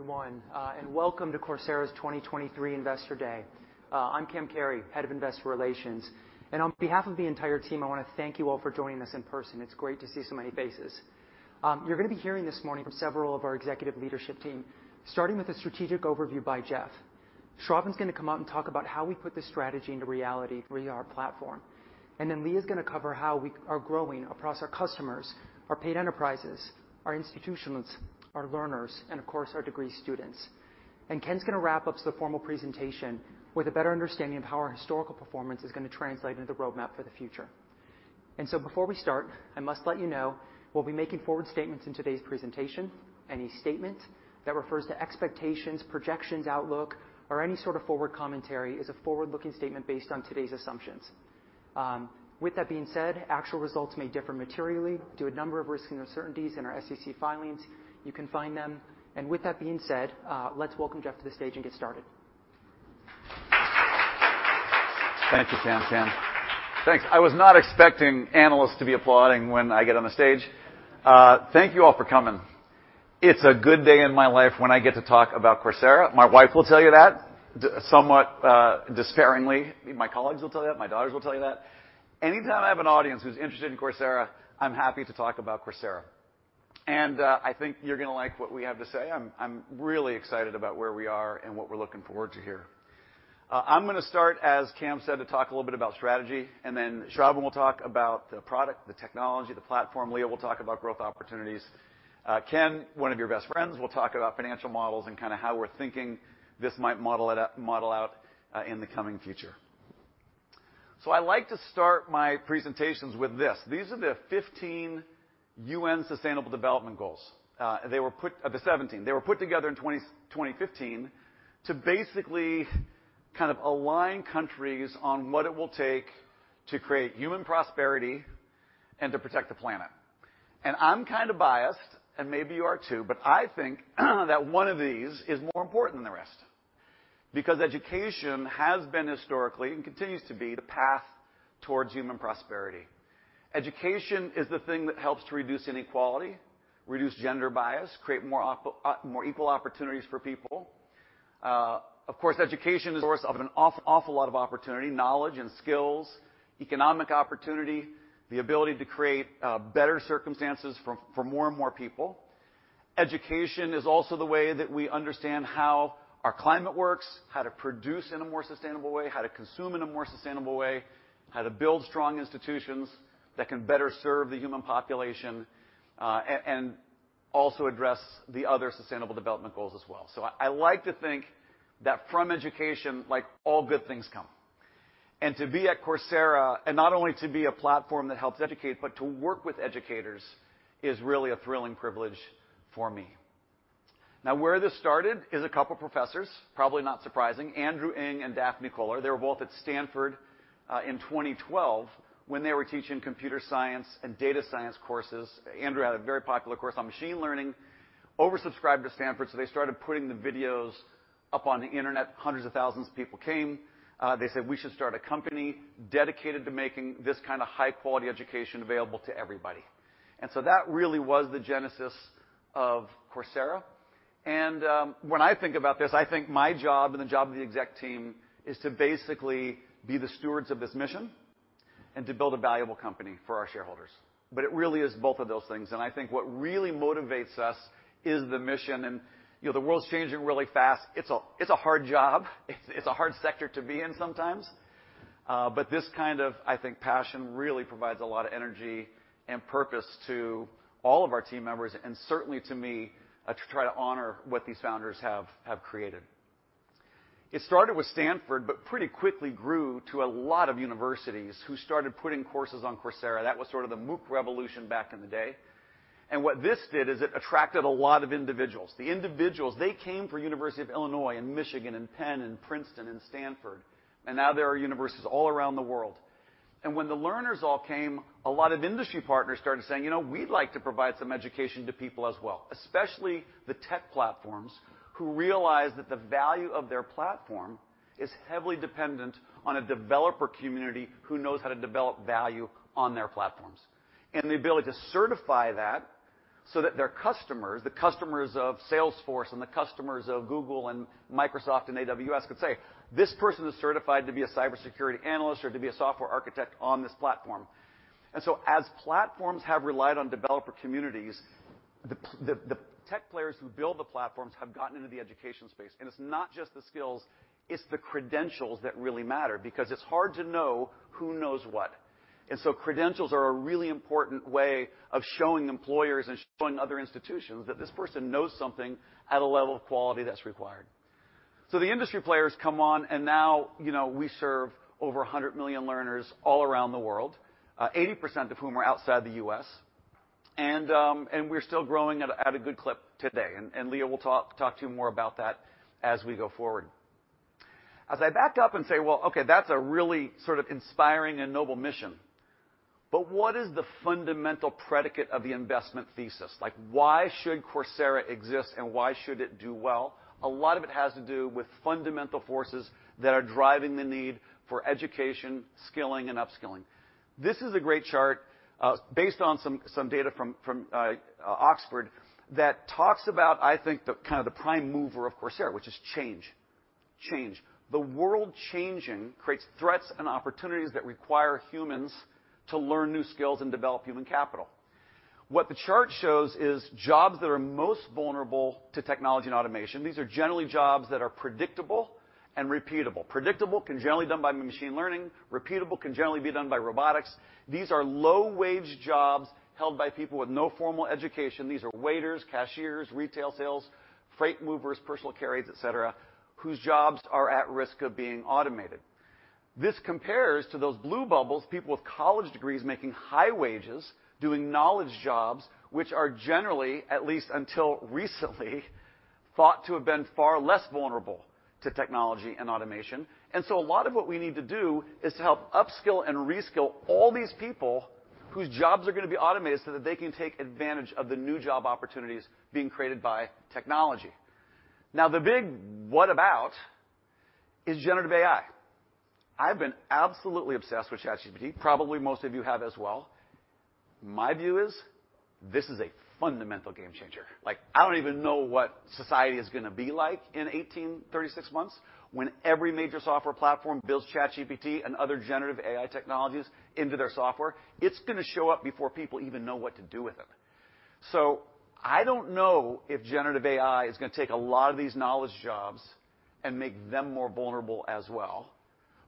Everyone, welcome to Coursera's 2023 Investor Day. I'm Cam Carey, Head of Investor Relations. On behalf of the entire team, I wanna thank you all for joining us in person. It's great to see so many faces. You're gonna be hearing this morning from several of our executive leadership team, starting with a strategic overview by Jeff. Shravan's gonna come out and talk about how we put this strategy into reality through our platform. Leah is gonna cover how we are growing across our customers, our paid enterprises, our institutions, our learners, and of course, our degree students. Ken's gonna wrap up the formal presentation with a better understanding of how our historical performance is gonna translate into the roadmap for the future. Before we start, I must let you know, we'll be making forward statements in today's presentation. Any statement that refers to expectations, projections, outlook, or any sort of forward commentary is a forward-looking statement based on today's assumptions. With that being said, actual results may differ materially due to a number of risks and uncertainties in our SEC filings. You can find them. With that being said, let's welcome Jeff to the stage and get started. Thank you, Cam. Thanks. I was not expecting analysts to be applauding when I get on the stage. Thank you all for coming. It's a good day in my life when I get to talk about Coursera. My wife will tell you that, somewhat, despairingly. My colleagues will tell you that, my daughters will tell you that. Anytime I have an audience who's interested in Coursera, I'm happy to talk about Coursera. I think you're gonna like what we have to say. I'm really excited about where we are and what we're looking forward to here. I'm gonna start, as Cam said, to talk a little bit about strategy, and then Shravan will talk about the product, the technology, the platform. Leah will talk about growth opportunities. Ken, one of your best friends, will talk about financial models and kind of how we're thinking this might model out in the coming future. I like to start my presentations with this. These are the 15 UN sustainable development goals. The 17. They were put together in 2015 to basically kind of align countries on what it will take to create human prosperity and to protect the planet. I'm kind of biased, and maybe you are too, but I think that one of these is more important than the rest because education has been historically, and continues to be, the path towards human prosperity. Education is the thing that helps to reduce inequality, reduce gender bias, create more equal opportunities for people. Of course, education is a source of an awful lot of opportunity, knowledge and skills, economic opportunity, the ability to create better circumstances for more and more people. Education is also the way that we understand how our climate works, how to produce in a more sustainable way, how to consume in a more sustainable way, how to build strong institutions that can better serve the human population and also address the other sustainable development goals as well. I like to think that from education, like all good things come. To be at Coursera, and not only to be a platform that helps educate, but to work with educators, is really a thrilling privilege for me. Now, where this started is a couple of professors, probably not surprising, Andrew Ng and Daphne Koller. They were both at Stanford, in 2012 when they were teaching computer science and data science courses. Andrew had a very popular course on machine learning, oversubscribed to Stanford, so they started putting the videos up on the Internet. Hundreds of thousands of people came. They said, "We should start a company dedicated to making this kinda high-quality education available to everybody." That really was the genesis of Coursera. When I think about this, I think my job and the job of the exec team is to basically be the stewards of this mission and to build a valuable company for our shareholders. But it really is both of those things. I think what really motivates us is the mission. You know, the world's changing really fast. It's a, it's a hard job. It's a hard sector to be in sometimes. This kind of, I think, passion really provides a lot of energy and purpose to all of our team members, and certainly to me, to try to honor what these founders have created. It started with Stanford, but pretty quickly grew to a lot of universities who started putting courses on Coursera. That was sort of the MOOC revolution back in the day. What this did is it attracted a lot of individuals. The individuals, they came for University of Illinois and Michigan and Penn and Princeton and Stanford, and now there are universities all around the world. When the learners all came, a lot of industry partners started saying, "You know, we'd like to provide some education to people as well," especially the tech platforms who realize that the value of their platform is heavily dependent on a developer community who knows how to develop value on their platforms. The ability to certify that so that their customers, the customers of Salesforce and the customers of Google and Microsoft and AWS could say, "This person is certified to be a cybersecurity analyst or to be a software architect on this platform." As platforms have relied on developer communities, the tech players who build the platforms have gotten into the education space. It's not just the skills, it's the credentials that really matter because it's hard to know who knows what. Credentials are a really important way of showing employers and showing other institutions that this person knows something at a level of quality that's required. The industry players come on, and now, you know, we serve over 100 million learners all around the world, 80% of whom are outside the U.S. We're still growing at a good clip today. Leah will talk to you more about that as we go forward. As I back up and say, "Well, okay, that's a really sort of inspiring and noble mission," but what is the fundamental predicate of the investment thesis? Like, why should Coursera exist and why should it do well? A lot of it has to do with fundamental forces that are driving the need for education, skilling and upskilling. This is a great chart, based on some data from Oxford that talks about, I think, the kinda the prime mover of Coursera, which is change. The world changing creates threats and opportunities that require humans to learn new skills and develop human capital. What the chart shows is jobs that are most vulnerable to technology and automation. These are generally jobs that are predictable and repeatable. Predictable can generally done by machine learning, repeatable can generally be done by robotics. These are low-wage jobs held by people with no formal education. These are waiters, cashiers, retail sales, freight movers, personal care aides, et cetera, whose jobs are at risk of being automated. This compares to those blue bubbles, people with college degrees making high wages, doing knowledge jobs, which are generally, at least until recently, thought to have been far less vulnerable to technology and automation. A lot of what we need to do is to help upskill and reskill all these people whose jobs are gonna be automated so that they can take advantage of the new job opportunities being created by technology. Now, the big what about is generative AI. I've been absolutely obsessed with ChatGPT, probably most of you have as well. My view is this is a fundamental game changer. Like, I don't even know what society is gonna be like in 18, 36 months when every major software platform builds ChatGPT and other generative AI technologies into their software. It's gonna show up before people even know what to do with it. I don't know if generative AI is gonna take a lot of these knowledge jobs and make them more vulnerable as well.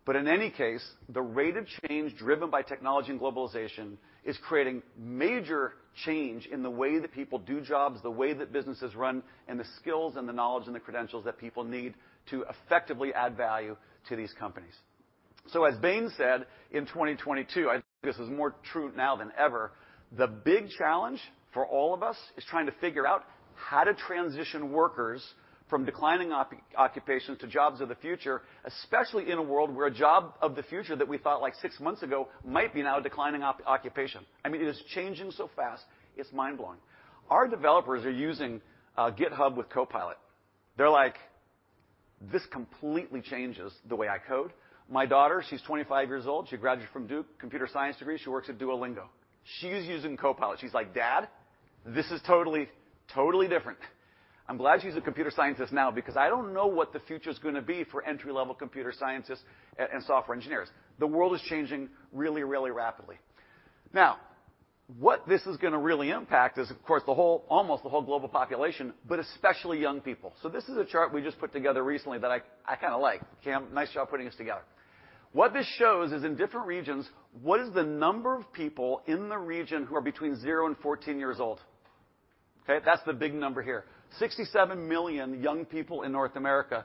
In any case, the rate of change driven by technology and globalization is creating major change in the way that people do jobs, the way that businesses run, and the skills and the knowledge and the credentials that people need to effectively add value to these companies. As Bain said in 2022, I think this is more true now than ever, the big challenge for all of us is trying to figure out how to transition workers from declining occupations to jobs of the future, especially in a world where a job of the future that we thought like six months ago might be now a declining occupation. I mean, it is changing so fast, it's mind-blowing. Our developers are using GitHub with Copilot. They're like, "This completely changes the way I code." My daughter, she's 25 years old. She graduated from Duke, computer science degree. She works at Duolingo. She's using Copilot. She's like, "Dad, this is totally different." I'm glad she's a computer scientist now because I don't know what the future's gonna be for entry-level computer scientists and software engineers. The world is changing really rapidly. What this is gonna really impact is, of course, almost the whole global population, but especially young people. This is a chart we just put together recently that I kinda like. Cam, nice job putting this together. What this shows is in different regions, what is the number of people in the region who are between zero and 14 years old? Okay? That's the big number here. 67 million young people in North America,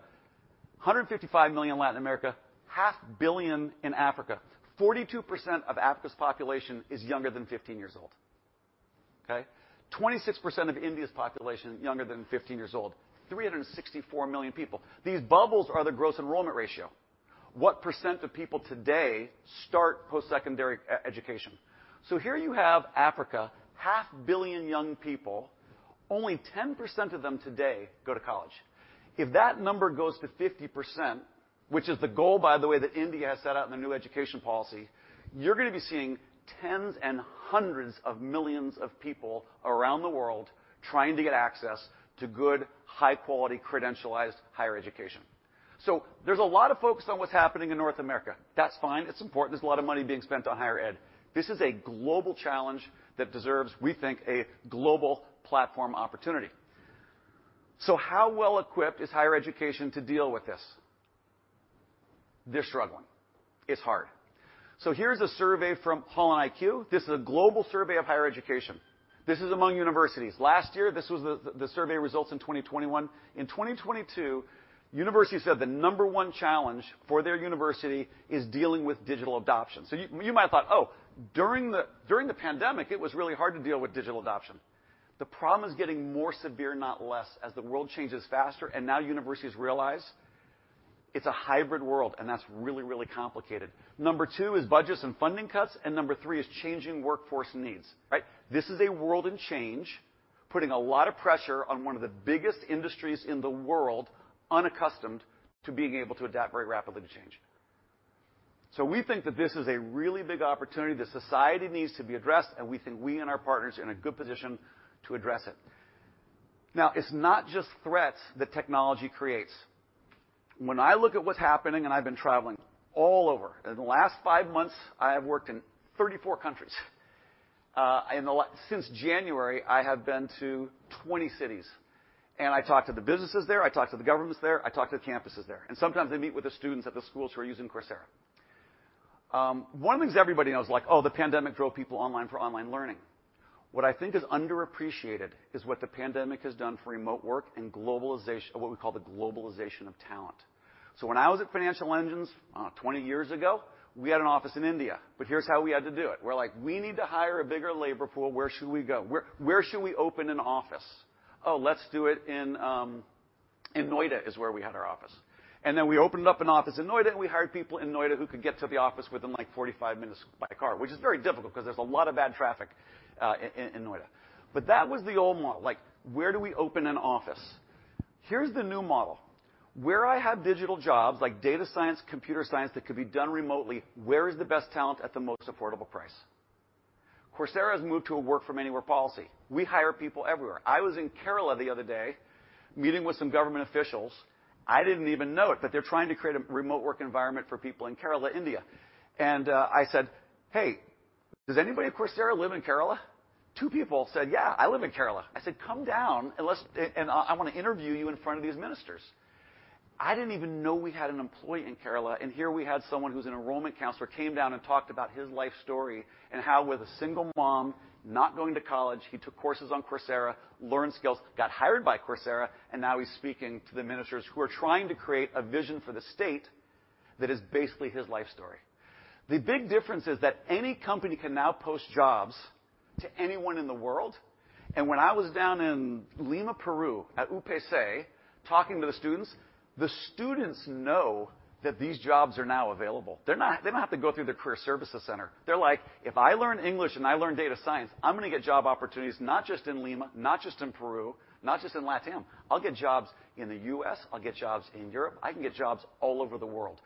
155 million in Latin America, half billion in Africa. 42% of Africa's population is younger than 15 years old, okay? 26% of India's population is younger than 15 years old, 364 million people. These bubbles are the gross enrollment ratio. What percent of people today start post-secondary education? Here you have Africa, half billion young people, only 10% of them today go to college. If that number goes to 50%, which is the goal, by the way, that India has set out in the new education policy, you're gonna be seeing tens and hundreds of millions of people around the world trying to get access to good, high-quality, credentialized higher education. There's a lot of focus on what's happening in North America. That's fine. It's important. There's a lot of money being spent on higher ed. This is a global challenge that deserves, we think, a global platform opportunity. How well-equipped is higher education to deal with this? They're struggling. It's hard. Here's a survey from HolonIQ. This is a global survey of higher education. This is among universities. Last year, this was the survey results in 2021. In 2022, universities said the number one challenge for their university is dealing with digital adoption. You might have thought, "Oh, during the pandemic, it was really hard to deal with digital adoption." The problem is getting more severe, not less, as the world changes faster, and now universities realize it's a hybrid world, and that's really, really complicated. Number two is budgets and funding cuts, and number three is changing workforce needs, right? This is a world in change, putting a lot of pressure on one of the biggest industries in the world unaccustomed to being able to adapt very rapidly to change. We think that this is a really big opportunity that society needs to be addressed, and we think we and our partners are in a good position to address it. Now, it's not just threats that technology creates. When I look at what's happening, and I've been traveling all over. In the last five months, I have worked in 34 countries. Since January, I have been to 20 cities. I talk to the businesses there, I talk to the governments there, I talk to the campuses there, and sometimes I meet with the students at the schools who are using Coursera. One of the things everybody knows, like, oh, the pandemic drove people online for online learning. What I think is underappreciated is what the pandemic has done for remote work and what we call the globalization of talent. When I was at Financial Engines, 20 years ago, we had an office in India, but here's how we had to do it. We're like, "We need to hire a bigger labor pool. Where should we go? Where should we open an office? Oh, let's do it in Noida," is where we had our office. We opened up an office in Noida, and we hired people in Noida who could get to the office within, like, 45 minutes by car, which is very difficult 'cause there's a lot of bad traffic in Noida. That was the old model. Where do we open an office? Here's the new model. Where I have digital jobs like data science, computer science that could be done remotely, where is the best talent at the most affordable price? Coursera has moved to a work-from-anywhere policy. We hire people everywhere. I was in Kerala the other day meeting with some government officials. I didn't even know it, but they're trying to create a remote work environment for people in Kerala, India. I said, "Hey, does anybody at Coursera live in Kerala?" Two people said, "Yeah, I live in Kerala." I said, "Come down, and I wanna interview you in front of these ministers." I didn't even know we had an employee in Kerala, and here we had someone who's an enrollment counselor, came down and talked about his life story and how with a single mom, not going to college, he took courses on Coursera, learned skills, got hired by Coursera, and now he's speaking to the ministers who are trying to create a vision for the state that is basically his life story. The big difference is that any company can now post jobs to anyone in the world. When I was down in Lima, Peru, at UPC talking to the students, the students know that these jobs are now available. They don't have to go through the career services center. They're like, "If I learn English and I learn data science, I'm gonna get job opportunities, not just in Lima, not just in Peru, not just in LatAm. I'll get jobs in the U.S., I'll get jobs in Europe, I can get jobs all over the world."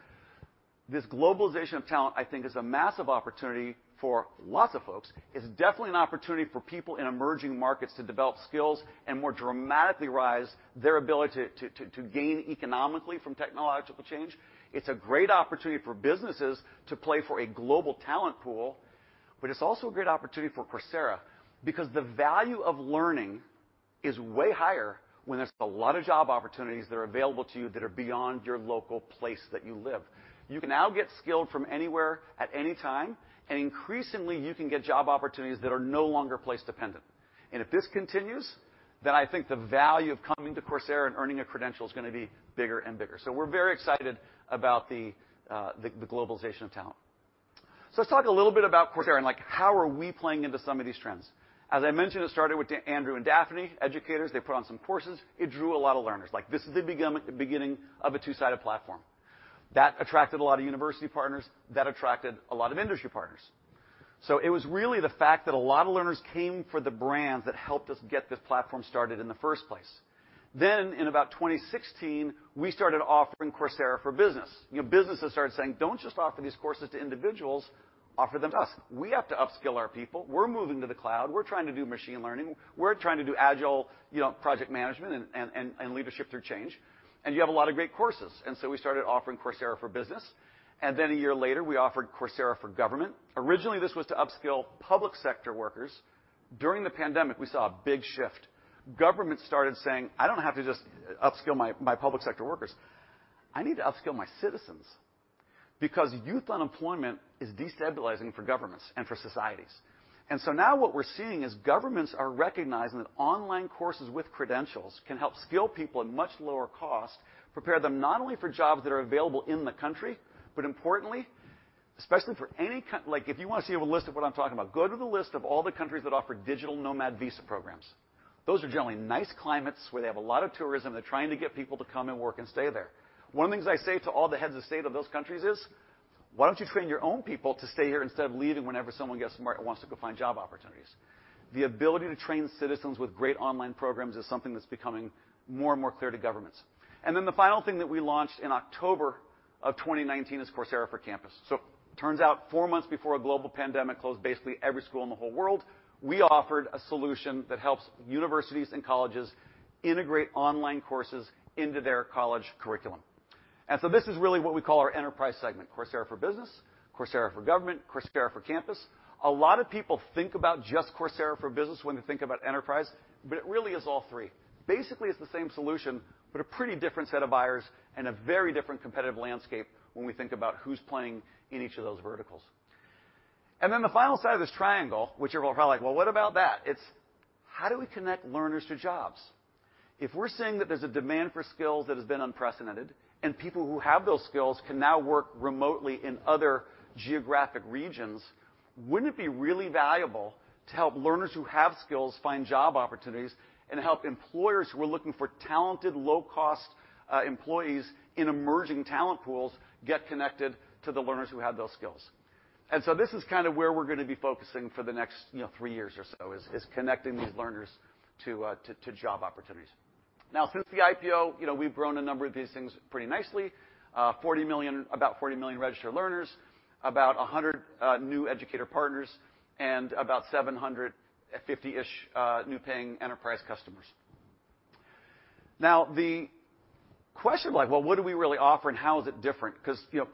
This globalization of talent, I think, is a massive opportunity for lots of folks. It's definitely an opportunity for people in emerging markets to develop skills and more dramatically rise their ability to gain economically from technological change. It's a great opportunity for businesses to play for a global talent pool, it's also a great opportunity for Coursera because the value of learning is way higher when there's a lot of job opportunities that are available to you that are beyond your local place that you live. You can now get skilled from anywhere at any time. Increasingly, you can get job opportunities that are no longer place-dependent. If this continues, then I think the value of coming to Coursera and earning a credential is gonna be bigger and bigger. We're very excited about the globalization of talent. Let's talk a little bit about Coursera and, like, how are we playing into some of these trends. As I mentioned, it started with Andrew and Daphne, educators. They put on some courses. It drew a lot of learners. Like, this is the beginning of a two-sided platform. That attracted a lot of university partners. That attracted a lot of industry partners. It was really the fact that a lot of learners came for the brands that helped us get this platform started in the first place. In about 2016, we started offering Coursera for Business. You know, businesses started saying, "Don't just offer these courses to individuals, offer them to us. We have to upskill our people. We're moving to the cloud. We're trying to do machine learning. We're trying to do agile, you know, project management and leadership through change. You have a lot of great courses." We started offering Coursera for Business. A year later, we offered Coursera for Government. Originally, this was to upskill public sector workers. During the pandemic, we saw a big shift. Government started saying, "I don't have to just upskill my public sector workers. I need to upskill my citizens," because youth unemployment is destabilizing for governments and for societies. Now what we're seeing is governments are recognizing that online courses with credentials can help skill people at much lower cost, prepare them not only for jobs that are available in the country, but importantly, especially for any Like, if you wanna see a list of what I'm talking about, go to the list of all the countries that offer digital nomad visa programs. Those are generally nice climates where they have a lot of tourism. They're trying to get people to come and work and stay there. One of the things I say to all the heads of state of those countries is, "Why don't you train your own people to stay here instead of leaving whenever someone gets smart and wants to go find job opportunities?" The ability to train citizens with great online programs is something that's becoming more and more clear to governments. The final thing that we launched in October of 2019 is Coursera for Campus. Turns out four months before a global pandemic closed basically every school in the whole world, we offered a solution that helps universities and colleges integrate online courses into their college curriculum. This is really what we call our enterprise segment, Coursera for Business, Coursera for Government, Coursera for Campus. A lot of people think about just Coursera for Business when they think about enterprise, but it really is all three. Basically, it's the same solution, but a pretty different set of buyers and a very different competitive landscape when we think about who's playing in each of those verticals. The final side of this triangle, which you're all probably like, "Well, what about that?" It's how do we connect learners to jobs? If we're saying that there's a demand for skills that has been unprecedented, and people who have those skills can now work remotely in other geographic regions, wouldn't it be really valuable to help learners who have skills find job opportunities and help employers who are looking for talented, low-cost employees in emerging talent pools get connected to the learners who have those skills? This is kind of where we're going to be focusing for the next, you know, three years or so, is connecting these learners to job opportunities. Now, since the IPO, you know, we've grown a number of these things pretty nicely. About 40 million registered learners, about 100 new educator partners, and about 750-ish new paying enterprise customers. The question like, "Well, what do we really offer and how is it different?" You know,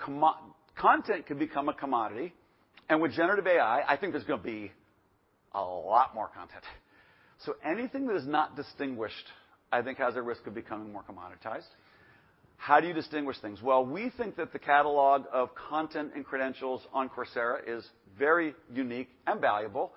content can become a commodity, and with generative AI, I think there's gonna be a lot more content. Anything that is not distinguished, I think, has a risk of becoming more commoditized. How do you distinguish things? Well, we think that the catalog of content and credentials on Coursera is very unique and valuable.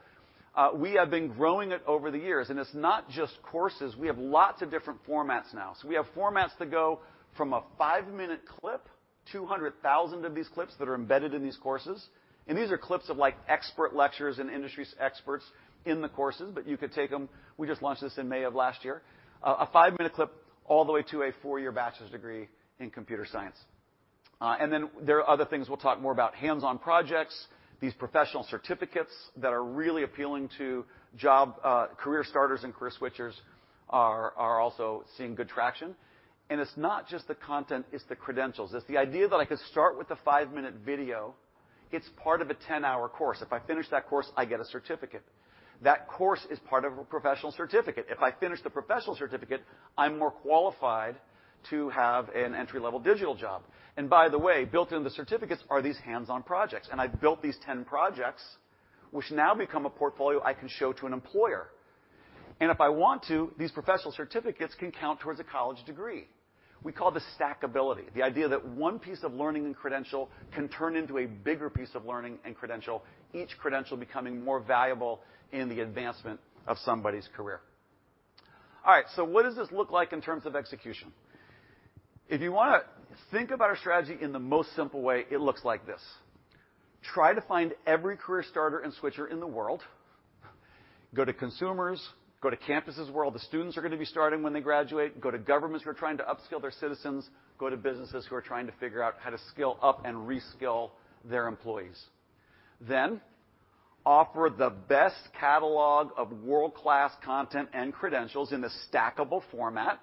We have been growing it over the years, and it's not just courses. We have lots of different formats now. We have formats that go from a five-minute Clip, 200,000 of these Clips that are embedded in these courses. These are Clips of, like, expert lectures and industry's experts in the courses, but you could take them. We just launched this in May of last year. A five-minute clip all the way to a four-year bachelor's degree in computer science. Then there are other things we'll talk more about. Hands-on projects, these professional certificates that are really appealing to job, career starters and career switchers are also seeing good traction. It's not just the content, it's the credentials. It's the idea that I could start with the five-minute video. It's part of a 10-hour course. If I finish that course, I get a certificate. That course is part of a professional certificate. If I finish the professional certificate, I'm more qualified to have an entry-level digital job. By the way, built into certificates are these hands-on projects. I've built these 10 projects, which now become a portfolio I can show to an employer. If I want to, these professional certificates can count towards a college degree. We call this stackability, the idea that one piece of learning and credential can turn into a bigger piece of learning and credential, each credential becoming more valuable in the advancement of somebody's career. All right, what does this look like in terms of execution? If you wanna think about our strategy in the most simple way, it looks like this. Try to find every career starter and switcher in the world. Go to consumers, go to campuses where all the students are gonna be starting when they graduate, go to governments who are trying to upskill their citizens, go to businesses who are trying to figure out how to skill up and reskill their employees. Offer the best catalog of world-class content and credentials in a stackable format.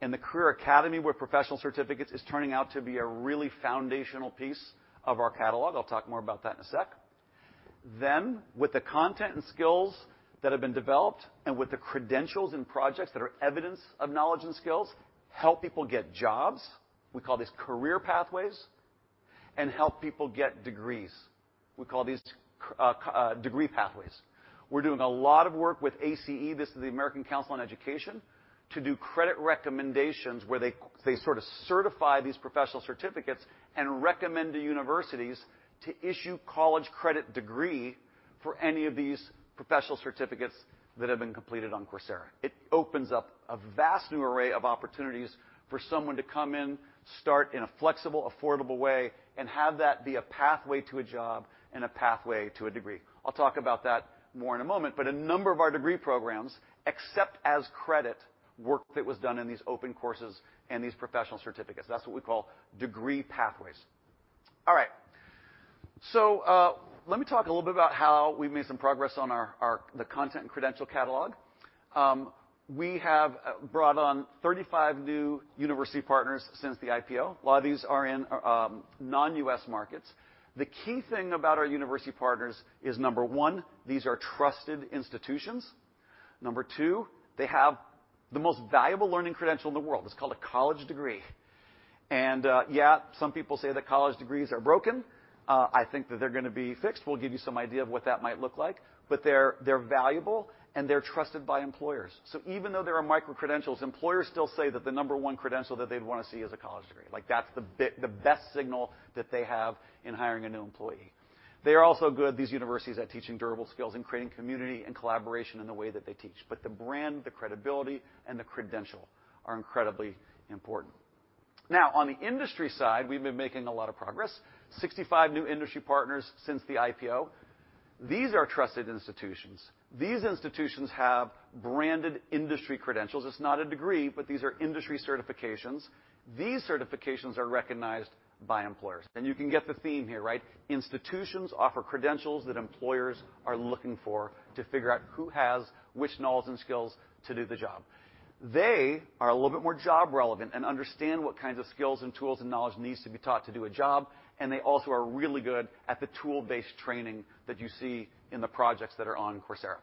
And the Career Academy with professional certificates is turning out to be a really foundational piece of our catalog. I'll talk more about that in a sec. With the content and skills that have been developed, and with the credentials and projects that are evidence of knowledge and skills, help people get jobs, we call these career pathways, and help people get degrees. We call these degree pathways. We're doing a lot of work with ACE, this is the American Council on Education, to do credit recommendations where they sort of certify these professional certificates and recommend to universities to issue college credit degree for any of these professional certificates that have been completed on Coursera. It opens up a vast new array of opportunities for someone to come in, start in a flexible, affordable way, and have that be a pathway to a job and a pathway to a degree. I'll talk about that more in a moment, a number of our degree programs accept as credit work that was done in these open courses and these professional certificates. That's what we call degree pathways. All right. Let me talk a little bit about how we've made some progress on our content and credential catalog. We have brought on 35 new university partners since the IPO. A lot of these are in non-U.S. markets. The key thing about our university partners is, number one, these are trusted institutions. Number two, they have the most valuable learning credential in the world. It's called a college degree. Yeah, some people say that college degrees are broken. I think that they're gonna be fixed. We'll give you some idea of what that might look like, but they're valuable, and they're trusted by employers. Even though there are micro-credentials, employers still say that the number one credential that they'd wanna see is a college degree. Like, that's the best signal that they have in hiring a new employee. They are also good, these universities, at teaching durable skills and creating community and collaboration in the way that they teach. The brand, the credibility, and the credential are incredibly important. Now on the industry side, we've been making a lot of progress. 65 new industry partners since the IPO. These are trusted institutions. These institutions have branded industry credentials. It's not a degree, but these are industry certifications. These certifications are recognized by employers. You can get the theme here, right? Institutions offer credentials that employers are looking for to figure out who has which knowledge and skills to do the job. They are a little bit more job relevant and understand what kinds of skills and tools and knowledge needs to be taught to do a job, and they also are really good at the tool-based training that you see in the projects that are on Coursera.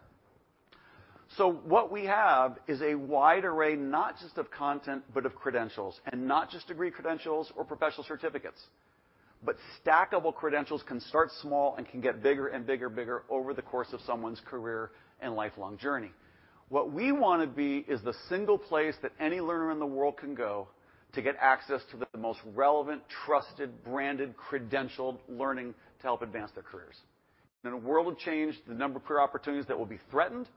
What we have is a wide array, not just of content, but of credentials, and not just degree credentials or professional certificates. Stackable credentials can start small and can get bigger and bigger and bigger over the course of someone's career and lifelong journey. What we wanna be is the single place that any learner in the world can go to get access to the most relevant, trusted, branded, credentialed learning to help advance their careers. In a world of change, the number of career opportunities that will be threatened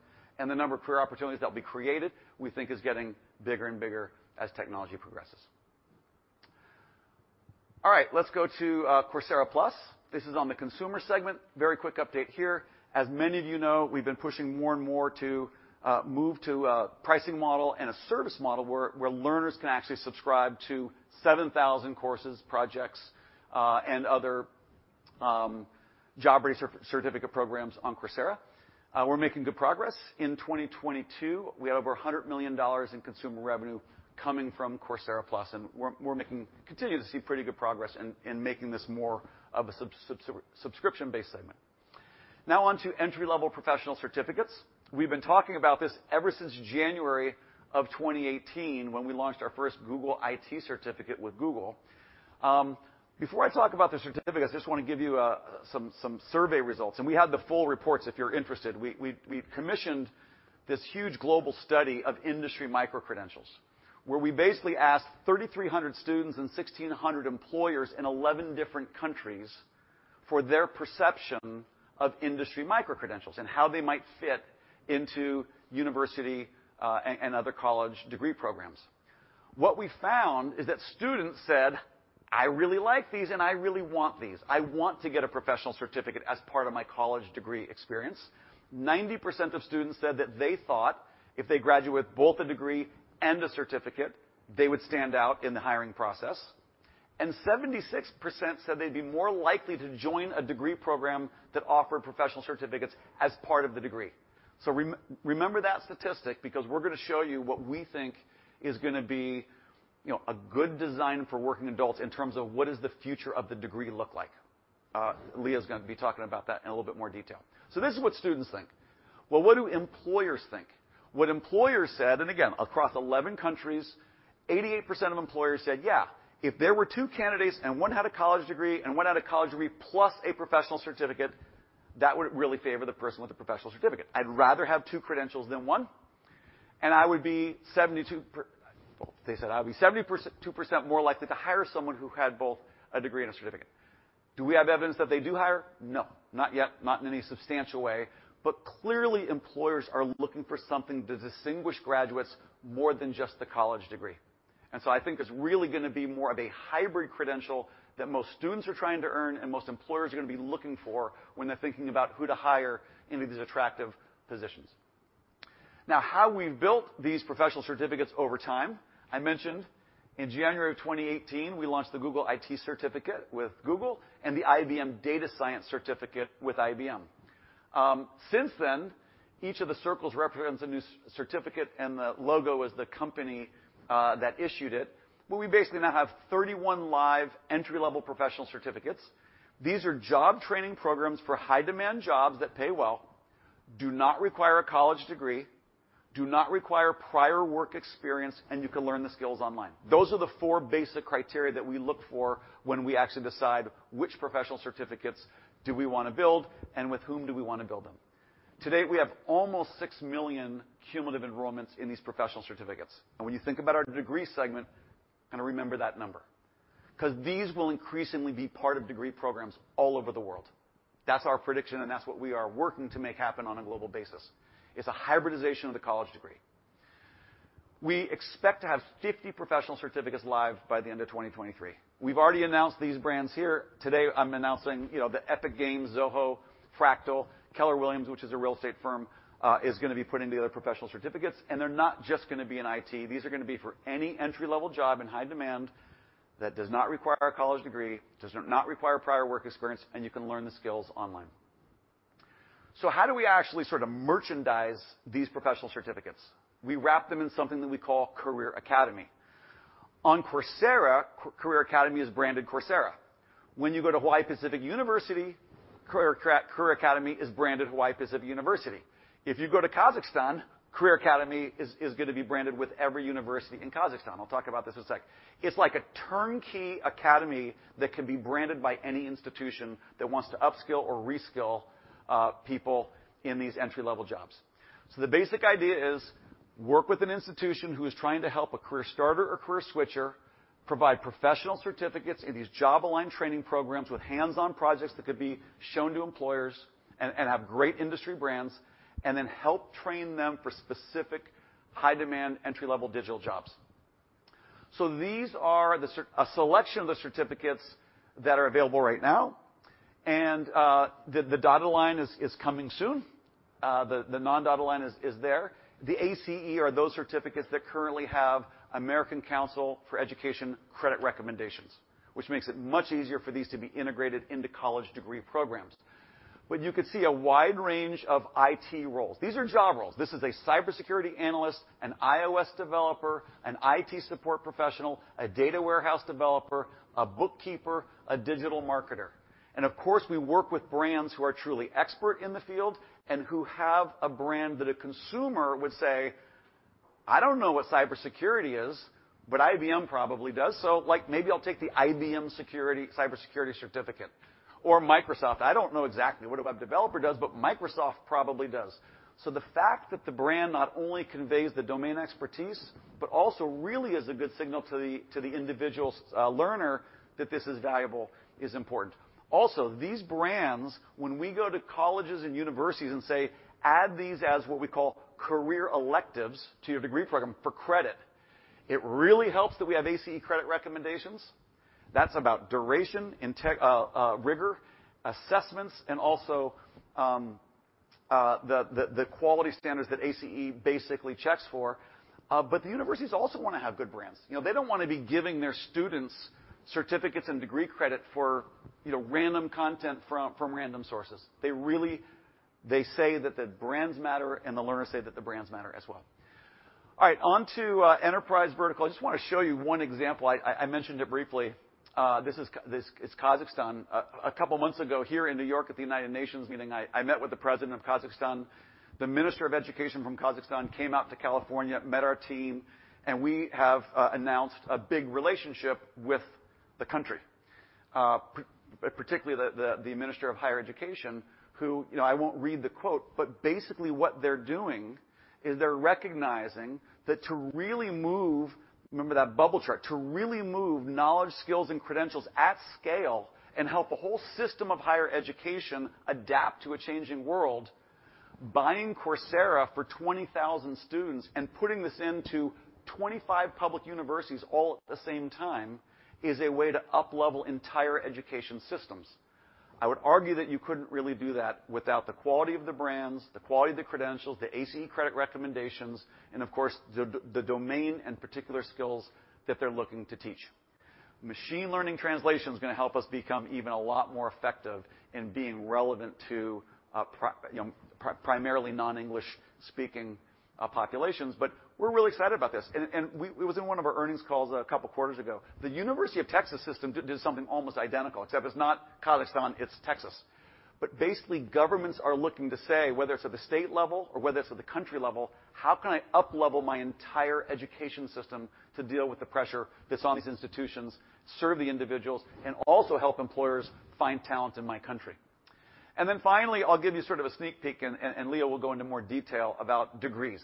and the number of career opportunities that will be created, we think is getting bigger and bigger as technology progresses. All right, let's go to Coursera Plus. This is on the consumer segment. Very quick update here. As many of you know, we've been pushing more and more to move to a pricing model and a service model where learners can actually subscribe to 7,000 courses, projects, and other job-ready certificate programs on Coursera. We're making good progress. In 2022, we had over $100 million in consumer revenue coming from Coursera Plus, and we're making continue to see pretty good progress in making this more of a subscription-based segment. On to entry-level professional certificates. We've been talking about this ever since January of 2018 when we launched our first Google IT certificate with Google. Before I talk about the certificates, I just wanna give you some survey results, and we have the full reports if you're interested. We commissioned this huge global study of industry micro-credentials, where we basically asked 3,300 students and 1,600 employers in 11 different countries for their perception of industry micro-credentials and how they might fit into university and other college degree programs. What we found is that students said, "I really like these, and I really want these. I want to get a professional certificate as part of my college degree experience." 90% of students said that they thought if they graduate with both a degree and a certificate, they would stand out in the hiring process. 76% said they'd be more likely to join a degree program that offered professional certificates as part of the degree. remember that statistic because we're gonna show you what we think is gonna be, you know, a good design for working adults in terms of what does the future of the degree look like. Leah's gonna be talking about that in a little bit more detail. This is what students think. Well, what do employers think? What employers said, and again, across 11 countries, 88% of employers said, "Yeah, if there were two candidates and one had a college degree and one had a college degree plus a professional certificate, that would really favor the person with a professional certificate. I'd rather have two credentials than one. Well, they said, "I would be 72% more likely to hire someone who had both a degree and a certificate." Do we have evidence that they do hire? No, not yet, not in any substantial way. Clearly, employers are looking for something to distinguish graduates more than just the college degree. I think there's really gonna be more of a hybrid credential that most students are trying to earn and most employers are gonna be looking for when they're thinking about who to hire into these attractive positions. How we've built these professional certificates over time, I mentioned in January of 2018, we launched the Google IT Certificate with Google and the IBM Data Science Certificate with IBM. Since then, each of the circles represents a new certificate, and the logo is the company that issued it. We basically now have 31 live entry-level professional certificates. These are job training programs for high-demand jobs that pay well, do not require a college degree, do not require prior work experience, and you can learn the skills online. Those are the four basic criteria that we look for when we actually decide which professional certificates do we wanna build and with whom do we wanna build them. Today, we have almost six million cumulative enrollments in these professional certificates. When you think about our degree segment, kinda remember that number 'cause these will increasingly be part of degree programs all over the world. That's our prediction, and that's what we are working to make happen on a global basis, is a hybridization of the college degree. We expect to have 50 professional certificates live by the end of 2023. We've already announced these brands here. Today, I'm announcing, you know, Epic Games, Zoho, Fractal, Keller Williams, which is a real estate firm, is gonna be putting together professional certificates, and they're not just gonna be in IT. These are gonna be for any entry-level job in high demand that does not require a college degree, does not require prior work experience, and you can learn the skills online. How do we actually sort of merchandise these professional certificates? We wrap them in something that we call Career Academy. On Coursera, Career Academy is branded Coursera. When you go to Hawaii Pacific University, Career Academy is branded Hawaii Pacific University. If you go to Kazakhstan, Career Academy is gonna be branded with every university in Kazakhstan. I'll talk about this in a sec. It's like a turnkey academy that can be branded by any institution that wants to upskill or reskill people in these entry-level jobs. The basic idea is work with an institution who is trying to help a career starter or career switcher provide professional certificates in these job-aligned training programs with hands-on projects that could be shown to employers and have great industry brands, and then help train them for specific high-demand, entry-level digital jobs. These are a selection of the certificates that are available right now. The dotted line is coming soon. The non-dotted line is there. The ACE are those certificates that currently have American Council on Education credit recommendations, which makes it much easier for these to be integrated into college degree programs. You could see a wide range of IT roles. These are job roles. This is a cybersecurity analyst, an iOS developer, an IT support professional, a data warehouse developer, a bookkeeper, a digital marketer. Of course, we work with brands who are truly expert in the field and who have a brand that a consumer would say, "I don't know what cybersecurity is, but IBM probably does. Like, maybe I'll take the IBM Cybersecurity Certificate or Microsoft. I don't know exactly what a web developer does, Microsoft probably does." The fact that the brand not only conveys the domain expertise but also really is a good signal to the individual learner that this is valuable is important. These brands, when we go to colleges and universities and say, "Add these as what we call career electives to your degree program for credit," it really helps that we have ACE Credit recommendations. That's about duration, rigor, assessments, and also the quality standards that ACE basically checks for. The universities also wanna have good brands. You know, they don't wanna be giving their students certificates and degree credit for, you know, random content from random sources. They say that the brands matter, and the learners say that the brands matter as well. All right, onto enterprise vertical. I just wanna show you one example. I mentioned it briefly. This is Kazakhstan. A couple months ago, here in New York at the United Nations meeting, I met with the president of Kazakhstan. The Minister of Education from Kazakhstan came out to California, met our team, and we have announced a big relationship with the country. Particularly the Minister of Higher Education, who, you know, I won't read the quote, but basically what they're doing is they're recognizing that to really move, remember that bubble chart, to really move knowledge, skills, and credentials at scale and help a whole system of higher education adapt to a changing world, buying Coursera for 20,000 students and putting this into 25 public universities all at the same time is a way to uplevel entire education systems. I would argue that you couldn't really do that without the quality of the brands, the quality of the credentials, the ACE credit recommendations, and of course, the domain and particular skills that they're looking to teach. Machine learning translation is gonna help us become even a lot more effective in being relevant to, you know, primarily non-English speaking populations. We're really excited about this. It was in one of our earnings calls a couple of quarters ago. The University of Texas system did something almost identical, except it's not Kazakhstan, it's Texas. Basically, governments are looking to say whether it's at the state level or whether it's at the country level, "How can I uplevel my entire education system to deal with the pressure that's on these institutions, serve the individuals, and also help employers find talent in my country?" Finally, I'll give you sort of a sneak peek and Leo will go into more detail about degrees.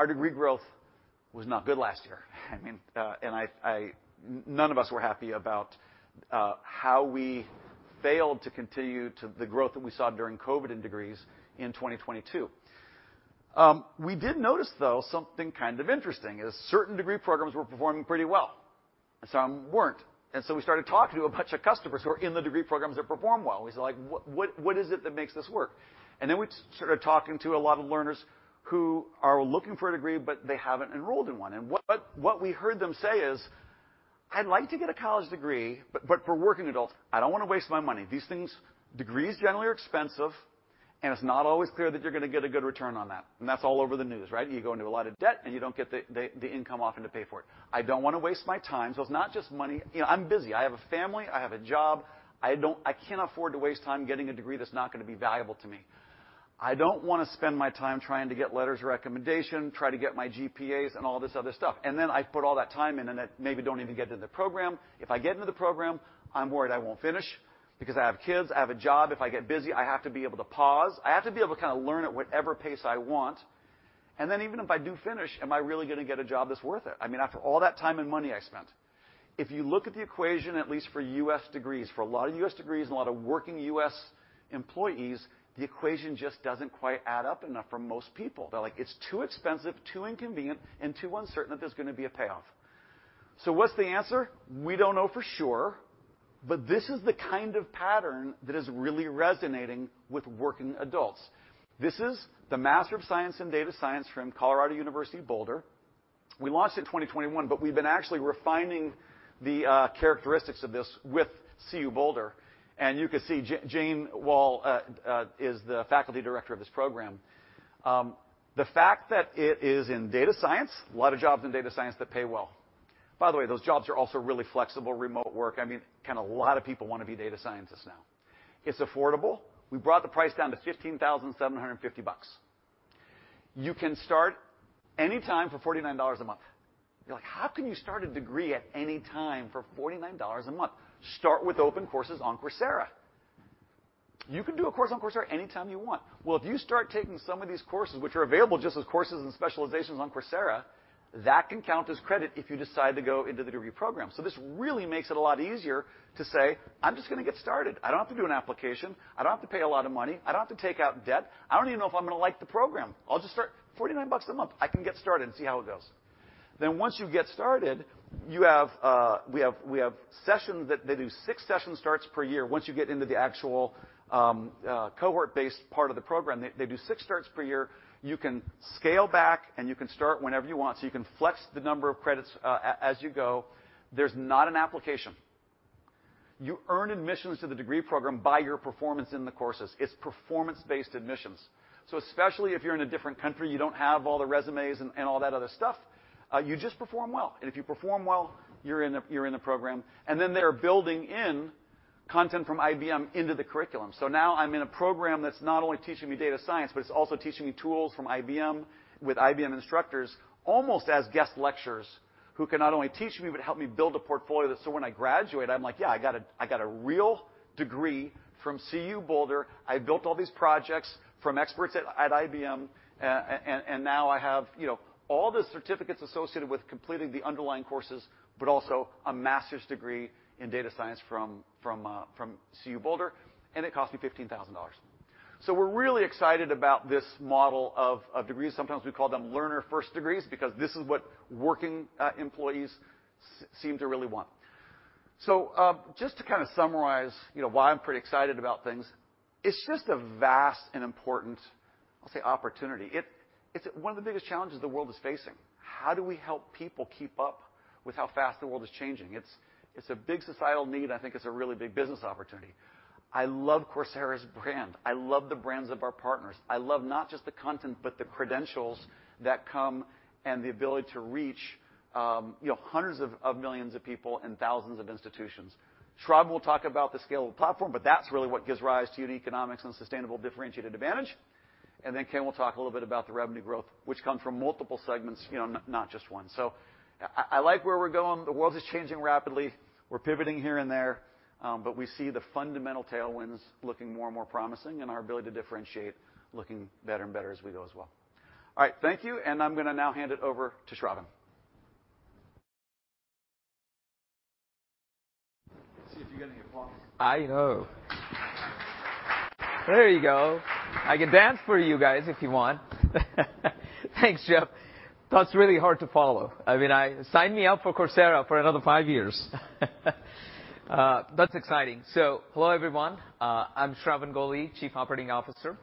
Our degree growth was not good last year. I mean, none of us were happy about how we failed to continue to the growth that we saw during COVID in degrees in 2022. We did notice, though, something kind of interesting, is certain degree programs were performing pretty well and some weren't. We started talking to a bunch of customers who are in the degree programs that perform well. We said, like, "What is it that makes this work?" Then we started talking to a lot of learners who are looking for a degree, but they haven't enrolled in one. What we heard them say is, "I'd like to get a college degree, but for working adults, I don't wanna waste my money. Degrees generally are expensive, and it's not always clear that you're gonna get a good return on that." That's all over the news, right? You go into a lot of debt, and you don't get the income often to pay for it. "I don't wanna waste my time. It's not just money. You know, I'm busy. I have a family. I have a job. I can't afford to waste time getting a degree that's not gonna be valuable to me. I don't wanna spend my time trying to get letters of recommendation, try to get my GPAs and all this other stuff. I put all that time in and then maybe don't even get into the program. If I get into the program, I'm worried I won't finish because I have kids, I have a job. If I get busy, I have to be able to pause. I have to be able to kinda learn at whatever pace I want. Even if I do finish, am I really gonna get a job that's worth it? I mean, after all that time and money I spent." If you look at the equation, at least for U.S. degrees, for a lot of U.S. degrees and a lot of working U.S. employees, the equation just doesn't quite add up enough for most people. They're like, "It's too expensive, too inconvenient, and too uncertain that there's gonna be a payoff." What's the answer? We don't know for sure, but this is the kind of pattern that is really resonating with working adults. This is the Master of Science in Data Science from University of Colorado Boulder. We launched it in 2021, but we've been actually refining the characteristics of this with CU Boulder. You can see Jane Wall is the faculty director of this program. The fact that it is in data science, a lot of jobs in data science that pay well. By the way, those jobs are also really flexible remote work. I mean, kinda a lot of people wanna be data scientists now. It's affordable. We brought the price down to $15,750. You can start any time for $49 a month. You're like, "How can you start a degree at any time for $49 a month?" Start with open courses on Coursera. You can do a course on Coursera anytime you want. Well, if you start taking some of these courses, which are available just as courses and specializations on Coursera, that can count as credit if you decide to go into the degree program. This really makes it a lot easier to say, "I'm just gonna get started. I don't have to do an application. I don't have to pay a lot of money. I don't have to take out debt. I don't even know if I'm gonna like the program. I'll just start. $49 a month, I can get started and see how it goes. Once you get started, we have sessions that they do six session starts per year. Once you get into the actual cohort-based part of the program, they do six starts per year. You can scale back, and you can start whenever you want, so you can flex the number of credits as you go. There's not an application. You earn admissions to the degree program by your performance in the courses. It's performance-based admissions. Especially if you're in a different country, you don't have all the resumes and all that other stuff, you just perform well. If you perform well, you're in a program. They are building in content from IBM into the curriculum. Now I'm in a program that's not only teaching me data science, but it's also teaching me tools from IBM with IBM instructors, almost as guest lecturers, who can not only teach me, but help me build a portfolio that so when I graduate, I'm like, "Yeah, I got a real degree from CU Boulder. I built all these projects from experts at IBM. And now I have, you know, all the certificates associated with completing the underlying courses, but also a master's degree in Data Science from CU Boulder, and it cost me $15,000." We're really excited about this model of degrees. Sometimes we call them learner first degrees because this is what working employees seem to really want. Just to kinda summarize, you know, why I'm pretty excited about things, it's just a vast and important, let's say, opportunity. It's one of the biggest challenges the world is facing. How do we help people keep up with how fast the world is changing? It's a big societal need. I think it's a really big business opportunity. I love Coursera's brand. I love the brands of our partners. I love not just the content, but the credentials that come and the ability to reach, you know, hundreds of millions of people and thousands of institutions. Shravan will talk about the scale of the platform, that's really what gives rise to unit economics and sustainable differentiated advantage. Ken will talk a little bit about the revenue growth, which comes from multiple segments, you know, not just one. I like where we're going. The world is changing rapidly. We're pivoting here and there, but we see the fundamental tailwinds looking more and more promising and our ability to differentiate looking better and better as we go as well. All right. Thank you. I'm gonna now hand it over to Shravan. See if you get any applause. I know. There you go. I can dance for you guys if you want. Thanks, Jeff. That's really hard to follow. I mean, sign me up for Coursera for another five years. That's exciting. Hello, everyone. I'm Shravan Goli, Chief Operating Officer.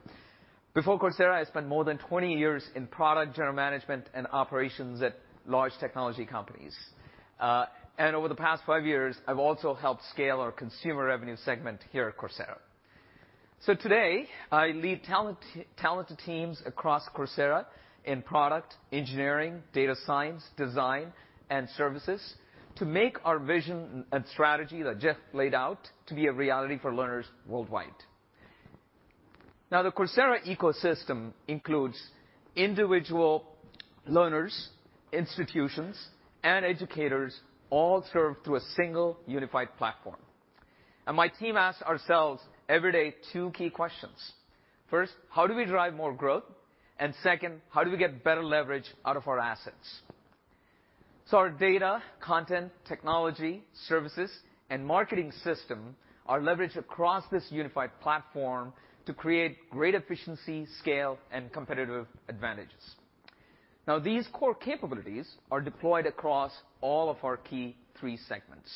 Before Coursera, I spent more than 20 years in product general management and operations at large technology companies. Over the past five years, I've also helped scale our consumer revenue segment here at Coursera. Today, I lead talent, talented teams across Coursera in product, engineering, data science, design, and services to make our vision and strategy that Jeff laid out to be a reality for learners worldwide. The Coursera ecosystem includes individual learners, institutions, and educators all served through a single unified platform. My team asks ourselves every day two key questions. First, how do we drive more growth? Second, how do we get better leverage out of our assets? Our data, content, technology, services, and marketing system are leveraged across this unified platform to create great efficiency, scale, and competitive advantages. These core capabilities are deployed across all of our key three segments.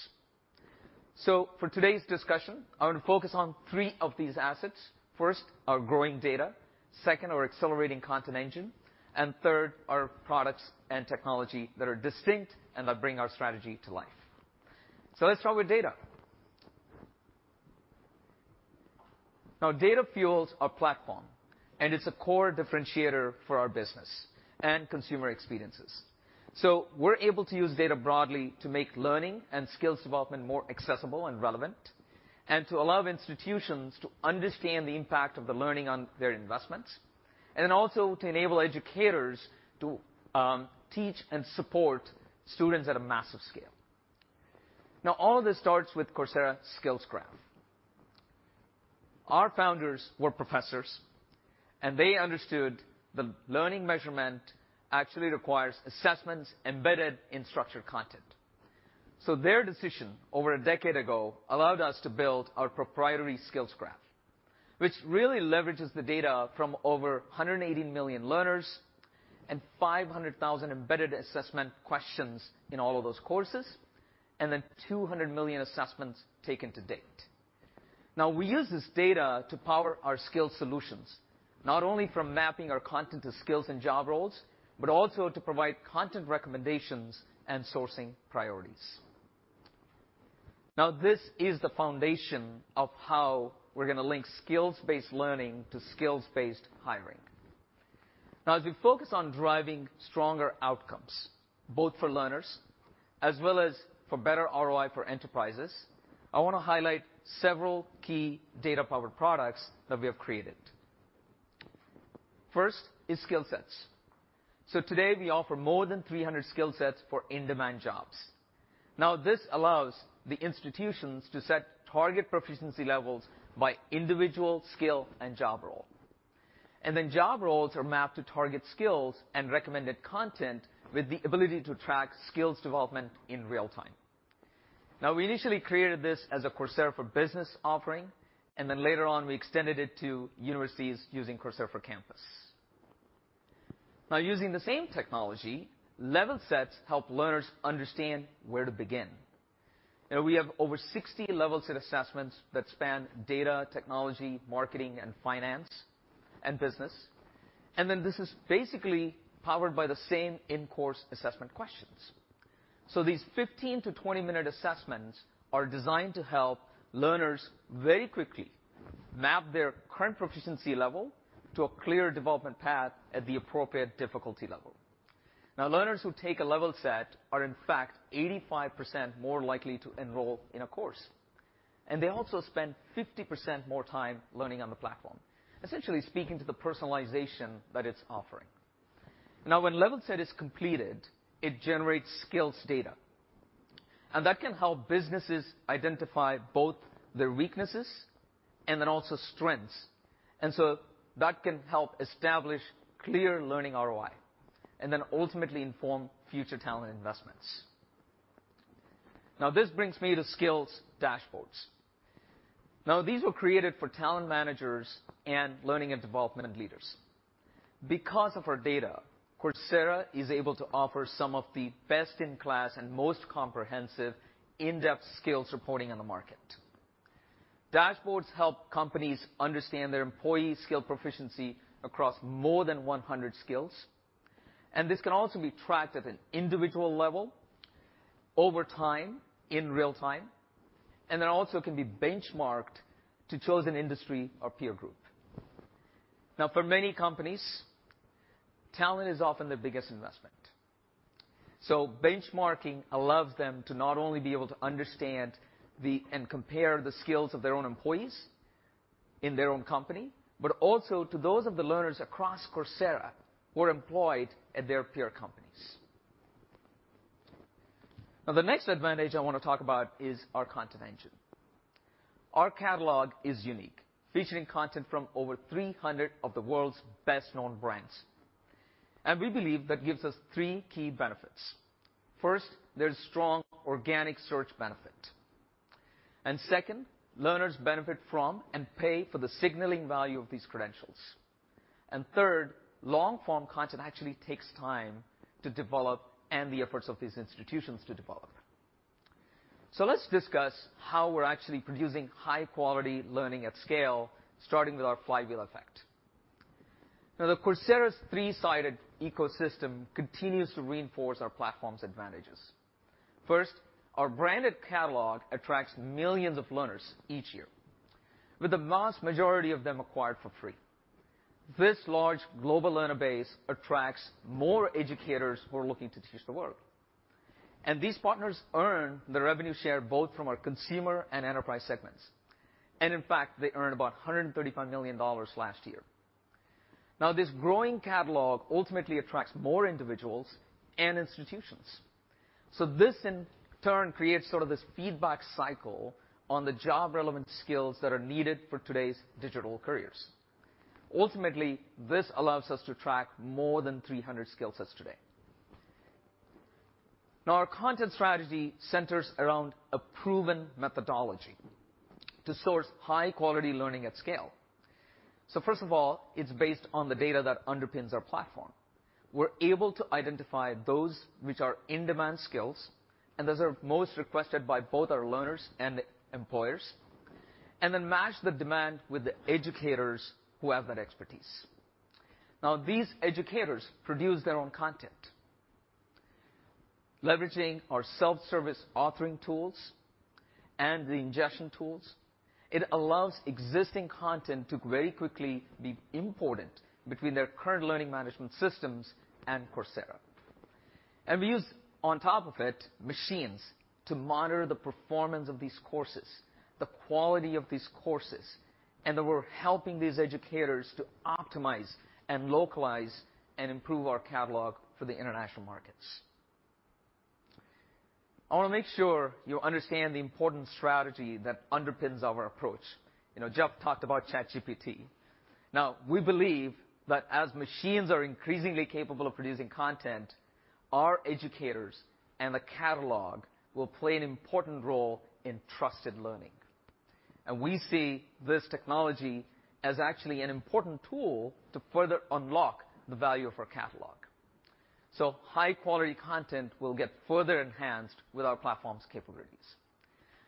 For today's discussion, I wanna focus on three of these assets. First, our growing data. Second, our accelerating content engine. Third, our products and technology that are distinct and that bring our strategy to life. Let's start with data. Data fuels our platform, and it's a core differentiator for our business and consumer experiences. We're able to use data broadly to make learning and skills development more accessible and relevant, and to allow institutions to understand the impact of the learning on their investments, and then also to enable educators to teach and support students at a massive scale. All of this starts with Coursera Skills Graph. Our founders were professors. They understood the learning measurement actually requires assessments embedded in structured content. Their decision over a decade ago allowed us to build our proprietary Skills Graph, which really leverages the data from over 180 million learners and 500,000 embedded assessment questions in all of those courses, and then 200 million assessments taken to date. We use this data to power our skills solutions, not only from mapping our content to skills and job roles, but also to provide content recommendations and sourcing priorities. This is the foundation of how we're gonna link skills-based learning to skills-based hiring. As we focus on driving stronger outcomes, both for learners as well as for better ROI for enterprises, I wanna highlight several key data-powered products that we have created. First is SkillSets. Today, we offer more than 300 SkillSets for in-demand jobs. This allows the institutions to set target proficiency levels by individual skill and job role. Job roles are mapped to target skills and recommended content with the ability to track skills development in real time. We initially created this as a Coursera for Business offering, and then later on, we extended it to universities using Coursera for Campus. Using the same technology, LevelSets help learners understand where to begin. You know, we have over 60 LevelSets assessments that span data, technology, marketing, and finance, and business. This is basically powered by the same in-course assessment questions. These 15-20-minute assessments are designed to help learners very quickly map their current proficiency level to a clear development path at the appropriate difficulty level. Learners who take a LevelSets are, in fact, 85% more likely to enroll in a course. They also spend 50% more time learning on the platform, essentially speaking to the personalization that it's offering. When a LevelSets is completed, it generates skills data, and that can help businesses identify both their weaknesses and then also strengths. That can help establish clear learning ROI and then ultimately inform future talent investments. This brings me to Skills Dashboards. These were created for talent managers and learning and development leaders. Because of our data, Coursera is able to offer some of the best-in-class and most comprehensive in-depth skills reporting on the market. Dashboards help companies understand their employee skill proficiency across more than 100 skills. This can also be tracked at an individual level over time, in real time, and then also can be benchmarked to chosen industry or peer group. For many companies, talent is often the biggest investment. Benchmarking allows them to not only be able to understand, and compare the skills of their own employees in their own company, but also to those of the learners across Coursera who are employed at their peer companies. The next advantage I wanna talk about is our content engine. Our catalog is unique, featuring content from over 300 of the world's best-known brands. We believe that gives us three key benefits. First, there's strong organic search benefit. Second, learners benefit from and pay for the signaling value of these credentials. Third, long-form content actually takes time to develop and the efforts of these institutions to develop. Let's discuss how we're actually producing high-quality learning at scale, starting with our flywheel effect. The Coursera's three-sided ecosystem continues to reinforce our platform's advantages. First, our branded catalog attracts millions of learners each year, with the vast majority of them acquired for free. This large global learner base attracts more educators who are looking to teach the world. These partners earn the revenue share both from our consumer and enterprise segments. In fact, they earned about $135 million last year. This growing catalog ultimately attracts more individuals and institutions. This in turn creates sort of this feedback cycle on the job-relevant skills that are needed for today's digital careers. Ultimately, this allows us to track more than 300 skill sets today. Our content strategy centers around a proven methodology to source high-quality learning at scale. First of all, it's based on the data that underpins our platform. We're able to identify those which are in-demand skills, and those are most requested by both our learners and employers, and then match the demand with the educators who have that expertise. These educators produce their own content. Leveraging our self-service authoring tools and the ingestion tools, it allows existing content to very quickly be imported between their current learning management systems and Coursera. We use, on top of it, machines to monitor the performance of these courses, the quality of these courses, and then we're helping these educators to optimize and localize and improve our catalog for the international markets. I wanna make sure you understand the important strategy that underpins our approach. You know, Jeff talked about ChatGPT. We believe that as machines are increasingly capable of producing content, our educators and the catalog will play an important role in trusted learning. We see this technology as actually an important tool to further unlock the value of our catalog. High-quality content will get further enhanced with our platform's capabilities.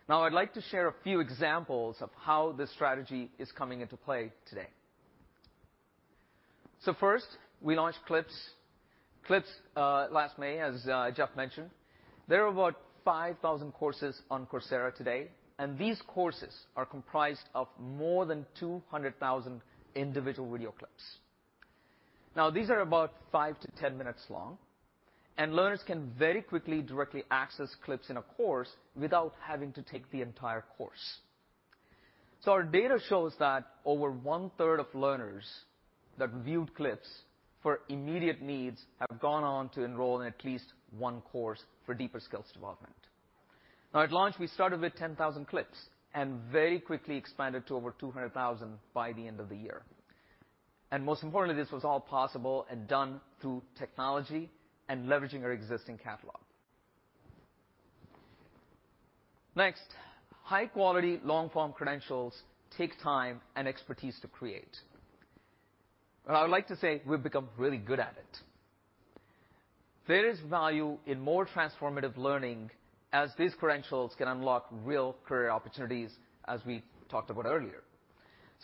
I'd like to share a few examples of how this strategy is coming into play today. First, we launched Clips. Clips, last May, as Jeff mentioned. There are about 5,000 courses on Coursera today, and these courses are comprised of more than 200,000 individual video clips. Now these are about five to 10 minutes long, and learners can very quickly directly access Clips in a course without having to take the entire course. Our data shows that over one-third of learners that viewed Clips for immediate needs have gone on to enroll in at least one course for deeper skills development. Now at launch, we started with 10,000 Clips and very quickly expanded to over 200,000 by the end of the year. Most importantly, this was all possible and done through technology and leveraging our existing catalog. Next, high-quality long-form credentials take time and expertise to create. I would like to say we've become really good at it. There is value in more transformative learning as these credentials can unlock real career opportunities, as we talked about earlier.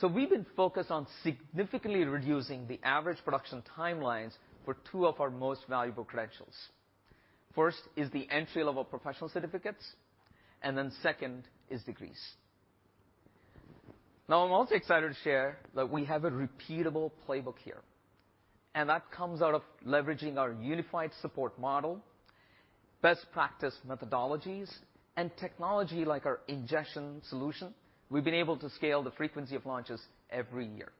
We've been focused on significantly reducing the average production timelines for two of our most valuable credentials. First is the entry-level professional certificates, and then second is degrees. I'm also excited to share that we have a repeatable playbook here, and that comes out of leveraging our unified support model, best practice methodologies, and technology like our ingestion solution. We've been able to scale the frequency of launches every year.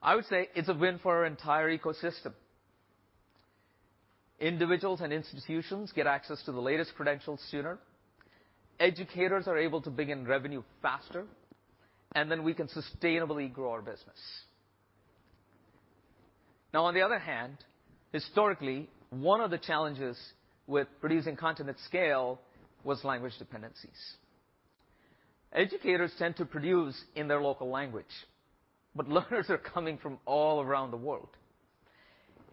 I would say it's a win for our entire ecosystem. Individuals and institutions get access to the latest credentials sooner, educators are able to bring in revenue faster, and then we can sustainably grow our business. On the other hand, historically, one of the challenges with producing content at scale was language dependencies. Educators tend to produce in their local language, but learners are coming from all around the world.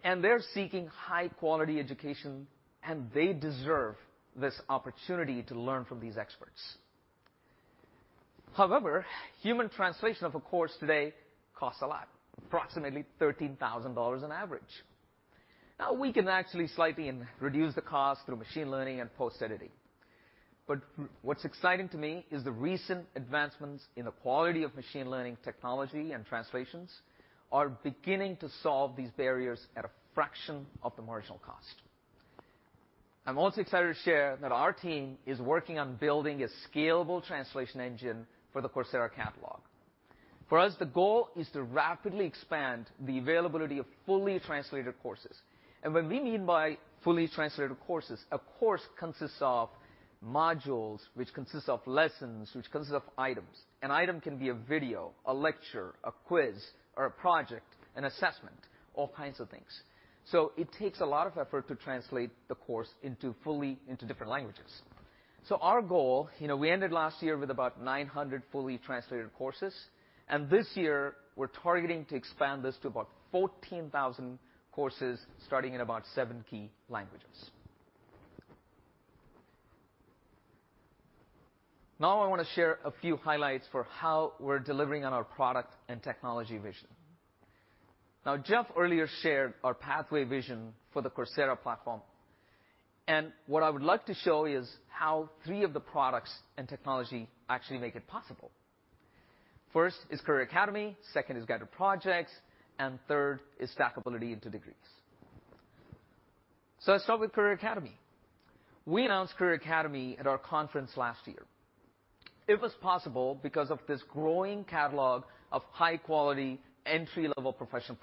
They're seeking high-quality education, and they deserve this opportunity to learn from these experts. However, human translation of a course today costs a lot, approximately $13,000 on average. Now we can actually slightly reduce the cost through machine learning and post-editing. What's exciting to me is the recent advancements in the quality of machine learning technology and translations are beginning to solve these barriers at a fraction of the marginal cost. I'm also excited to share that our team is working on building a scalable translation engine for the Coursera catalog. For us, the goal is to rapidly expand the availability of fully translated courses. What we mean by fully translated courses, a course consists of modules, which consists of lessons, which consists of items. An item can be a video, a lecture, a quiz, or a project, an assessment, all kinds of things. It takes a lot of effort to translate the course into fully into different languages. Our goal, you know, we ended last year with about 900 fully translated courses, and this year we're targeting to expand this to about 14,000 courses, starting in about seven key languages. I wanna share a few highlights for how we're delivering on our product and technology vision. Jeff earlier shared our pathway vision for the Coursera platform, and what I would like to show is how three of the products and technology actually make it possible. First is Career Academy, second is Guided Projects, and third is stackability into degrees. Let's start with Career Academy. We announced Career Academy at our conference last year. It was possible because of this growing catalog of high-quality entry-level professional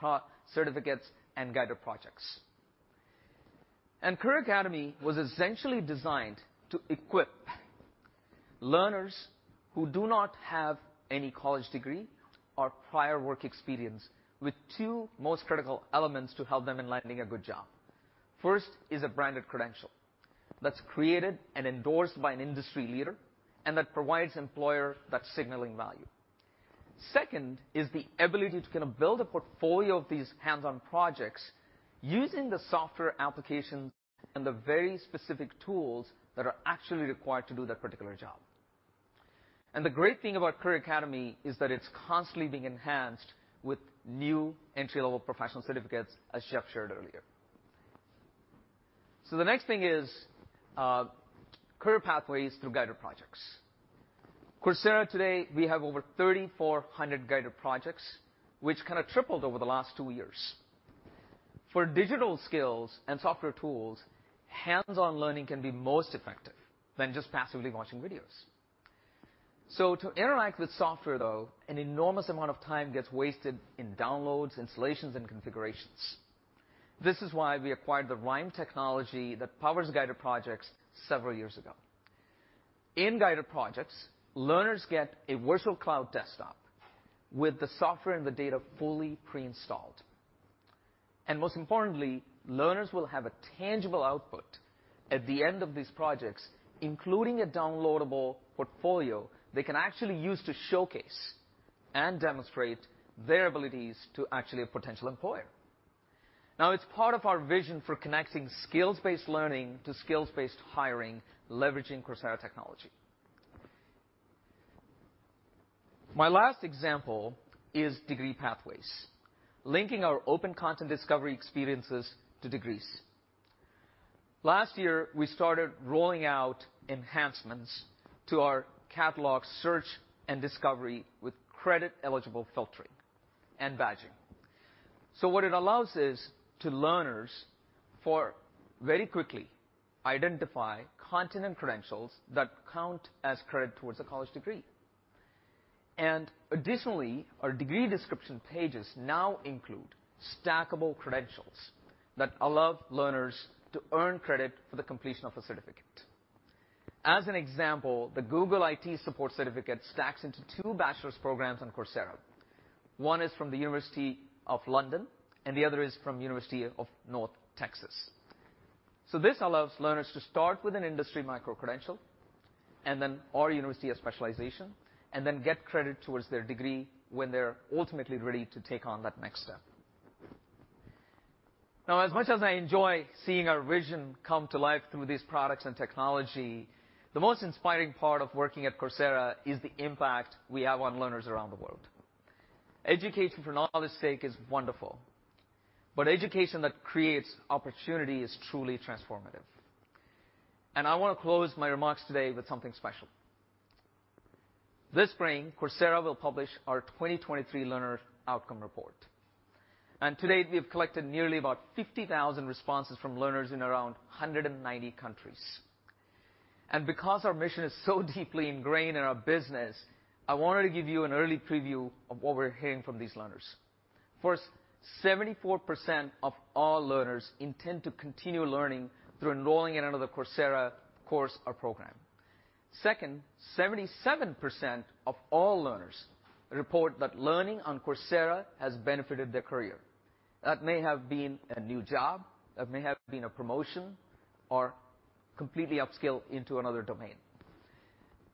certificates and Guided Projects. Career Academy was essentially designed to equip learners who do not have any college degree or prior work experience with two most critical elements to help them in landing a good job. First is a branded credential that's created and endorsed by an industry leader and that provides employer that signaling value. Second is the ability to kinda build a portfolio of these hands-on projects using the software applications and the very specific tools that are actually required to do that particular job. The great thing about Career Academy is that it's constantly being enhanced with new entry-level professional certificates, as Jeff shared earlier. The next thing is, career pathways through Guided Projects. Coursera today we have over 3,400 Guided Projects, which kinda tripled over the last two years. For digital skills and software tools, hands-on learning can be most effective than just passively watching videos. To interact with software though, an enormous amount of time gets wasted in downloads, installations, and configurations. This is why we acquired the Rhyme technology that powers Guided Projects several years ago. In Guided Projects, learners get a virtual cloud desktop with the software and the data fully pre-installed. Most importantly, learners will have a tangible output at the end of these projects, including a downloadable portfolio they can actually use to showcase and demonstrate their abilities to actually a potential employer. Now, it's part of our vision for connecting skills-based learning to skills-based hiring, leveraging Coursera technology. My last example is degree pathways, linking our open content discovery experiences to degrees. Last year, we started rolling out enhancements to our catalog search and discovery with credit-eligible filtering and badging. What it allows is to learners for very quickly identify content and credentials that count as credit towards a college degree. Additionally, our degree description pages now include stackable credentials that allow learners to earn credit for the completion of a certificate. As an example, the Google IT Support certificate stacks into two bachelor's programs on Coursera. One is from the University of London and the other is from University of North Texas. This allows learners to start with an industry micro-credential and then our university a specialization, and then get credit towards their degree when they're ultimately ready to take on that next step. As much as I enjoy seeing our vision come to life through these products and technology, the most inspiring part of working at Coursera is the impact we have on learners around the world. Education for knowledge sake is wonderful, education that creates opportunity is truly transformative. I want to close my remarks today with something special. This spring, Coursera will publish our 2023 learner outcome report. To date, we have collected nearly about 50,000 responses from learners in around 190 countries. Because our mission is so deeply ingrained in our business, I wanted to give you an early preview of what we're hearing from these learners. First, 74% of all learners intend to continue learning through enrolling in another Coursera course or program. Second, 77% of all learners report that learning on Coursera has benefited their career. That may have been a new job, that may have been a promotion or completely upskill into another domain.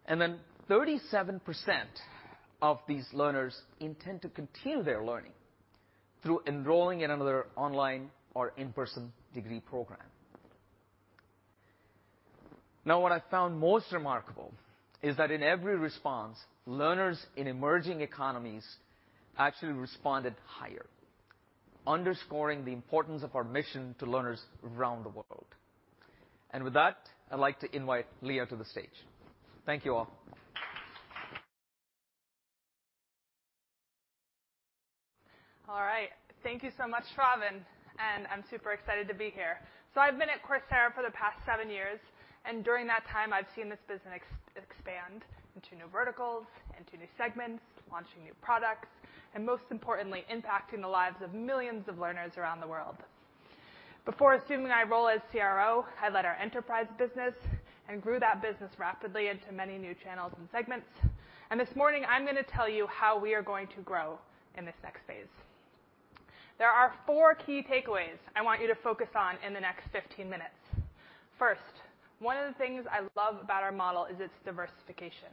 Then 37% of these learners intend to continue their learning through enrolling in another online or in-person degree program. What I found most remarkable is that in every response, learners in emerging economies actually responded higher, underscoring the importance of our mission to learners around the world. With that, I'd like to invite Leah to the stage. Thank you all. All right. Thank you so much, Shravan. I'm super excited to be here. I've been at Coursera for the past seven years, and during that time, I've seen this business expand into new verticals, into new segments, launching new products, and most importantly, impacting the lives of millions of learners around the world. Before assuming my role as CRO, I led our enterprise business and grew that business rapidly into many new channels and segments. This morning, I'm going to tell you how we are going to grow in this next phase. There are four key takeaways I want you to focus on in the next 15 minutes. First, one of the things I love about our model is its diversification.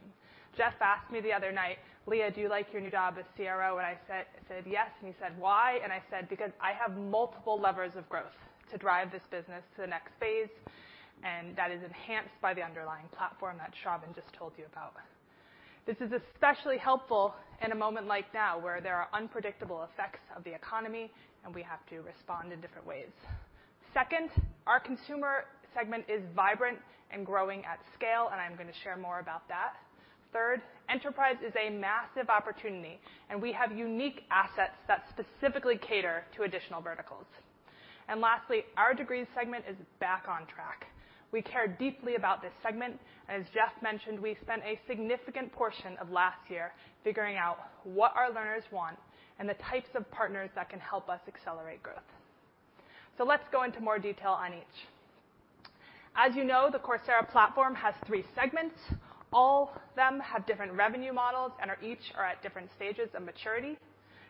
Jeff asked me the other night, "Leah, do you like your new job as CRO?" I said, "Yes." He said, "Why?" I said, "Because I have multiple levers of growth to drive this business to the next phase, and that is enhanced by the underlying platform that Shravan just told you about." This is especially helpful in a moment like now where there are unpredictable effects of the economy, and we have to respond in different ways. Second, our consumer segment is vibrant and growing at scale, and I'm gonna share more about that. Third, enterprise is a massive opportunity, and we have unique assets that specifically cater to additional verticals. Lastly, our degrees segment is back on track. We care deeply about this segment. As Jeff mentioned, we spent a significant portion of last year figuring out what our learners want and the types of partners that can help us accelerate growth. Let's go into more detail on each. As you know, the Coursera platform has three segments. All of them have different revenue models and are each at different stages of maturity.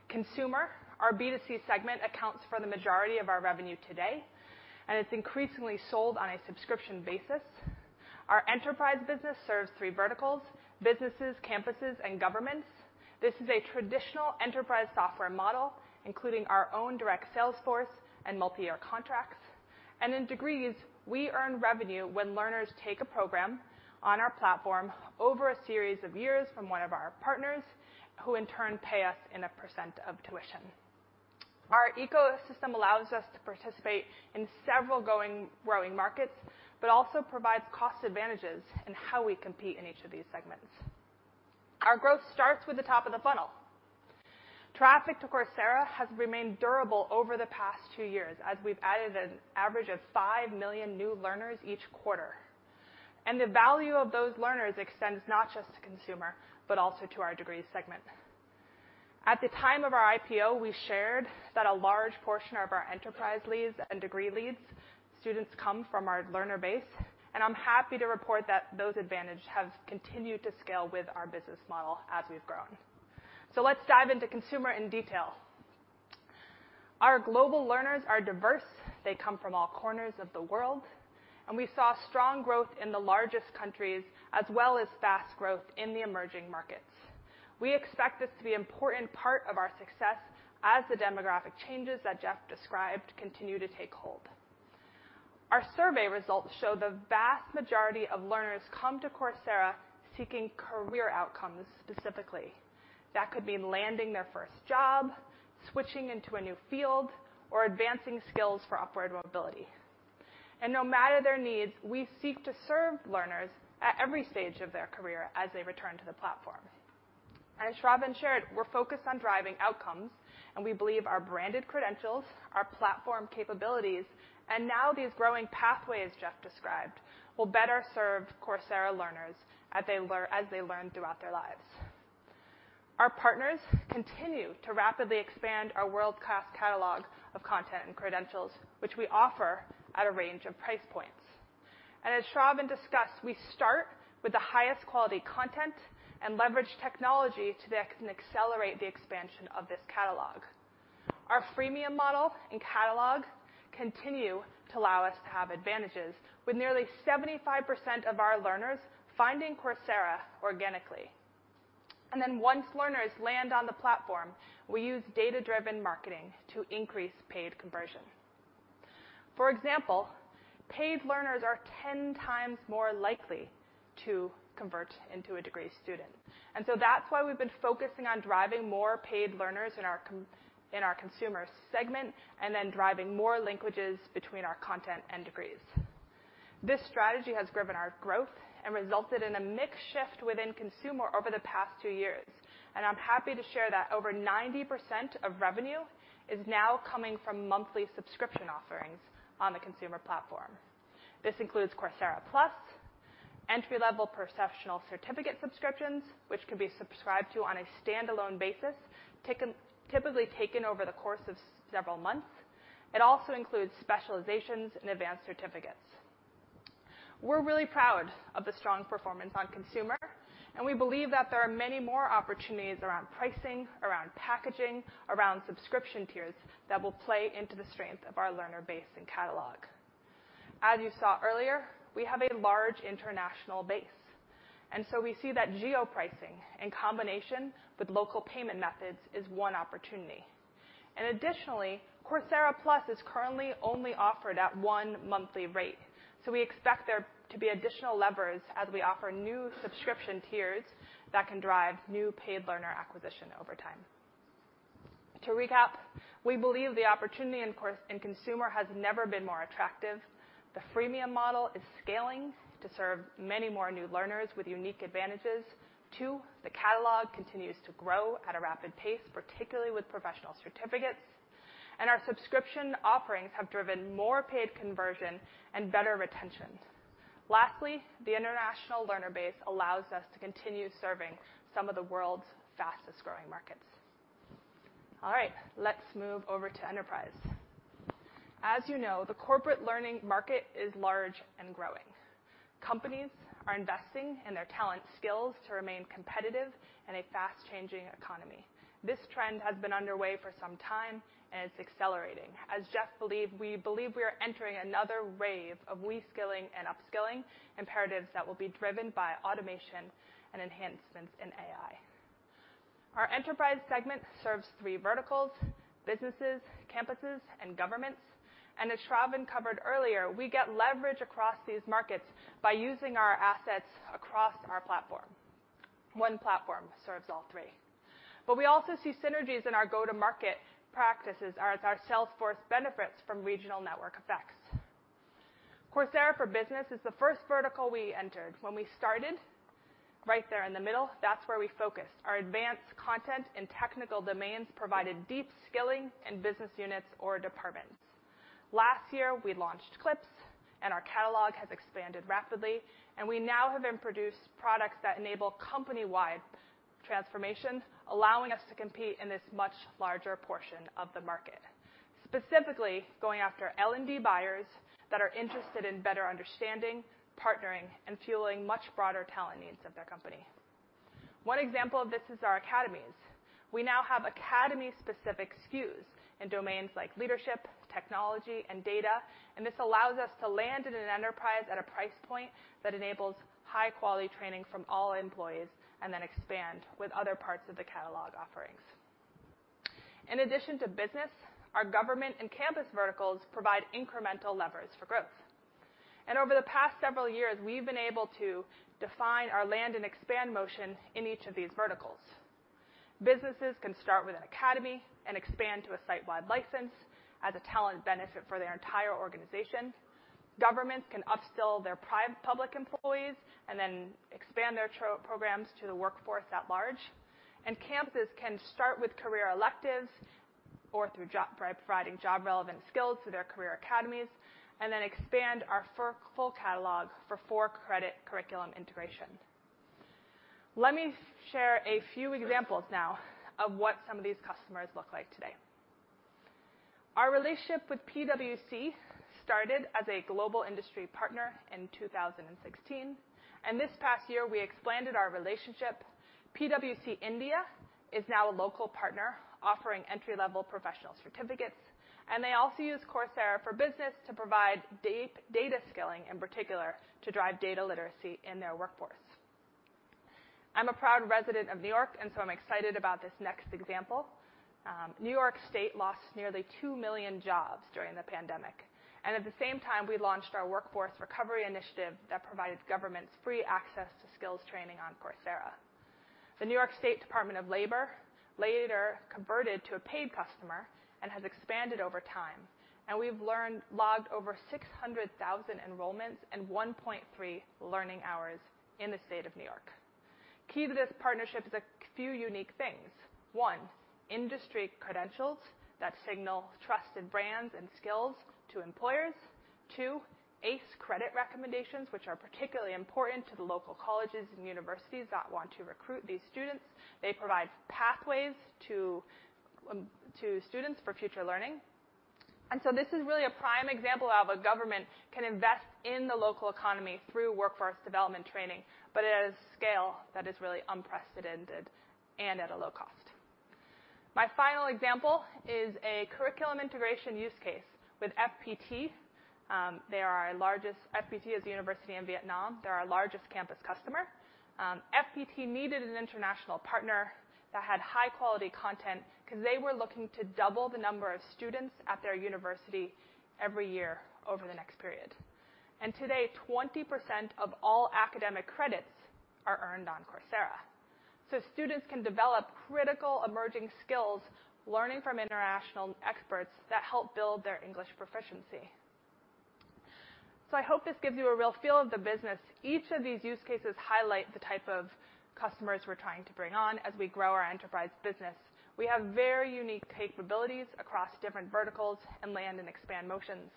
Consumer, our B2C segment, accounts for the majority of our revenue today, and it's increasingly sold on a subscription basis. Our enterprise business serves three verticals: businesses, campuses, and governments. This is a traditional enterprise software model, including our own direct sales force and multi-year contracts. In degrees, we earn revenue when learners take a program on our platform over a series of years from one of our partners, who in turn pay us in a percent of tuition. Our ecosystem allows us to participate in several going, growing markets, but also provides cost advantages in how we compete in each of these segments. Our growth starts with the top of the funnel. Traffic to Coursera has remained durable over the past two years as we've added an average of five million new learners each quarter. The value of those learners extends not just to consumer, but also to our degrees segment. At the time of our IPO, we shared that a large portion of our enterprise leads and degree leads students come from our learner base, and I'm happy to report that those advantage have continued to scale with our business model as we've grown. Let's dive into consumer in detail. Our global learners are diverse. They come from all corners of the world. We saw strong growth in the largest countries as well as fast growth in the emerging markets. We expect this to be important part of our success as the demographic changes that Jeff described continue to take hold. Our survey results show the vast majority of learners come to Coursera seeking career outcomes specifically. That could mean landing their first job, switching into a new field, or advancing skills for upward mobility. No matter their needs, we seek to serve learners at every stage of their career as they return to the platform. As Shravan shared, we're focused on driving outcomes, and we believe our branded credentials, our platform capabilities, and now these growing pathways Jeff described, will better serve Coursera learners as they learn throughout their lives. Our partners continue to rapidly expand our world-class catalog of content and credentials, which we offer at a range of price points. As Shravan Goli discussed, we start with the highest quality content and leverage technology to accelerate the expansion of this catalog. Our freemium model and catalog continue to allow us to have advantages with nearly 75% of our learners finding Coursera organically. Then once learners land on the platform, we use data-driven marketing to increase paid conversion. For example, paid learners are 10x more likely to convert into a degree student. That's why we've been focusing on driving more paid learners in our consumer segment, then driving more linkages between our content and degrees. This strategy has driven our growth and resulted in a mix shift within consumer over the past two years. I'm happy to share that over 90% of revenue is now coming from monthly subscription offerings on the consumer platform. This includes Coursera Plus, entry-level professional certificate subscriptions, which can be subscribed to on a standalone basis, typically taken over the course of several months. It also includes specializations and advanced certificates. We're really proud of the strong performance on consumer, and we believe that there are many more opportunities around pricing, around packaging, around subscription tiers that will play into the strength of our learner base and catalog. As you saw earlier, we have a large international base. We see that geo-pricing in combination with local payment methods is one opportunity. Additionally, Coursera Plus is currently only offered at one monthly rate. We expect there to be additional levers as we offer new subscription tiers that can drive new paid learner acquisition over time. To recap, we believe the opportunity in consumer has never been more attractive. The freemium model is scaling to serve many more new learners with unique advantages. Two, the catalog continues to grow at a rapid pace, particularly with professional certificates. Our subscription offerings have driven more paid conversion and better retention. Lastly, the international learner base allows us to continue serving some of the world's fastest-growing markets. All right. Let's move over to enterprise. As you know, the corporate learning market is large and growing. Companies are investing in their talent skills to remain competitive in a fast-changing economy. This trend has been underway for some time, and it's accelerating. As Jeff believe, we believe we are entering another wave of reskilling and upskilling imperatives that will be driven by automation and enhancements in AI. Our enterprise segment serves three verticals, businesses, campuses, and governments. As Shravan covered earlier, we get leverage across these markets by using our assets across our platform. One platform serves all three. We also see synergies in our go-to-market practices as our sales force benefits from regional network effects. Coursera for Business is the first vertical we entered. When we started, right there in the middle, that's where we focused. Our advanced content and technical demands provided deep skilling in business units or departments. Last year, we launched Clips and our catalog has expanded rapidly, and we now have introduced products that enable company-wide transformation, allowing us to compete in this much larger portion of the market. Specifically going after L&D buyers that are interested in better understanding, partnering, and fueling much broader talent needs of their company. One example of this is our academies. We now have academy-specific SKUs in domains like leadership, technology, and data, this allows us to land in an enterprise at a price point that enables high-quality training from all employees and then expand with other parts of the catalog offerings. In addition to business, our government and campus verticals provide incremental levers for growth. Over the past several years, we've been able to define our land and expand motion in each of these verticals. Businesses can start with an academy and expand to a site-wide license as a talent benefit for their entire organization. Governments can upskill their public employees and then expand their programs to the workforce at large. Campuses can start with career electives or by providing job-relevant skills to their Career Academies and then expand our full catalog for for-credit curriculum integration. Let me share a few examples now of what some of these customers look like today. Our relationship with PwC started as a global industry partner in 2016, and this past year we expanded our relationship. PwC India is now a local partner offering entry-level professional certificates, and they also use Coursera for Business to provide deep data skilling, in particular to drive data literacy in their workforce. I'm a proud resident of New York, I'm excited about this next example. New York State lost nearly two million jobs during the pandemic, and at the same time, we launched our Workforce Recovery Initiative that provided governments free access to skills training on Coursera. The New York State Department of Labor later converted to a paid customer and has expanded over time. We've logged over 600,000 enrollments and 1.3 learning hours in the state of New York. Key to this partnership is a few unique things. One, industry credentials that signal trusted brands and skills to employers. Two, ACE Credit recommendations, which are particularly important to the local colleges and universities that want to recruit these students. They provide pathways to students for future learning. This is really a prime example of a government can invest in the local economy through workforce development training, but at a scale that is really unprecedented and at a low cost. My final example is a curriculum integration use case with FPT. FPT is a university in Vietnam. They're our largest campus customer. FPT needed an international partner that had high-quality content because they were looking to double the number of students at their university every year over the next period. Today, 20% of all academic credits are earned on Coursera. Students can develop critical emerging skills, learning from international experts that help build their English proficiency. I hope this gives you a real feel of the business. Each of these use cases highlight the type of customers we're trying to bring on as we grow our enterprise business. We have very unique capabilities across different verticals and land and expand motions.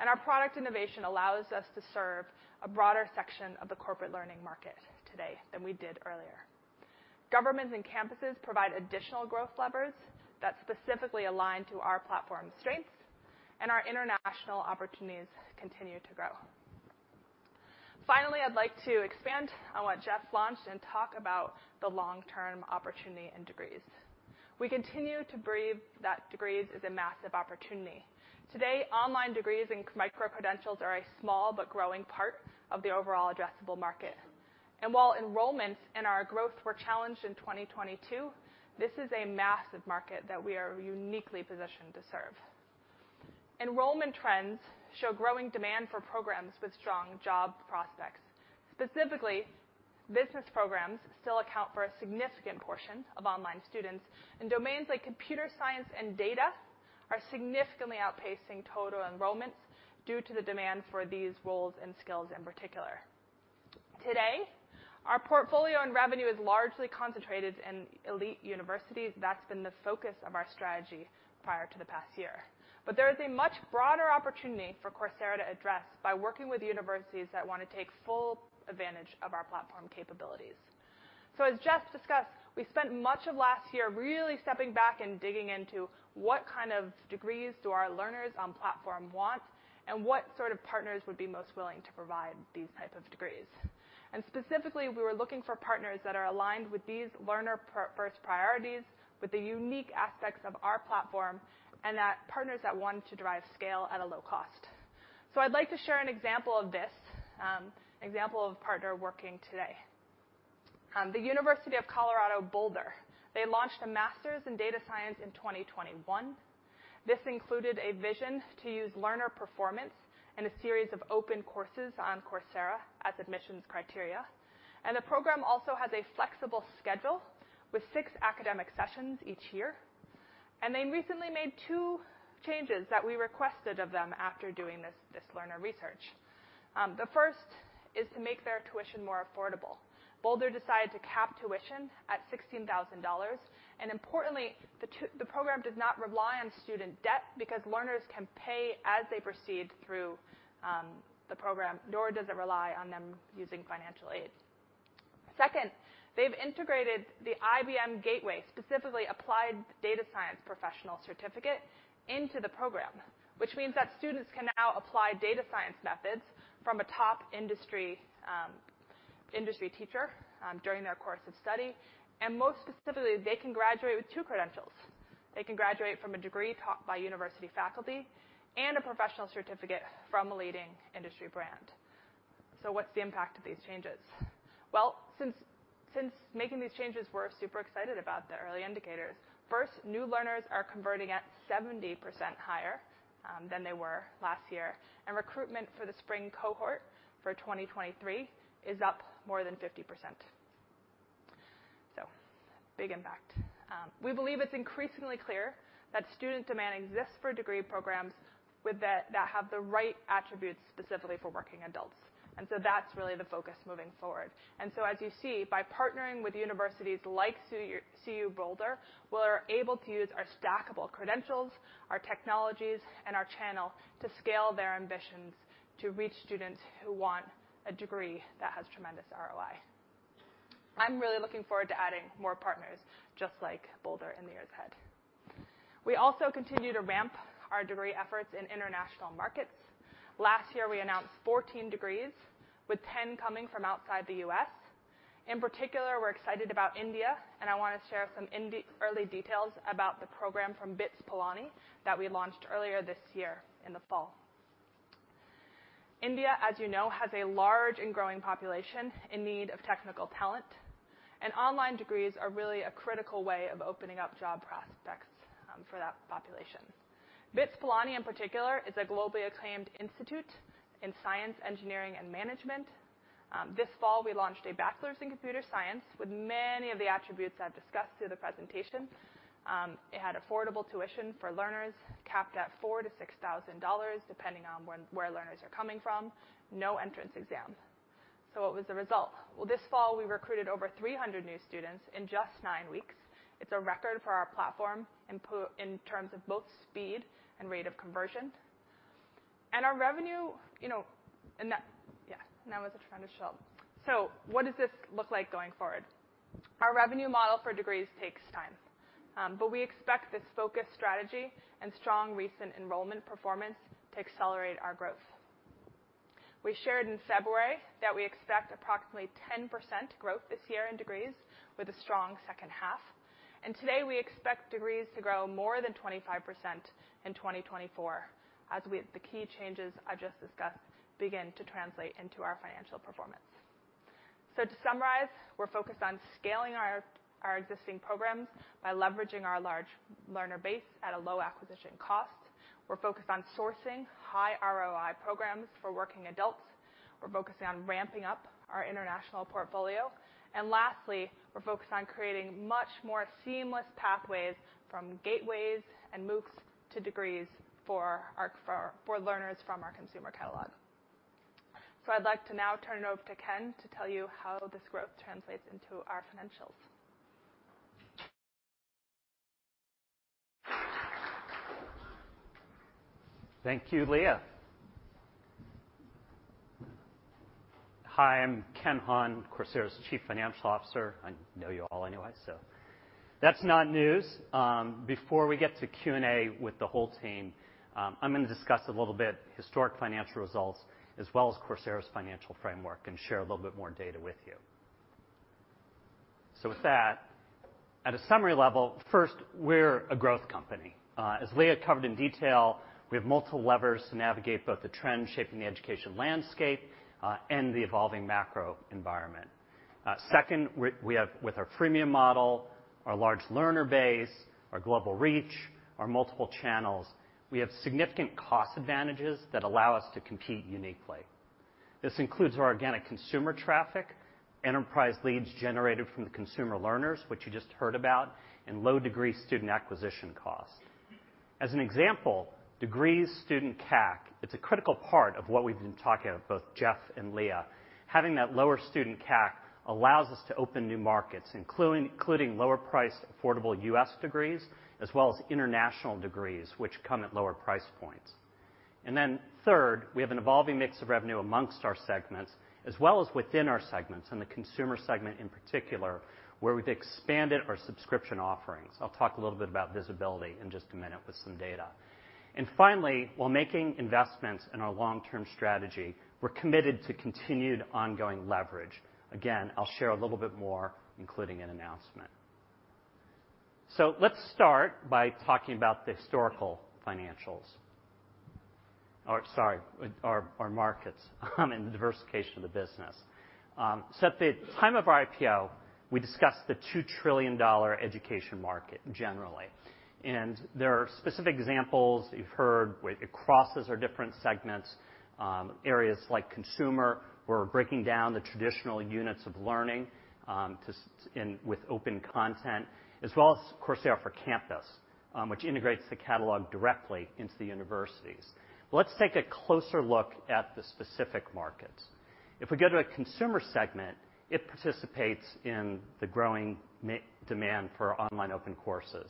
Our product innovation allows us to serve a broader section of the corporate learning market today than we did earlier. Governments and campuses provide additional growth levers that specifically align to our platform strengths, and our international opportunities continue to grow. I'd like to expand on what Jeff launched and talk about the long-term opportunity in degrees. We continue to believe that degrees is a massive opportunity. Today, online degrees and micro-credentials are a small but growing part of the overall addressable market. While enrollments and our growth were challenged in 2022, this is a massive market that we are uniquely positioned to serve. Enrollment trends show growing demand for programs with strong job prospects. Specifically, business programs still account for a significant portion of online students, and domains like computer science and data are significantly outpacing total enrollments due to the demand for these roles and skills in particular. Today, our portfolio and revenue is largely concentrated in elite universities. That's been the focus of our strategy prior to the past year. There is a much broader opportunity for Coursera to address by working with universities that wanna take full advantage of our platform capabilities. As Jeff discussed, we spent much of last year really stepping back and digging into what kind of degrees do our learners on platform want, and what sort of partners would be most willing to provide these type of degrees. Specifically, we were looking for partners that are aligned with these learner first priorities, with the unique aspects of our platform, and that partners that want to drive scale at a low cost. I'd like to share an example of a partner working today. The University of Colorado Boulder, they launched a Master of Science in Data Science in 2021. This included a vision to use learner performance and a series of open courses on Coursera as admissions criteria. The program also has a flexible schedule with six academic sessions each year. They recently made two changes that we requested of them after doing this learner research. The first is to make their tuition more affordable. Boulder decided to cap tuition at $16,000, and importantly, the program does not rely on student debt because learners can pay as they proceed through the program, nor does it rely on them using financial aid. Second, they've integrated the IBM Gateway, specifically Applied Data Science Professional Certificate, into the program, which means that students can now apply data science methods from a top industry teacher during their course of study. Most specifically, they can graduate with two credentials. They can graduate from a degree taught by university faculty and a professional certificate from a leading industry brand. What's the impact of these changes? Well, since making these changes, we're super excited about the early indicators. First, new learners are converting at 70% higher than they were last year, and recruitment for the spring cohort for 2023 is up more than 50%. Big impact. We believe it's increasingly clear that student demand exists for degree programs that have the right attributes specifically for working adults. That's really the focus moving forward. As you see, by partnering with universities like CU Boulder, we're able to use our stackable credentials, our technologies, and our channel to scale their ambitions to reach students who want a degree that has tremendous ROI. I'm really looking forward to adding more partners just like Boulder in the years ahead. We also continue to ramp our degree efforts in international markets. Last year, we announced 14 degrees, with 10 coming from outside the U.S. In particular, we're excited about India, I wanna share some early details about the program from BITS Pilani that we launched earlier this year in the fall. India, as you know, has a large and growing population in need of technical talent. An online degrees are really a critical way of opening up job prospects for that population. BITS Pilani, in particular, is a globally acclaimed institute in science, engineering, and management. This fall, we launched a bachelor's in computer science with many of the attributes I've discussed through the presentation. It had affordable tuition for learners, capped at $4,000-$6,000, depending on where learners are coming from, no entrance exam. What was the result? Well, this fall, we recruited over 300 new students in just nine weeks. It's a record for our platform in terms of both speed and rate of conversion. Our revenue, you know, that, yeah, that was a tremendous show. What does this look like going forward? Our revenue model for degrees takes time, but we expect this focused strategy and strong recent enrollment performance to accelerate our growth. We shared in February that we expect approximately 10% growth this year in degrees with a strong 2nd half. Today, we expect degrees to grow more than 25% in 2024 as the key changes I've just discussed begin to translate into our financial performance. To summarize, we're focused on scaling our existing programs by leveraging our large learner base at a low acquisition cost. We're focused on sourcing high ROI programs for working adults. We're focusing on ramping up our international portfolio. Lastly, we're focused on creating much more seamless pathways from gateways and MOOCs to degrees for learners from our consumer catalog. I'd like to now turn it over to Ken to tell you how this growth translates into our financials. Thank you, Leah. Hi, I'm Ken Hahn, Coursera's Chief Financial Officer. I know you all anyway, so that's not news. Before we get to Q&A with the whole team, I'm gonna discuss a little bit historic financial results as well as Coursera's financial framework and share a little bit more data with you. With that, at a summary level, first, we're a growth company. As Leah covered in detail, we have multiple levers to navigate both the trends shaping the education landscape and the evolving macro environment. Second, we have with our freemium model, our large learner base, our global reach, our multiple channels, we have significant cost advantages that allow us to compete uniquely. This includes our organic consumer traffic, enterprise leads generated from the consumer learners, which you just heard about, and low degree student acquisition costs. As an example, degrees student CAC, it's a critical part of what we've been talking about, both Jeff and Leah. Having that lower student CAC allows us to open new markets, including lower priced, affordable U.S. degrees as well as international degrees, which come at lower price points. Third, we have an evolving mix of revenue amongst our segments as well as within our segments, in the consumer segment in particular, where we've expanded our subscription offerings. I'll talk a little bit about visibility in just a minute with some data. Finally, while making investments in our long-term strategy, we're committed to continued ongoing leverage. Again, I'll share a little bit more, including an announcement. Let's start by talking about the historical financials. Sorry, our markets and the diversification of the business. At the time of our IPO, we discussed the $2 trillion education market generally. There are specific examples that you've heard where it crosses our different segments, areas like consumer, we're breaking down the traditional units of learning with open content, as well as Coursera for Campus, which integrates the catalog directly into the universities. Let's take a closer look at the specific markets. We go to a consumer segment, it participates in the growing demand for online open courses,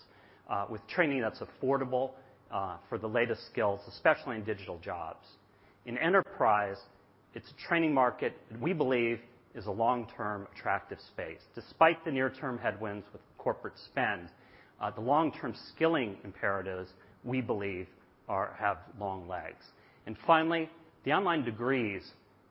with training that's affordable for the latest skills, especially in digital jobs. In enterprise, it's a training market, we believe is a long-term attractive space. Despite the near-term headwinds with corporate spend, the long-term skilling imperatives, we believe have long legs. Finally, the online degrees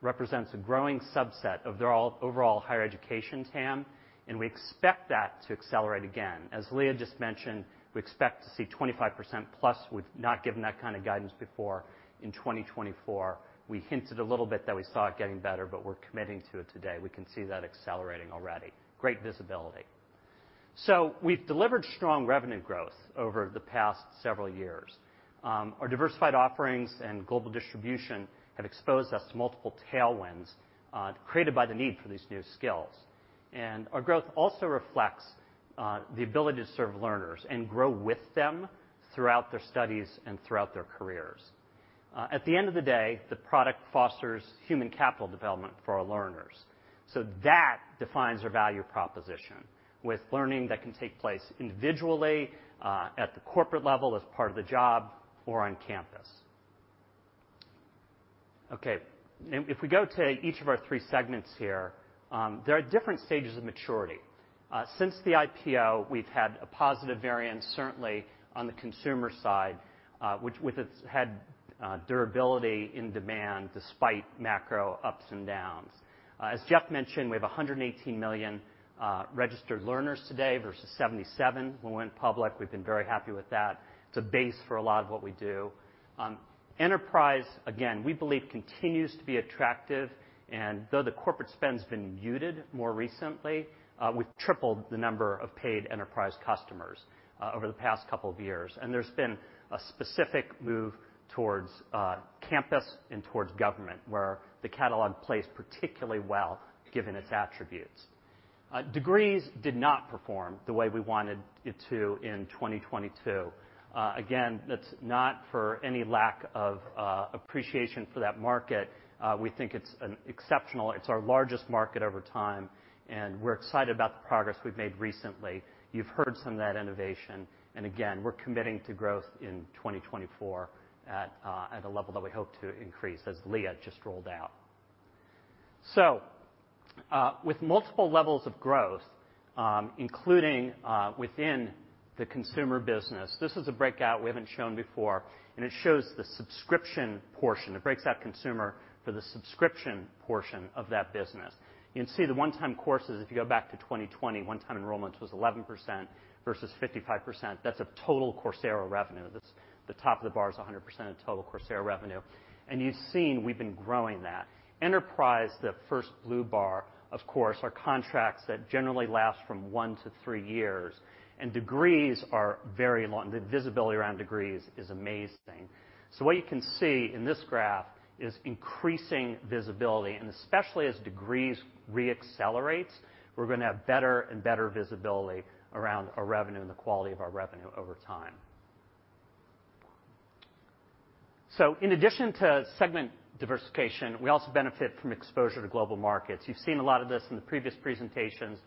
represents a growing subset of their overall higher education TAM, and we expect that to accelerate again. As Leah just mentioned, we expect to see +25%, we've not given that kind of guidance before in 2024. We hinted a little bit that we saw it getting better, we're committing to it today. We can see that accelerating already. Great visibility. We've delivered strong revenue growth over the past several years. Our diversified offerings and global distribution have exposed us to multiple tailwinds, created by the need for these new skills. Our growth also reflects the ability to serve learners and grow with them throughout their studies and throughout their careers. At the end of the day, the product fosters human capital development for our learners. That defines our value proposition with learning that can take place individually, at the corporate level as part of the job or on campus. Okay. If we go to each of our three segments here, there are different stages of maturity. Since the IPO, we've had a positive variance, certainly on the consumer side, which with its head, durability in demand despite macro ups and downs. As Jeff mentioned, we have 118 million registered learners today versus 77 when we went public. We've been very happy with that. It's a base for a lot of what we do. Enterprise, again, we believe continues to be attractive. Though the corporate spend's been muted more recently, we've tripled the number of paid enterprise customers over the past couple of years. There's been a specific move towards campus and towards government, where the catalog plays particularly well, given its attributes. Degrees did not perform the way we wanted it to in 2022. Again, that's not for any lack of appreciation for that market. We think it's an exceptional. It's our largest market over time, and we're excited about the progress we've made recently. You've heard some of that innovation. Again, we're committing to growth in 2024 at a level that we hope to increase, as Leah just rolled out. With multiple levels of growth, including within the consumer business, this is a breakout we haven't shown before, and it shows the subscription portion. It breaks out consumer for the subscription portion of that business. You can see the one-time courses, if you go back to 2020, one-time enrollments was 11% versus 55%. That's of total Coursera revenue. That's the top of the bar is 100% of total Coursera revenue. You've seen we've been growing that. Enterprise, the first blue bar, of course, are contracts that generally last from one to three years, and degrees are very long. The visibility around degrees is amazing. What you can see in this graph is increasing visibility, and especially as degrees re-accelerates, we're gonna have better and better visibility around our revenue and the quality of our revenue over time. In addition to segment diversification, we also benefit from exposure to global markets. You've seen a lot of this in the previous presentations.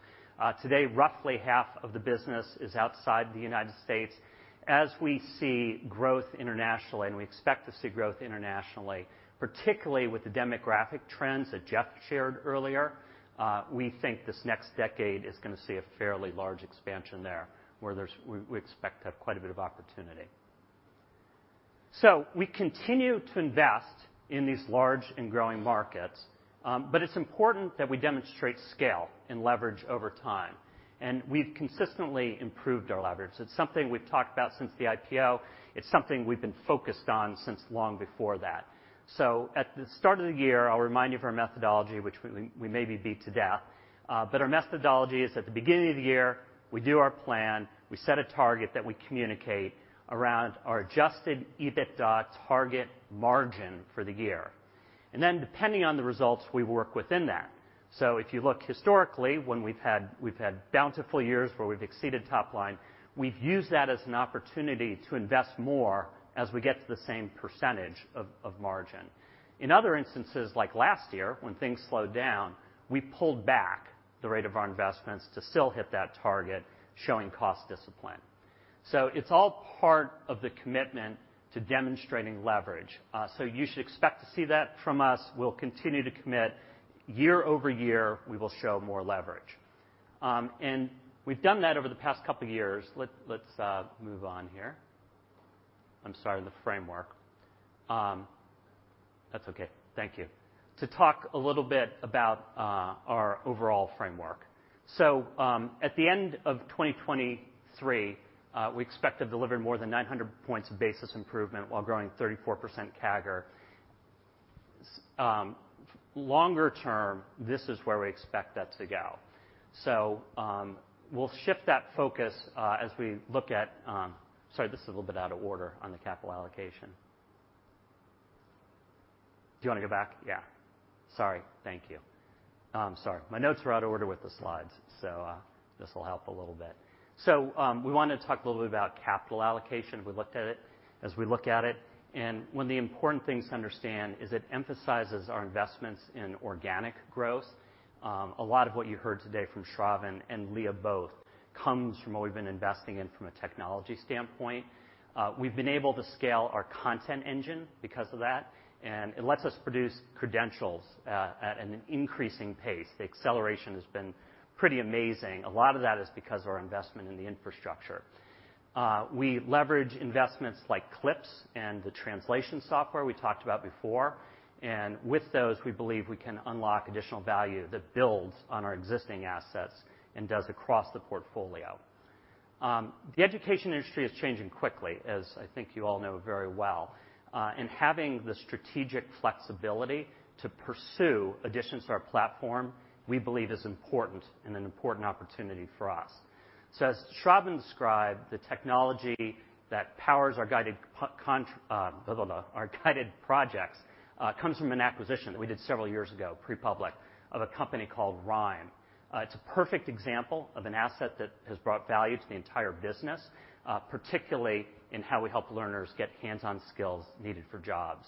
Today, roughly half of the business is outside the United States. As we see growth internationally, and we expect to see growth internationally, particularly with the demographic trends that Jeff shared earlier, we think this next decade is gonna see a fairly large expansion there, where we expect to have quite a bit of opportunity. We continue to invest in these large and growing markets, but it's important that we demonstrate scale and leverage over time. We've consistently improved our leverage. It's something we've talked about since the IPO. It's something we've been focused on since long before that. At the start of the year, I'll remind you of our methodology, which we maybe beat to death. Our methodology is, at the beginning of the year, we do our plan, we set a target that we communicate around our adjusted EBITDA target margin for the year. Depending on the results, we work within that. If you look historically, when we've had bountiful years where we've exceeded top line, we've used that as an opportunity to invest more as we get to the same percentage of margin. In other instances, like last year, when things slowed down, we pulled back the rate of our investments to still hit that target, showing cost discipline. It's all part of the commitment to demonstrating leverage. You should expect to see that from us. We'll continue to commit. Year-over-year, we will show more leverage. We've done that over the past couple years. Let's move on here. I'm sorry, the framework. That's okay. Thank you. To talk a little bit about our overall framework. At the end of 2023, we expect to have delivered more than 900 points of basis improvement while growing 34% CAGR. Longer term, this is where we expect that to go. We'll shift that focus as we look at. Sorry, this is a little bit out of order on the capital allocation. Do you wanna go back? Yeah. Sorry. Thank you. Sorry. My notes are out of order with the slides, so this will help a little bit. We wanna talk a little bit about capital allocation. We looked at it as we look at it, and one of the important things to understand is it emphasizes our investments in organic growth. A lot of what you heard today from Shravan and Leah both comes from what we've been investing in from a technology standpoint. We've been able to scale our content engine because of that, and it lets us produce credentials at an increasing pace. The acceleration has been pretty amazing. A lot of that is because of our investment in the infrastructure. We leverage investments like Clips and the translation software we talked about before. With those, we believe we can unlock additional value that builds on our existing assets and does across the portfolio. The education industry is changing quickly, as I think you all know very well. Having the strategic flexibility to pursue additions to our platform, we believe is important and an important opportunity for us. As Shravan described, the technology that powers our guided projects comes from an acquisition that we did several years ago, pre-public, of a company called Rhyme. It's a perfect example of an asset that has brought value to the entire business, particularly in how we help learners get hands-on skills needed for jobs.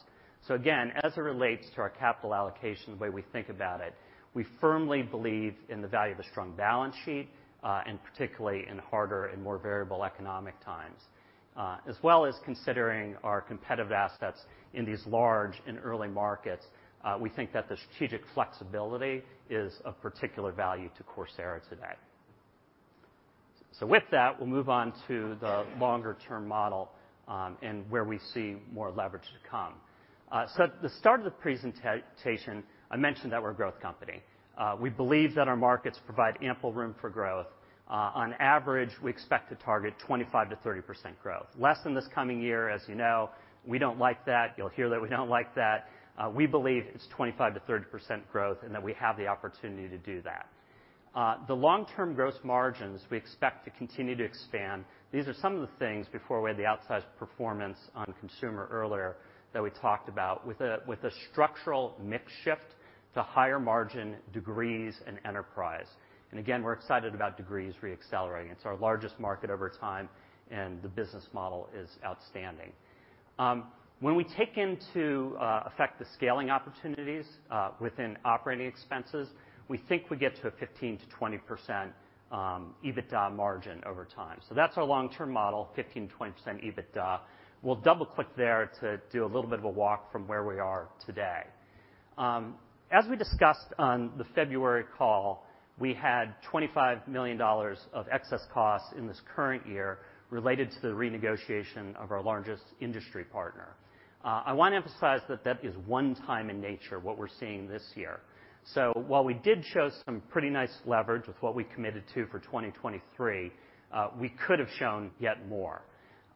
Again, as it relates to our capital allocation, the way we think about it, we firmly believe in the value of a strong balance sheet, and particularly in harder and more variable economic times. As well as considering our competitive assets in these large and early markets, we think that the strategic flexibility is of particular value to Coursera today. With that, we'll move on to the longer-term model, and where we see more leverage to come. At the start of the presentation, I mentioned that we're a growth company. We believe that our markets provide ample room for growth. On average, we expect to target 25%-30% growth. Less than this coming year, as you know. We don't like that. You'll hear that we don't like that. We believe it's 25%-30% growth, and that we have the opportunity to do that. The long-term gross margins we expect to continue to expand. These are some of the things before we had the outsized performance on consumer earlier that we talked about with a structural mix shift to higher margin degrees and enterprise. We're excited about degrees re-accelerating. It's our largest market over time, and the business model is outstanding. When we take into effect the scaling opportunities within operating expenses, we think we get to a 15%-20% EBITDA margin over time. That's our long-term model, 15%-20% EBITDA. We'll double-click there to do a little bit of a walk from where we are today. As we discussed on the February call, we had $25 million of excess costs in this current year related to the renegotiation of our largest industry partner. I wanna emphasize that that is one time in nature, what we're seeing this year. While we did show some pretty nice leverage with what we committed to for 2023, we could have shown yet more.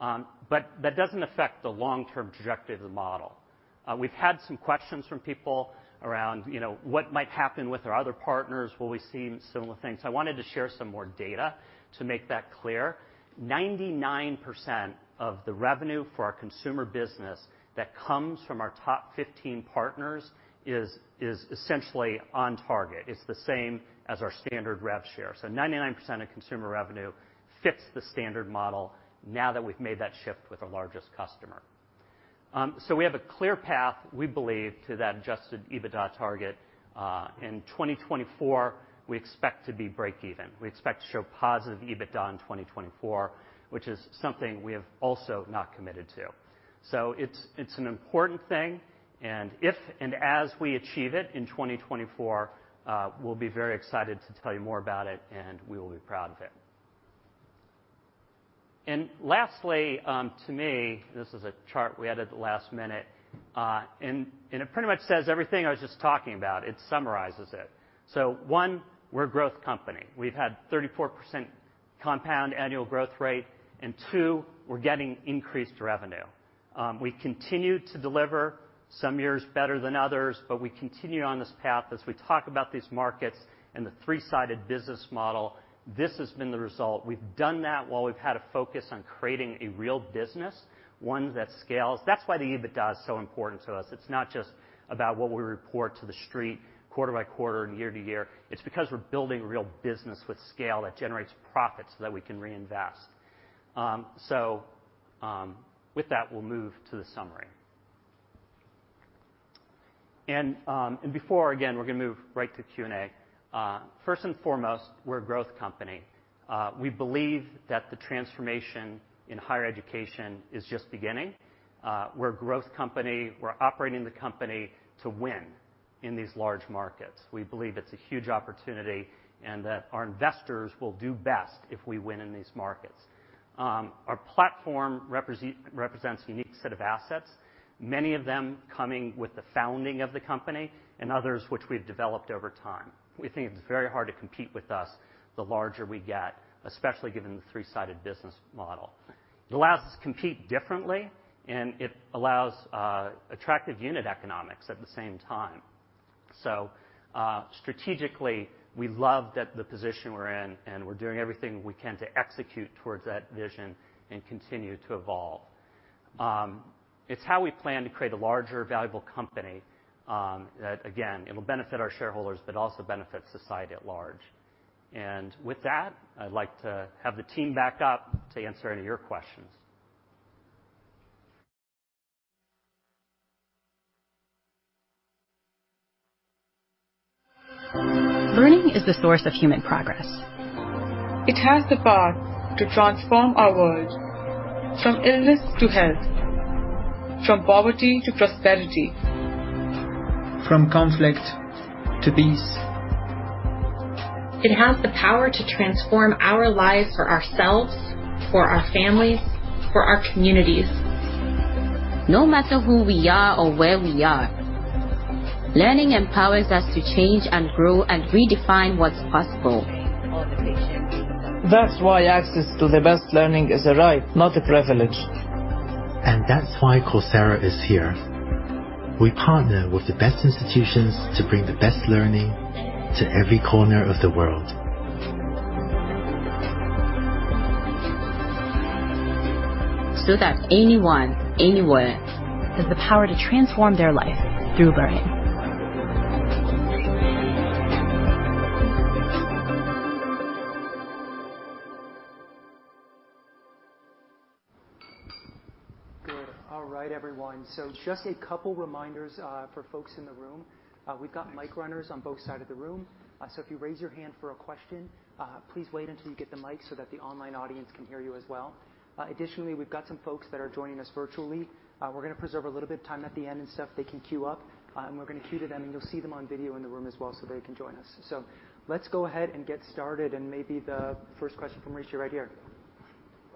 That doesn't affect the long-term trajectory of the model. We've had some questions from people around, you know, what might happen with our other partners. Will we see similar things? I wanted to share some more data to make that clear. 99% of the revenue for our consumer business that comes from our top 15 partners is essentially on target. It's the same as our standard rev share. 99% of consumer revenue fits the standard model now that we've made that shift with our largest customer. We have a clear path, we believe, to that Adjusted EBITDA target. In 2024, we expect to be break even. We expect to show positive EBITDA in 2024, which is something we have also not committed to. It's an important thing, and if and as we achieve it in 2024, we'll be very excited to tell you more about it, and we will be proud of it. Lastly, to me, this is a chart we added at the last minute, and it pretty much says everything I was just talking about. It summarizes it. One, we're a growth company. We've had 34% compound annual growth rate. Two, we're getting increased revenue. We continue to deliver some years better than others, but we continue on this path as we talk about these markets and the three-sided business model. This has been the result. We've done that while we've had a focus on creating a real business, one that scales. That's why the EBITDA is so important to us. It's not just about what we report to the street quarter-by-quarter and year-to-year. It's because we're building real business with scale that generates profit so that we can reinvest. With that, we'll move to the summary. Before, again, we're gonna move right to Q&A. First and foremost, we're a growth company. We believe that the transformation in higher education is just beginning. We're a growth company. We're operating the company to win in these large markets. We believe it's a huge opportunity and that our investors will do best if we win in these markets. Our platform represents a unique set of assets, many of them coming with the founding of the company and others which we've developed over time. We think it's very hard to compete with us the larger we get, especially given the three-sided business model. It allows us to compete differently, and it allows attractive unit economics at the same time. Strategically, we love that the position we're in, and we're doing everything we can to execute towards that vision and continue to evolve. It's how we plan to create a larger valuable company, that again, it'll benefit our shareholders but also benefit society at large. With that, I'd like to have the team back up to answer any of your questions. Learning is the source of human progress. It has the power to transform our world from illness to health, from poverty to prosperity. From conflict to peace. It has the power to transform our lives for ourselves, for our families, for our communities. No matter who we are or where we are, learning empowers us to change and grow and redefine what's possible. That's why access to the best learning is a right, not a privilege. That's why Coursera is here. We partner with the best institutions to bring the best learning to every corner of the world. that anyone, anywhere. Has the power to transform their life through learning. Good. All right, everyone. Just a couple reminders for folks in the room. We've got mic runners on both sides of the room. If you raise your hand for a question, please wait until you get the mic so that the online audience can hear you as well. Additionally, we've got some folks that are joining us virtually. We're gonna preserve a little bit of time at the end. If they can queue up, and we're gonna queue to them, and you'll see them on video in the room as well, so they can join us. Let's go ahead and get started and maybe the first question from Rishi right here.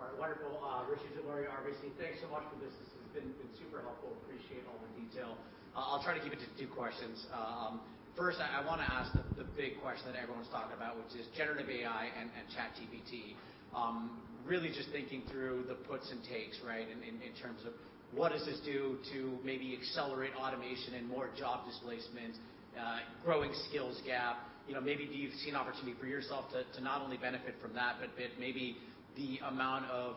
All right. Wonderful. Rishi Jaluria, RBC. Thanks so much for this. This has been super helpful. Appreciate all the detail. I'll try to keep it to two questions. First, I wanna ask the big question that everyone's talking about, which is generative AI and ChatGPT. Really just thinking through the puts and takes, right, in terms of what does this do to maybe accelerate automation and more job displacement, growing skills gap. You know, maybe do you see an opportunity for yourself to not only benefit from that but maybe the amount of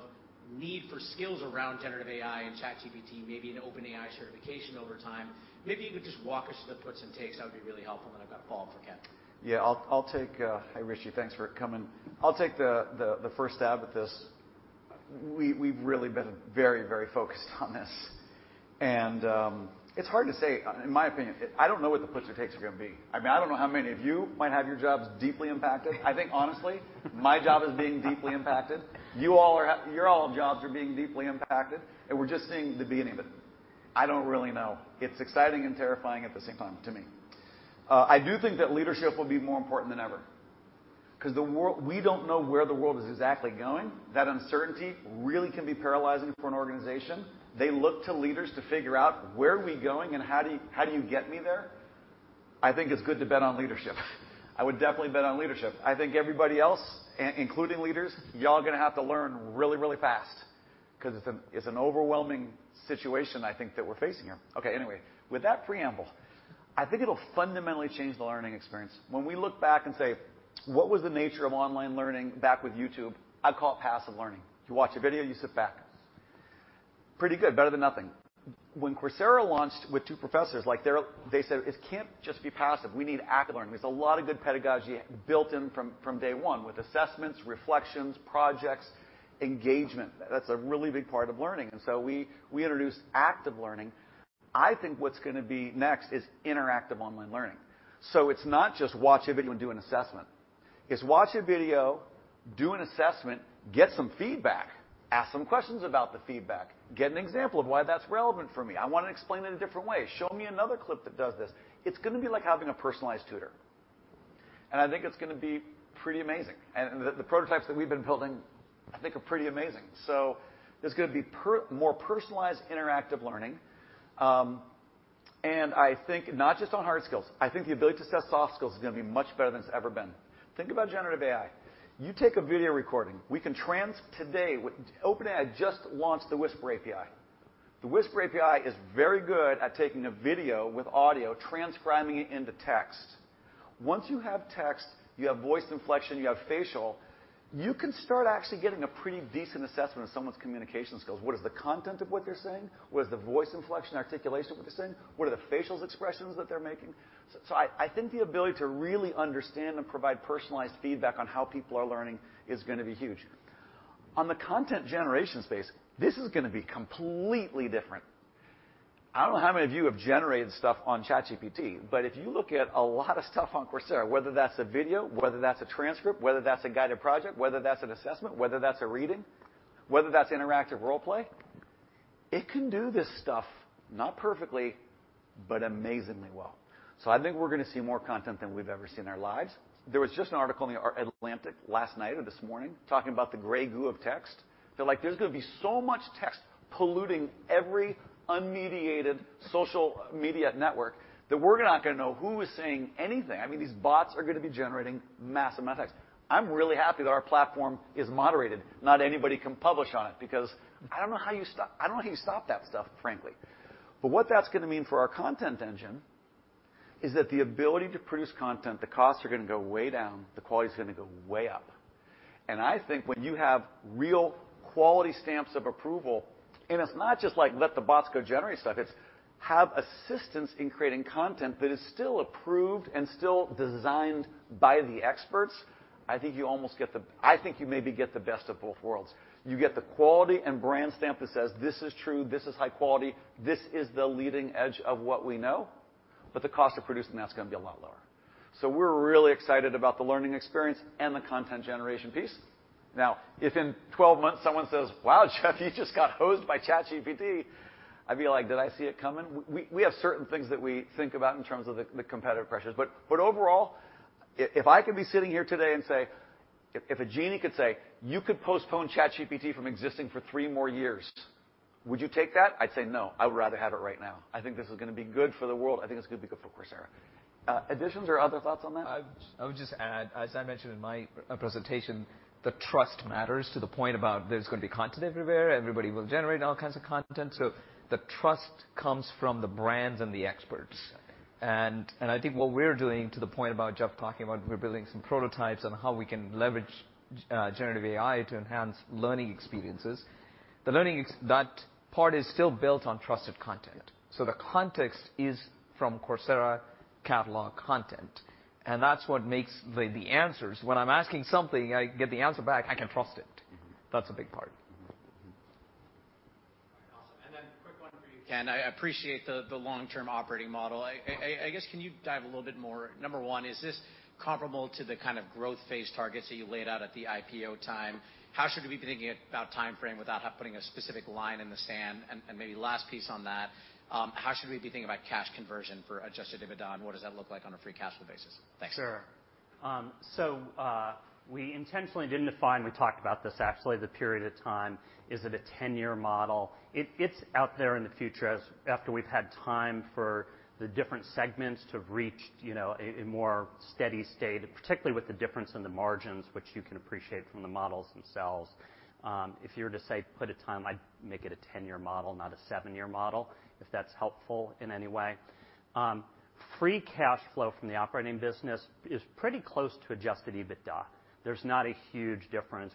need for skills around generative AI and ChatGPT, maybe an OpenAI certification over time. Maybe you could just walk us through the puts and takes. That would be really helpful. I've got a follow-up for Ken. Yeah, I'll take. Hi, Rishi. Thanks for coming. I'll take the first stab at this. We've really been very, very focused on this. It's hard to say in my opinion. I don't know what the puts or takes are gonna be. I mean, I don't know how many of you might have your jobs deeply impacted. I think honestly, my job is being deeply impacted. You all are Your all jobs are being deeply impacted, we're just seeing the beginning of it. I don't really know. It's exciting and terrifying at the same time to me. I do think that leadership will be more important than ever 'cause we don't know where the world is exactly going. That uncertainty really can be paralyzing for an organization. They look to leaders to figure out where are we going and how do you get me there. I think it's good to bet on leadership. I would definitely bet on leadership. I think everybody else, including leaders, y'all gonna have to learn really, really fast 'cause it's an overwhelming situation I think that we're facing here. Okay, anyway, with that preamble, I think it'll fundamentally change the learning experience. When we look back and say, "What was the nature of online learning back with YouTube?" I'd call it passive learning. You watch a video, and you sit back. Pretty good, better than nothing. When Coursera launched with two professors, like, they said, "It can't just be passive. We need active learning." There's a lot of good pedagogy built in from day one with assessments, reflections, projects, engagement. That's a really big part of learning. We introduced active learning. I think what's gonna be next is interactive online learning. It's not just watch a video and do an assessment. It's watch a video, do an assessment, get some feedback, ask some questions about the feedback, get an example of why that's relevant for me. I wanna explain it a different way. Show me another clip that does this. It's gonna be like having a personalized tutor. I think it's gonna be pretty amazing. The prototypes that we've been building, I think are pretty amazing. There's gonna be more personalized interactive learning. I think not just on hard skills. I think the ability to assess soft skills is gonna be much better than it's ever been. Think about generative AI. You take a video recording. We can trans today with OpenAI just launched the Whisper API. The Whisper API is very good at taking a video with audio, transcribing it into text. Once you have text, you have voice inflection, you have facial, you can start actually getting a pretty decent assessment of someone's communication skills. What is the content of what they're saying? What is the voice inflection, articulation of what they're saying? What are the facial expressions that they're making? I think the ability to really understand and provide personalized feedback on how people are learning is gonna be huge. On the content generation space, this is gonna be completely different. I don't know how many of you have generated stuff on ChatGPT, but if you look at a lot of stuff on Coursera, whether that's a video, whether that's a transcript, whether that's a Guided Project, whether that's an assessment, whether that's a reading, whether that's interactive role play, it can do this stuff not perfectly, but amazingly well. I think we're gonna see more content than we've ever seen in our lives. There was just an article in The Atlantic last night or this morning talking about the gray goo of text. They're like, "There's gonna be so much text polluting every unmediated social media network that we're not gonna know who is saying anything." I mean, these bots are gonna be generating massive amounts of text. I'm really happy that our platform is moderated, not anybody can publish on it, because I don't know how you stop, I don't know how you stop that stuff, frankly. What that's gonna mean for our content engine is that the ability to produce content, the costs are gonna go way down, the quality is gonna go way up. I think when you have real quality stamps of approval, and it's not just like let the bots go generate stuff, it's have assistance in creating content that is still approved and still designed by the experts, I think you maybe get the best of both worlds. You get the quality and brand stamp that says, "This is true. This is high quality. This is the leading edge of what we know," but the cost of producing that's gonna be a lot lower. We're really excited about the learning experience and the content generation piece. Now, if in 12 months someone says, "Wow, Jeff, you just got hosed by ChatGPT," I'd be like, "Did I see it coming?" We have certain things that we think about in terms of the competitive pressures. Overall, if I can be sitting here today and say, if a genie could say, "You could postpone ChatGPT from existing for three more years, would you take that?" I'd say, "No, I would rather have it right now." I think this is gonna be good for the world. I think it's gonna be good for Coursera. Additions or other thoughts on that? I would just add, as I mentioned in my presentation, the trust matters to the point about there's gonna be content everywhere, everybody will generate all kinds of content. The trust comes from the brands and the experts. I think what we're doing to the point about Jeff talking about we're building some prototypes on how we can leverage generative AI to enhance learning experiences. That part is still built on trusted content, so the context is from Coursera catalog content, and that's what makes the answers. When I'm asking something, I get the answer back, I can trust it. That's a big part. All right. Awesome. Quick one for you, Ken. I appreciate the long-term operating model. I guess, can you dive a little bit more? Number one, is this comparable to the kind of growth phase targets that you laid out at the IPO time? How should we be thinking about timeframe without putting a specific line in the sand? Maybe last piece on that, how should we be thinking about cash conversion for Adjusted EBITDA, and what does that look like on a free cash flow basis? Thanks. Sure. We intentionally didn't define, we talked about this actually, the period of time. Is it a 10-year model? It's out there in the future as after we've had time for the different segments to have reached, you know, a more steady state, particularly with the difference in the margins, which you can appreciate from the models themselves. If you were to, say, put a time, I'd make it a 10-year model, not a seven year model, if that's helpful in any way. Free cash flow from the operating business is pretty close to Adjusted EBITDA. There's not a huge difference.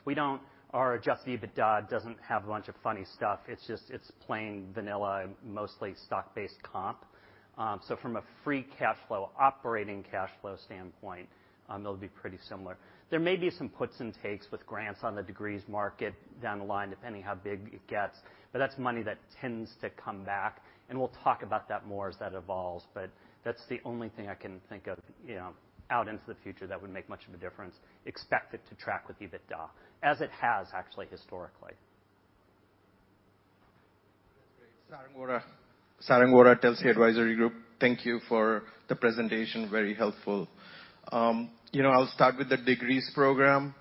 Our Adjusted EBITDA doesn't have a bunch of funny stuff. It's just plain vanilla, mostly stock-based comp. From a free cash flow, operating cash flow standpoint, they'll be pretty similar. There may be some puts and takes with grants on the degrees market down the line, depending how big it gets, that's money that tends to come back, and we'll talk about that more as that evolves. That's the only thing I can think of, you know, out into the future that would make much of a difference. Expect it to track with EBITDA, as it has actually historically. That's great. Sarang Vora, Telsey Advisory Group. Thank you for the presentation. Very helpful. You know, I'll start with the degrees program.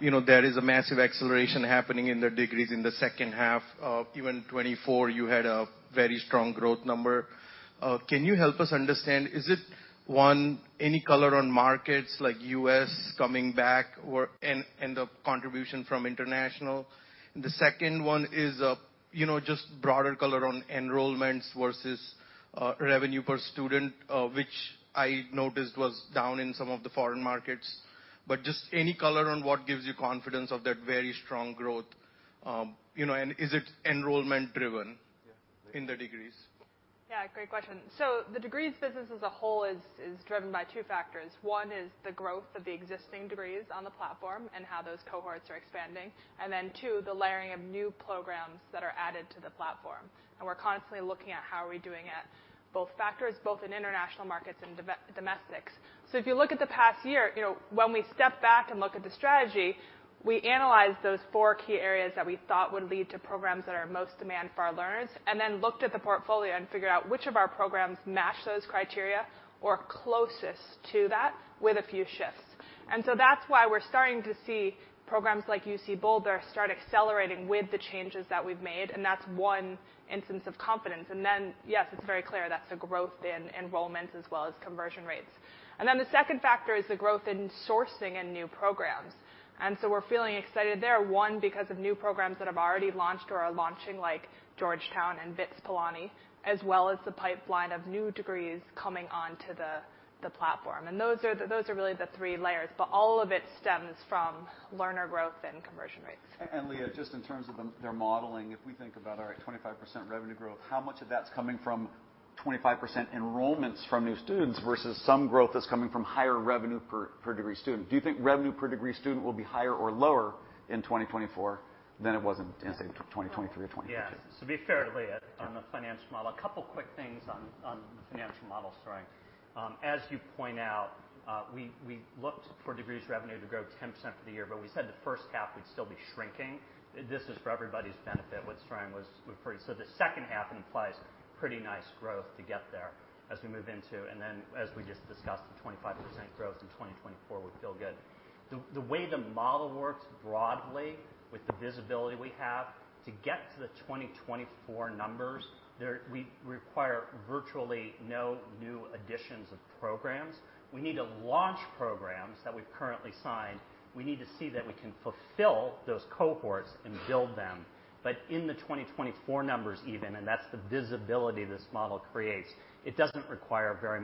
You know, there is a massive acceleration happening in the degrees in the 2nd half of even 2024, you had a very strong growth number. Can you help us understand, is it, one, any color on markets like U.S. coming back or and the contribution from international? The second one is, you know, just broader color on enrollments versus revenue per student, which I noticed was down in some of the foreign markets. Just any color on what gives you confidence of that very strong growth? You know, is it enrollment driven? Yeah. in the degrees? Yeah, great question. The degrees business as a whole is driven by two factors. One is the growth of the existing degrees on the platform and how those cohorts are expanding. Two, the layering of new programs that are added to the platform. We're constantly looking at how are we doing at both factors, both in international markets and domestics. If you look at the past year, you know, when we step back and look at the strategy, we analyze those four key areas that we thought would lead to programs that are most demand for our learners, and then looked at the portfolio and figured out which of our programs match those criteria or closest to that with a few shifts. That's why we're starting to see programs like CU Boulder start accelerating with the changes that we've made, and that's one instance of confidence. Yes, it's very clear that's the growth in enrollments as well as conversion rates. The second factor is the growth in sourcing in new programs. We're feeling excited there, one, because of new programs that have already launched or are launching like Georgetown and BITS Pilani, as well as the pipeline of new degrees coming onto the platform. Those are really the three layers, but all of it stems from learner growth and conversion rates. Leah, just in terms of their modeling, if we think about our 25% revenue growth, how much of that's coming from 25% enrollments from new students versus some growth that's coming from higher revenue per degree student? Do you think revenue per degree student will be higher or lower in 2024 than it was in, say, 2023 or 2022? Yeah. To be fair to Leah on the financial model, a couple quick things on the financial model, Sarang. As you point out, we looked for degrees revenue to grow 10% for the year, but we said the first half would still be shrinking. This is for everybody's benefit what Sarang was referring. The 2nd half implies pretty nice growth to get there as we move into. Then as we just discussed, the 25% growth in 2024, we feel good. The way the model works broadly with the visibility we have to get to the 2024 numbers, we require virtually no new additions of programs. We need to launch programs that we've currently signed. We need to see that we can fulfill those cohorts and build them. In the 2024 numbers even, and that's the visibility this model creates, it doesn't require very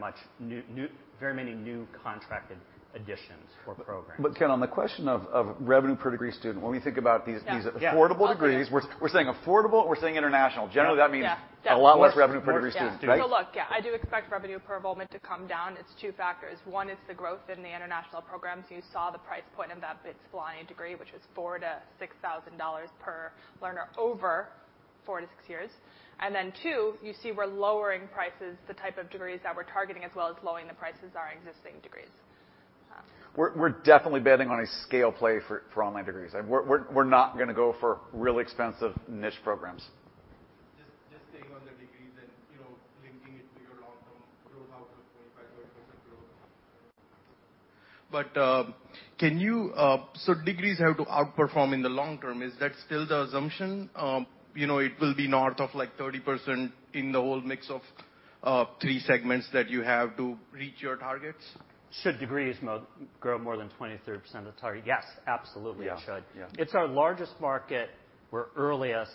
many new contracted additions for programs. Ken, on the question of revenue per degree student, when we think about. Yeah. These affordable degrees, we're saying affordable and we're saying international. Generally, that means... Yeah. A lot less revenue per degree student. Yeah. Right? Look, yeah, I do expect revenue per enrollment to come down. It's two factors. One is the growth in the international programs. You saw the price point in that BITS Pilani degree, which was $4,000-$6,000 per learner over four to six years. Two, you see we're lowering prices, the type of degrees that we're targeting, as well as lowering the prices of our existing degrees. We're definitely betting on a scale play for online degrees. We're not gonna go for really expensive niche programs. Just staying on the degrees and, you know, linking it to your long-term growth outlook, 25% growth. Degrees have to outperform in the long term. Is that still the assumption? It will be north of like 30% in the whole mix of three segments that you have to reach your targets? Should degrees grow more than 20% to 30% of the target? Yes, absolutely it should. Yeah. Yeah. It's our largest market. We're earliest.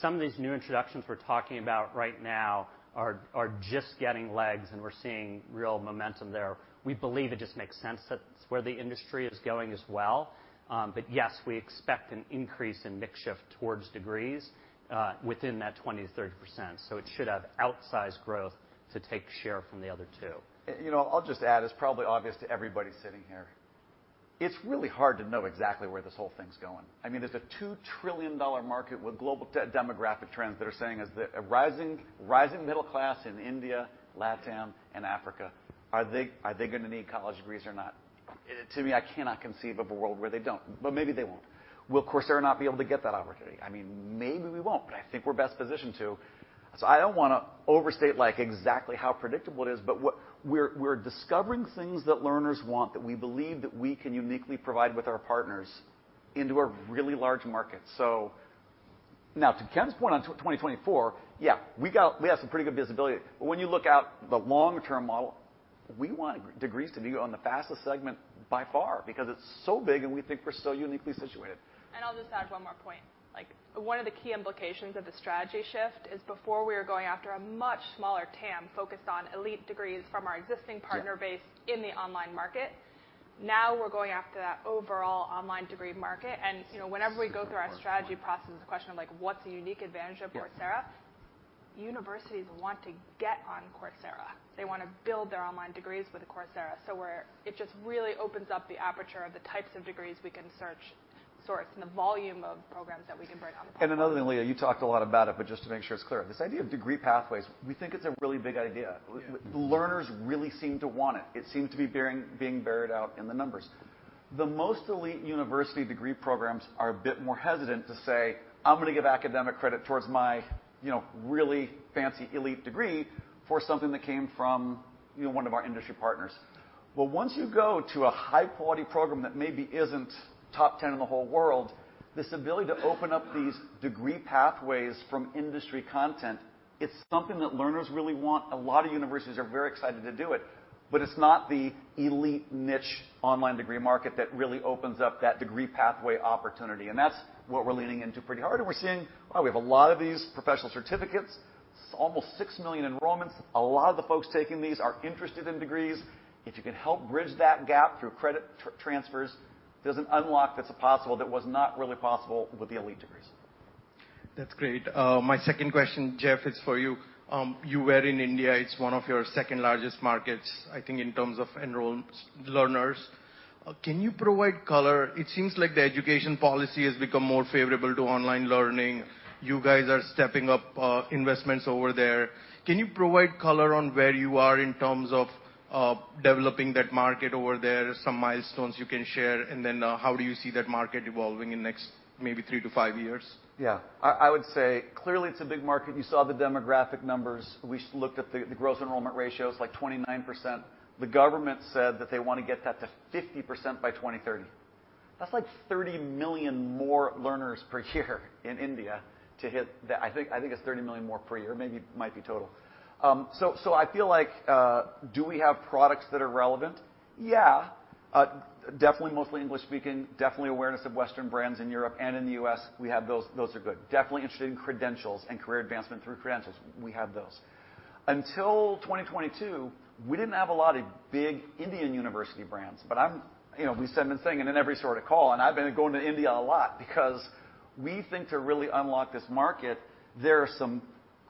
Some of these new introductions we're talking about right now are just getting legs, and we're seeing real momentum there. We believe it just makes sense that it's where the industry is going as well. Yes, we expect an increase in mix shift towards degrees within that 20%-30%. It should have outsized growth to take share from the other two. You know, I'll just add, it's probably obvious to everybody sitting here. It's really hard to know exactly where this whole thing's going. I mean, there's a $2 trillion market with global demographic trends that are saying a rising middle class in India, LatAm, and Africa. Are they gonna need college degrees or not? To me, I cannot conceive of a world where they don't, but maybe they won't. Will Coursera not be able to get that opportunity? I mean, maybe we won't, but I think we're best positioned to. I don't wanna overstate like exactly how predictable it is, but we're discovering things that learners want that we believe that we can uniquely provide with our partners into a really large market. Now to Ken's point on 2024, yeah, we have some pretty good visibility. When you look out the long-term model, we want degrees to be on the fastest segment by far because it's so big and we think we're so uniquely situated. I'll just add one more point. Like, one of the key implications of the strategy shift is before we were going after a much smaller TAM focused on elite degrees from our existing partner base. Yeah. In the online market. Now we're going after that overall online degree market. you know, whenever we go through our strategy process, the question of like, what's the unique advantage of Coursera? Yeah. Universities want to get on Coursera. They wanna build their online degrees with Coursera. It just really opens up the aperture of the types of degrees we can search, source, and the volume of programs that we can bring on the platform. Another thing, Leah, you talked a lot about it, but just to make sure it's clear, this idea of degree pathways, we think it's a really big idea. Yeah. Learners really seem to want it. It seems to be being borne out in the numbers. The most elite university degree programs are a bit more hesitant to say, "I'm gonna give academic credit towards my, you know, really fancy elite degree for something that came from, you know, one of our industry partners." Once you go to a high-quality program that maybe isn't top 10 in the whole world, this ability to open up these degree pathways from industry content, it's something that learners really want. A lot of universities are very excited to do it, but it's not the elite niche online degree market that really opens up that degree pathway opportunity, and that's what we're leaning into pretty hard. We're seeing, wow, we have a lot of these professional certificates. It's almost six million enrollments. A lot of the folks taking these are interested in degrees. If you can help bridge that gap through credit transfers, there's an unlock that's possible that was not really possible with the elite degrees. That's great. My second question, Jeff, it's for you. You were in India. It's one of your second largest markets, I think, in terms of enrollments, learners. Can you provide color? It seems like the education policy has become more favorable to online learning. You guys are stepping up investments over there. Can you provide color on where you are in terms of developing that market over there? Some milestones you can share, and then, how do you see that market evolving in next maybe three to five years? Yeah. I would say clearly it's a big market. You saw the demographic numbers. We looked at the gross enrollment ratio is like 29%. The government said that they wanna get that to 50% by 2030. That's like 30 million more learners per year in India to hit the... I think it's 30 million more per year. Maybe it might be total. I feel like do we have products that are relevant? Yeah. Definitely mostly English-speaking, definitely awareness of Western brands in Europe and in the U.S. We have those. Those are good. Definitely interested in credentials and career advancement through credentials. We have those. Until 2022, we didn't have a lot of big Indian university brands, but I'm... You know, we've been saying it in every sort of call, and I've been going to India a lot because we think to really unlock this market, there are some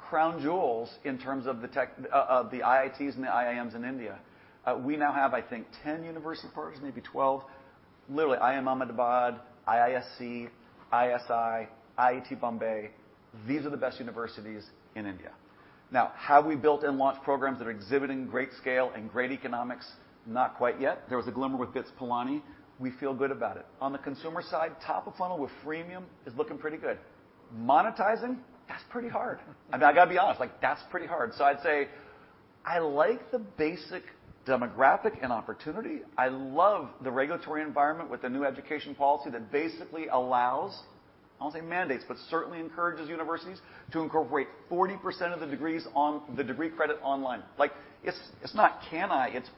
crown jewels in terms of the tech of the IITs and the IIMs in India. We now have, I think, 10 university partners, maybe 12. Literally, IIM Ahmedabad, IISc, ISI, IIT Bombay. These are the best universities in India. Have we built and launched programs that are exhibiting great scale and great economics? Not quite yet. There was a glimmer with BITS Pilani. We feel good about it. On the consumer side, top of funnel with freemium is looking pretty good. Monetizing, that's pretty hard. I gotta be honest, like that's pretty hard. I'd say I like the basic demographic and opportunity. I love the regulatory environment with the new education policy that basically allows, I'll say mandates, but certainly encourages universities to incorporate 40% of the degrees on the degree credit online. Like it's not can I, it's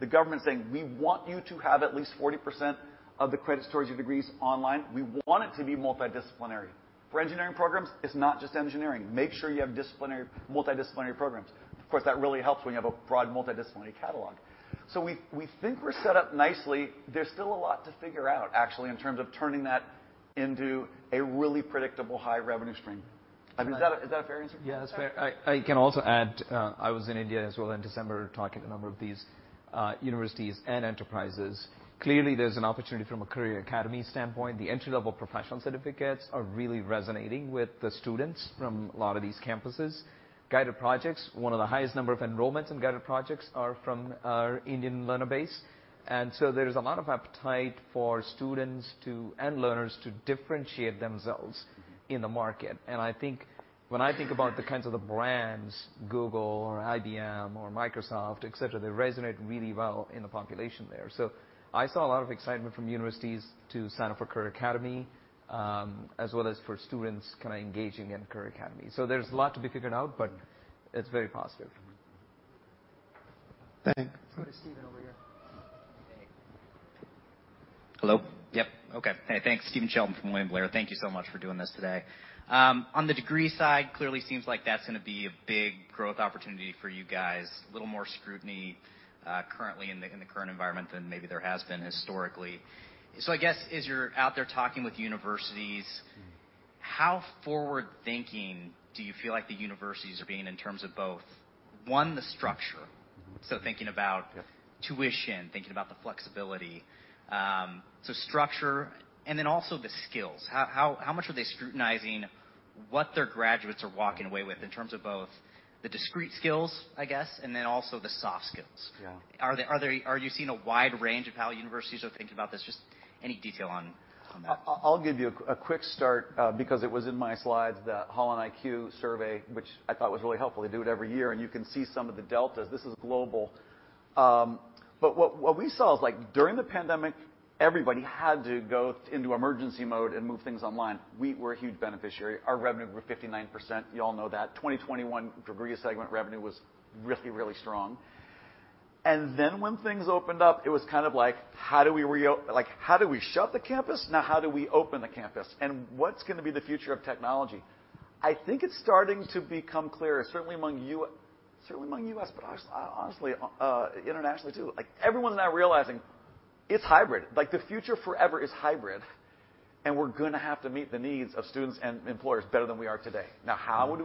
the government saying, "We want you to have at least 40% of the credit towards your degrees online. We want it to be multidisciplinary." For engineering programs, it's not just engineering. Make sure you have multidisciplinary programs. Of course, that really helps when you have a broad multidisciplinary catalog. We think we're set up nicely. There's still a lot to figure out, actually, in terms of turning that into a really predictable high revenue stream. I mean, is that a fair answer? Yeah, that's fair. I can also add, I was in India as well in December, talking to a number of these universities and enterprises. Clearly, there's an opportunity from a Career Academy standpoint. The entry-level professional certificates are really resonating with the students from a lot of these campuses. Guided Projects, one of the highest number of enrollments in Guided Projects are from our Indian learner base. There's a lot of appetite for students to, end learners to differentiate themselves in the market. I think when I think about the kinds of the brands Google or IBM or Microsoft, et cetera, they resonate really well in the population there. I saw a lot of excitement from universities to sign up for Career Academy, as well as for students kinda engaging in Career Academy. There's a lot to be figured out, but it's very positive. Thanks. Let's go to Stephen over here. Hello? Yep. Okay. Hey, thanks. Stephen Sheldon from William Blair. Thank you so much for doing this today. On the degree side, clearly seems like that's gonna be a big growth opportunity for you guys. A little more scrutiny currently in the current environment than maybe there has been historically. I guess as you're out there talking with universities, how forward-thinking do you feel like the universities are being in terms of both, one, the structure. Thinking about tuition, thinking about the flexibility, so structure, and then also the skills. How much are they scrutinizing what their graduates are walking away with in terms of both the discrete skills, I guess, and then also the soft skills? Yeah. Are you seeing a wide range of how universities are thinking about this? Just any detail on that. I'll give you a quick start, because it was in my slides, the HolonIQ survey, which I thought was really helpful. They do it every year, and you can see some of the deltas. This is global. What we saw is, like during the pandemic, everybody had to go into emergency mode and move things online. We were a huge beneficiary. Our revenue grew 59%. Y'all know that. 2021, degree segment revenue was really strong. When things opened up, it was kind of like, how do we shut the campus? Now, how do we open the campus? What's gonna be the future of technology? I think it's starting to become clear, certainly among U.S., but honestly, internationally too. Like, everyone's now realizing it's hybrid. Like, the future forever is hybrid, we're gonna have to meet the needs of students and employers better than we are today. How do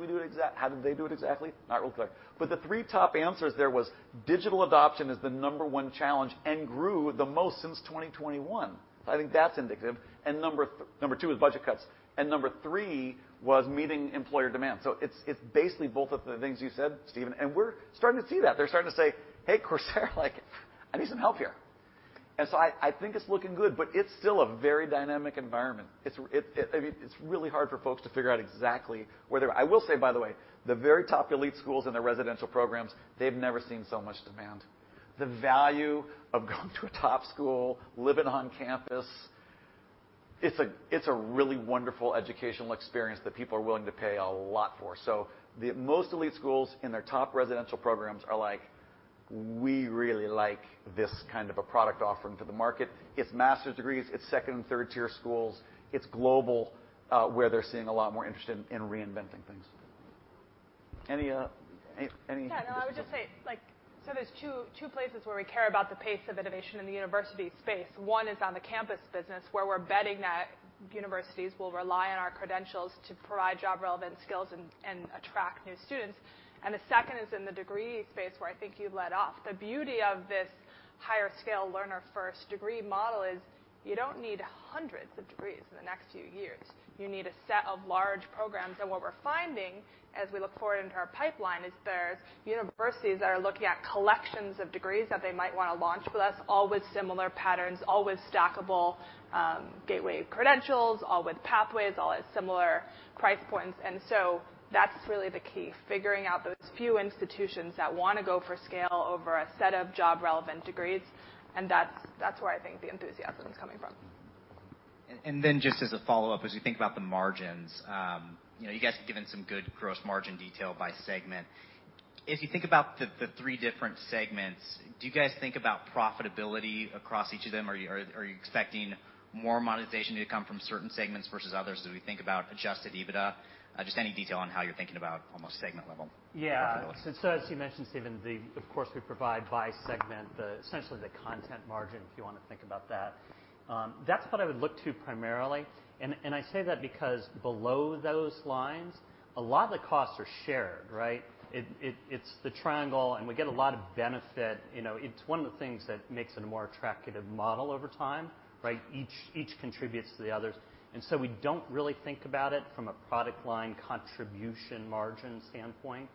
they do it exactly? Not real clear. The three top answers there was digital adoption is the number one challenge and grew the most since 2021. I think that's indicative. Number two was budget cuts, number three was meeting employer demand. It's basically both of the things you said, Stephen, we're starting to see that. They're starting to say, "Hey, Coursera," like, "I need some help here." I think it's looking good, it's still a very dynamic environment. It's, I mean, it's really hard for folks to figure out exactly whether... I will say, by the way, the very top elite schools and their residential programs, they've never seen so much demand. The value of going to a top school, living on campus, it's a really wonderful educational experience that people are willing to pay a lot for. The most elite schools in their top residential programs are like, "We really like this kind of a product offering to the market." It's master's degrees, it's second and third-tier schools, it's global, where they're seeing a lot more interest in reinventing things. Any. Yeah, no, I would just say, like, there's two places where we care about the pace of innovation in the university space. One is on the campus business, where we're betting that universities will rely on our credentials to provide job-relevant skills and attract new students. The second is in the degree space, where I think you led off. The beauty of this higher scale learner first degree model is you don't need hundreds of degrees in the next few years. You need a set of large programs. What we're finding as we look forward into our pipeline is there's universities that are looking at collections of degrees that they might wanna launch with us, all with similar patterns, all with stackable, gateway credentials, all with pathways, all at similar price points. That's really the key, figuring out those few institutions that wanna go for scale over a set of job-relevant degrees, that's where I think the enthusiasm is coming from. Then just as a follow-up, as you think about the margins, you know, you guys have given some good gross margin detail by segment. If you think about the three different segments, do you guys think about profitability across each of them? Are you expecting more monetization to come from certain segments versus others as we think about Adjusted EBITDA? Just any detail on how you're thinking about almost segments. Yeah. As you mentioned, Stephen, of course, we provide by segment the, essentially the content margin, if you wanna think about that. That's what I would look to primarily. I say that because below those lines, a lot of the costs are shared, right? It's the triangle, and we get a lot of benefit. You know, it's one of the things that makes it a more attractive model over time, right? Each contributes to the others. We don't really think about it from a product line contribution margin standpoint.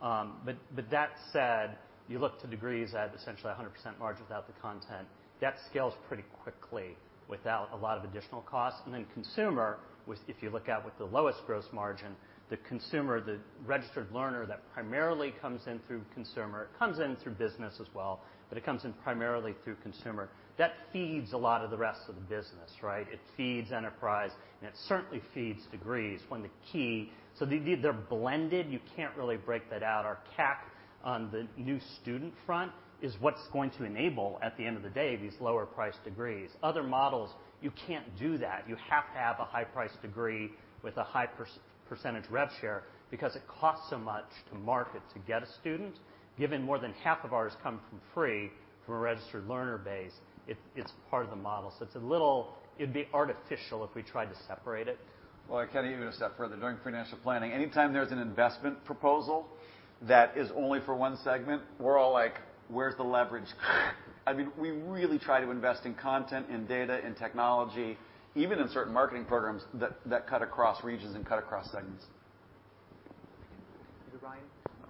That said, you look to degrees at essentially a 100% margin without the content. That scales pretty quickly without a lot of additional costs. Consumer, which if you look at with the lowest gross margin, the consumer, the registered learner that primarily comes in through consumer, comes in through business as well, but it comes in primarily through consumer, that feeds a lot of the rest of the business, right? It feeds enterprise, and it certainly feeds degrees when the key... They're blended. You can't really break that out. Our CAC on the new student front is what's going to enable, at the end of the day, these lower priced degrees. Other models, you can't do that. You have to have a high priced degree with a high percentage rev share because it costs so much to market to get a student. Given more than half of ours come from free from a registered learner base, it's part of the model. It's a little... It'd be artificial if we tried to separate it. Well, I can even a step further. During financial planning, anytime there's an investment proposal that is only for one segment, we're all like, "Where's the leverage?" I mean, we really try to invest in content and data and technology, even in certain marketing programs that cut across regions and cut across segments. Ryan.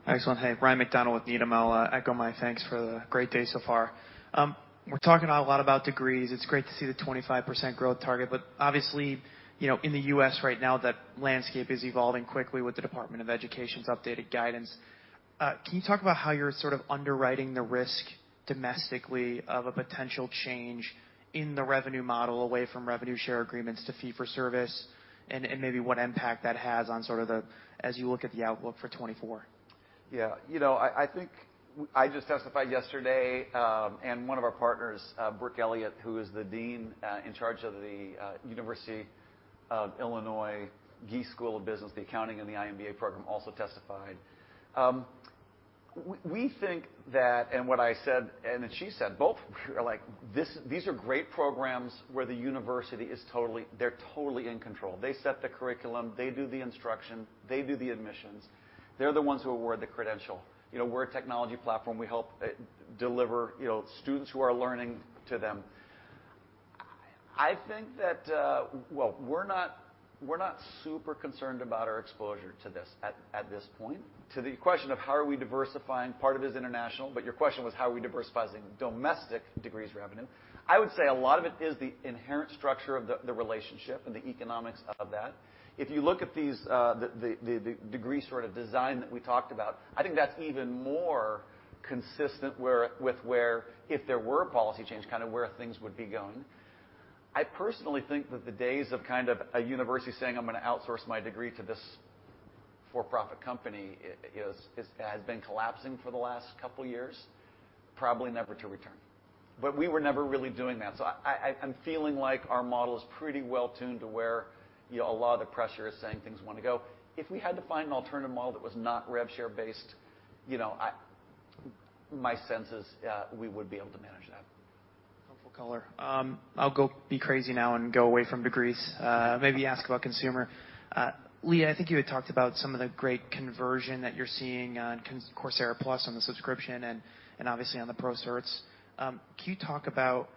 Excellent. Hey, Ryan MacDonald with Needham & Company. Echo my thanks for the great day so far. We're talking a lot about degrees. It's great to see the 25% growth target. Obviously, you know, in the U.S. right now, that landscape is evolving quickly with the Department of Education's updated guidance. Can you talk about how you're sort of underwriting the risk domestically of a potential change in the revenue model away from revenue share agreements to fee for service, and maybe what impact that has on sort of the as you look at the outlook for 2024? Yeah. You know, I think I just testified yesterday. One of our partners, Brooke Elliott, who is the dean in charge of the University of Illinois Gies College of Business, the accounting and the iMBA program, also testified. We think that what I said, what she said, both are like this, these are great programs where the university is totally, they're totally in control. They set the curriculum, they do the instruction, they do the admissions. They're the ones who award the credential. You know, we're a technology platform. We help deliver, you know, students who are learning to them. I think that, well, we're not super concerned about our exposure to this at this point. To the question of how are we diversifying, part of it is international, but your question was how are we diversifying domestic degrees revenue. I would say a lot of it is the inherent structure of the relationship and the economics of that. If you look at these, the degree sort of design that we talked about, I think that's even more consistent where, with where if there were a policy change, kinda where things would be going. I personally think that the days of kind of a university saying, "I'm gonna outsource my degree to this for-profit company" is, has been collapsing for the last couple years, probably never to return. We were never really doing that. I'm feeling like our model is pretty well tuned to where, you know, a lot of the pressure is saying things wanna go. If we had to find an alternative model that was not rev share based, you know, my sense is we would be able to manage that. Comfort color. I'll go be crazy now and go away from degrees. Maybe ask about consumer. Leah, I think you had talked about some of the great conversion that you're seeing on Coursera Plus on the subscription and obviously on the pro certs. Can you talk about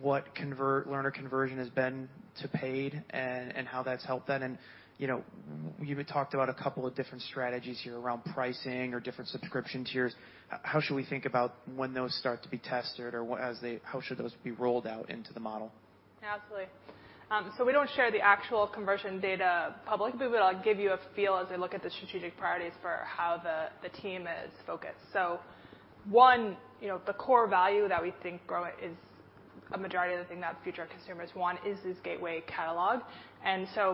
what learner conversion has been to paid and how that's helped then? You know, you talked about a couple of different strategies here around pricing or different subscription tiers. How should we think about when those start to be tested or as they, how should those be rolled out into the model? Absolutely. We don't share the actual conversion data publicly, but I'll give you a feel as I look at the strategic priorities for how the team is focused. One, you know, the core value that we think is a majority of the thing that future consumers want is this gateway catalog.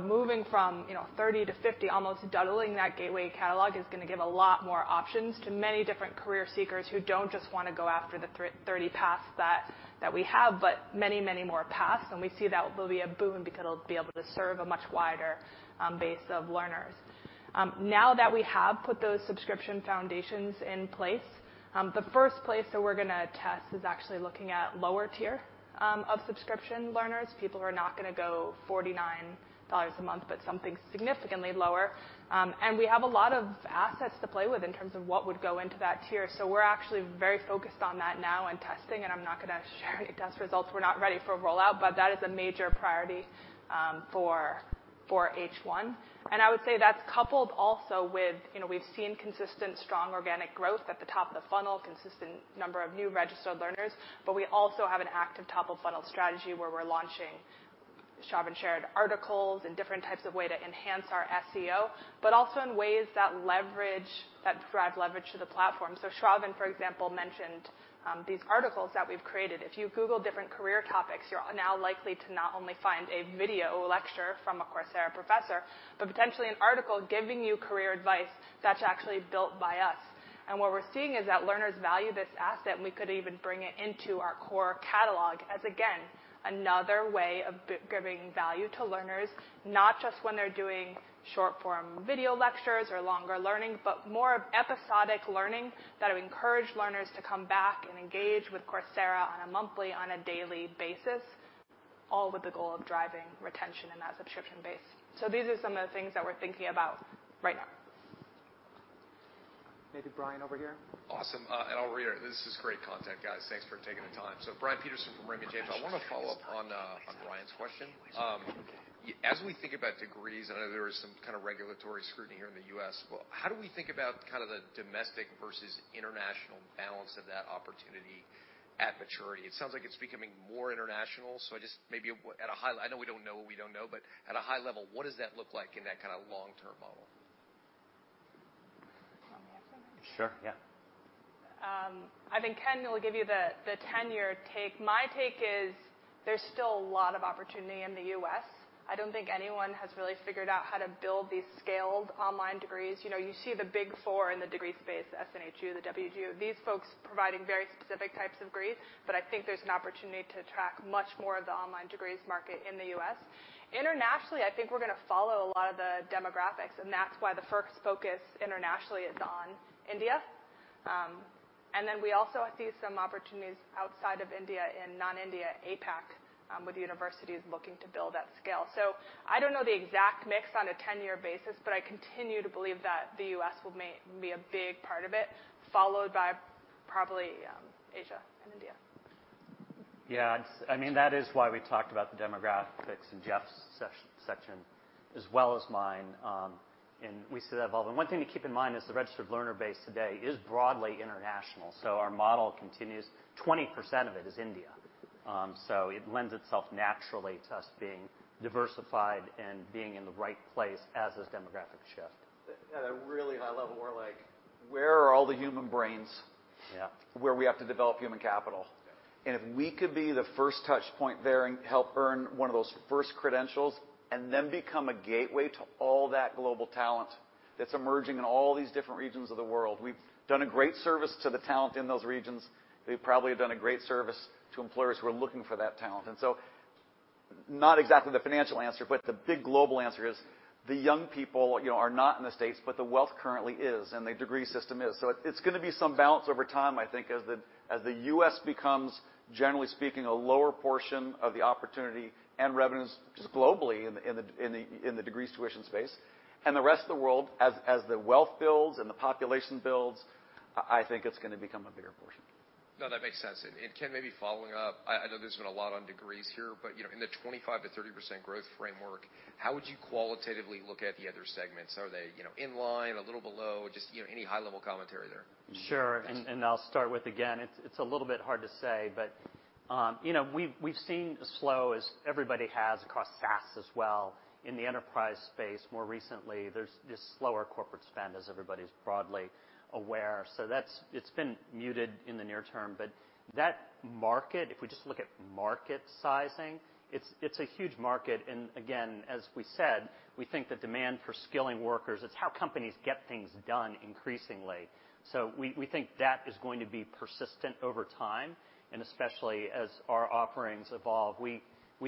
Moving from, you know, 30 to 50, almost doubling that gateway catalog is gonna give a lot more options to many different career seekers who don't just wanna go after the 30 paths that we have, but many, many more paths. We see that will be a boon because it'll be able to serve a much wider base of learners. Now that we have put those subscription foundations in place, the first place that we're gonna test is actually looking at lower tier of subscription learners, people who are not gonna go $49 a month, but something significantly lower. We have a lot of assets to play with in terms of what would go into that tier. We're actually very focused on that now and testing, and I'm not gonna share any test results. We're not ready for rollout, but that is a major priority for H1. I would say that's coupled also with, you know, we've seen consistent strong organic growth at the top of the funnel, consistent number of new registered learners, but we also have an active top of funnel strategy where we're launching Shravan shared articles and different types of way to enhance our SEO, but also in ways that leverage, that drive leverage to the platform. Shravan, for example, mentioned these articles that we've created. If you Google different career topics, you're now likely to not only find a video lecture from a Coursera professor, but potentially an article giving you career advice that's actually built by us. What we're seeing is that learners value this asset, and we could even bring it into our core catalog as, again, another way of giving value to learners, not just when they're doing short-form video lectures or longer learning, but more of episodic learning that'll encourage learners to come back and engage with Coursera on a monthly, on a daily basis, all with the goal of driving retention in that subscription base. These are some of the things that we're thinking about right now. Maybe Brian over here. Awesome. I'll read it. This is great content, guys. Thanks for taking the time. Brian Peterson from Raymond James. I wanna follow up on Ryan's question. As we think about degrees, I know there is some kinda regulatory scrutiny here in the U.S. How do we think about kind of the domestic versus international balance of that opportunity at maturity? It sounds like it's becoming more international. I know we don't know what we don't know, but at a high level, what does that look like in that kinda long-term model? You want me to answer that? Sure, yeah. I think Ken will give you the 10-year take. My take is there's still a lot of opportunity in the U.S. I don't think anyone has really figured out how to build these scaled online degrees. You know, you see the big four in the degree space, SNHU, the WGU, these folks providing very specific types of degrees. I think there's an opportunity to attract much more of the online degrees market in the U.S. Internationally, I think we're gonna follow a lot of the demographics, and that's why the first focus internationally is on India. We also see some opportunities outside of India in non-India APAC with universities looking to build at scale. I don't know the exact mix on a 10-year basis, but I continue to believe that the U.S. will be a big part of it, followed by probably, Asia and India. I mean, that is why we talked about the demographics in Jeff's section as well as mine. We see that evolving. One thing to keep in mind is the registered learner base today is broadly international. Our model continues. 20% of it is India. It lends itself naturally to us being diversified and being in the right place as those demographics shift. At a really high level, more like where are all the human brains. Yeah. Where we have to develop human capital. Yeah. If we could be the first touch point there and help earn one of those first credentials become a gateway to all that global talent that's emerging in all these different regions of the world, we've done a great service to the talent in those regions. We've probably done a great service to employers who are looking for that talent. Not exactly the financial answer, but the big global answer is the young people, you know, are not in the States, but the wealth currently is, and the degree system is. It's gonna be some balance over time, I think, as the U.S. becomes, generally speaking, a lower portion of the opportunity and revenues just globally in the degrees tuition space. The rest of the world, as the wealth builds and the population builds, I think it's gonna become a bigger portion. No, that makes sense. Ken, maybe following up. I know there's been a lot on degrees here, but, you know, in the 25%-30% growth framework, how would you qualitatively look at the other segments? Are they, you know, in line, a little below? Just, you know, any high-level commentary there. Sure. I'll start with, again, it's a little bit hard to say, but, you know, we've seen a slow as everybody has across SaaS as well in the enterprise space. More recently, there's just slower corporate spend, as everybody's broadly aware. That's been muted in the near term. That market, if we just look at market sizing, it's a huge market. Again, as we said, we think the demand for skilling workers, it's how companies get things done increasingly. We think that is going to be persistent over time, and especially as our offerings evolve. We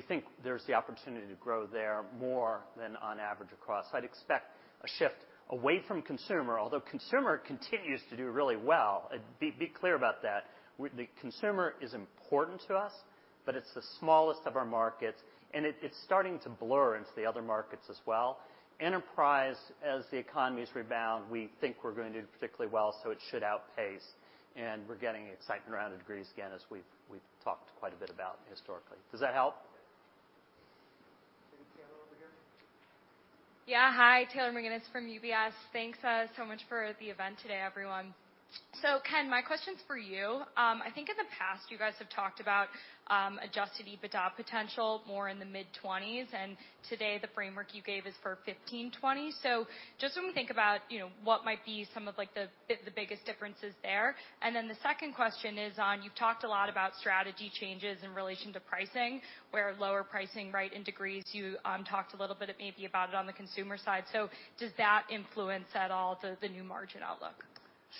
think there's the opportunity to grow there more than on average across. I'd expect a shift away from consumer. Although consumer continues to do really well. Be clear about that. The consumer is important to us. It's the smallest of our markets. It's starting to blur into the other markets as well. Enterprise, as the economies rebound, we think we're gonna do particularly well. It should outpace. We're getting excitement around degrees again as we've talked quite a bit about historically. Does that help? We'll take Taylor over here. Hi, Taylor McGinnis from UBS. Thanks so much for the event today, everyone. Ken, my question's for you. I think in the past you guys have talked about Adjusted EBITDA potential more in the mid-20s, and today the framework you gave is for 15%-20%. Just when we think about, you know, what might be some of like the biggest differences there. The second question is on, you've talked a lot about strategy changes in relation to pricing, where lower pricing, right, in degrees, you talked a little bit maybe about it on the consumer side. Does that influence at all the new margin outlook?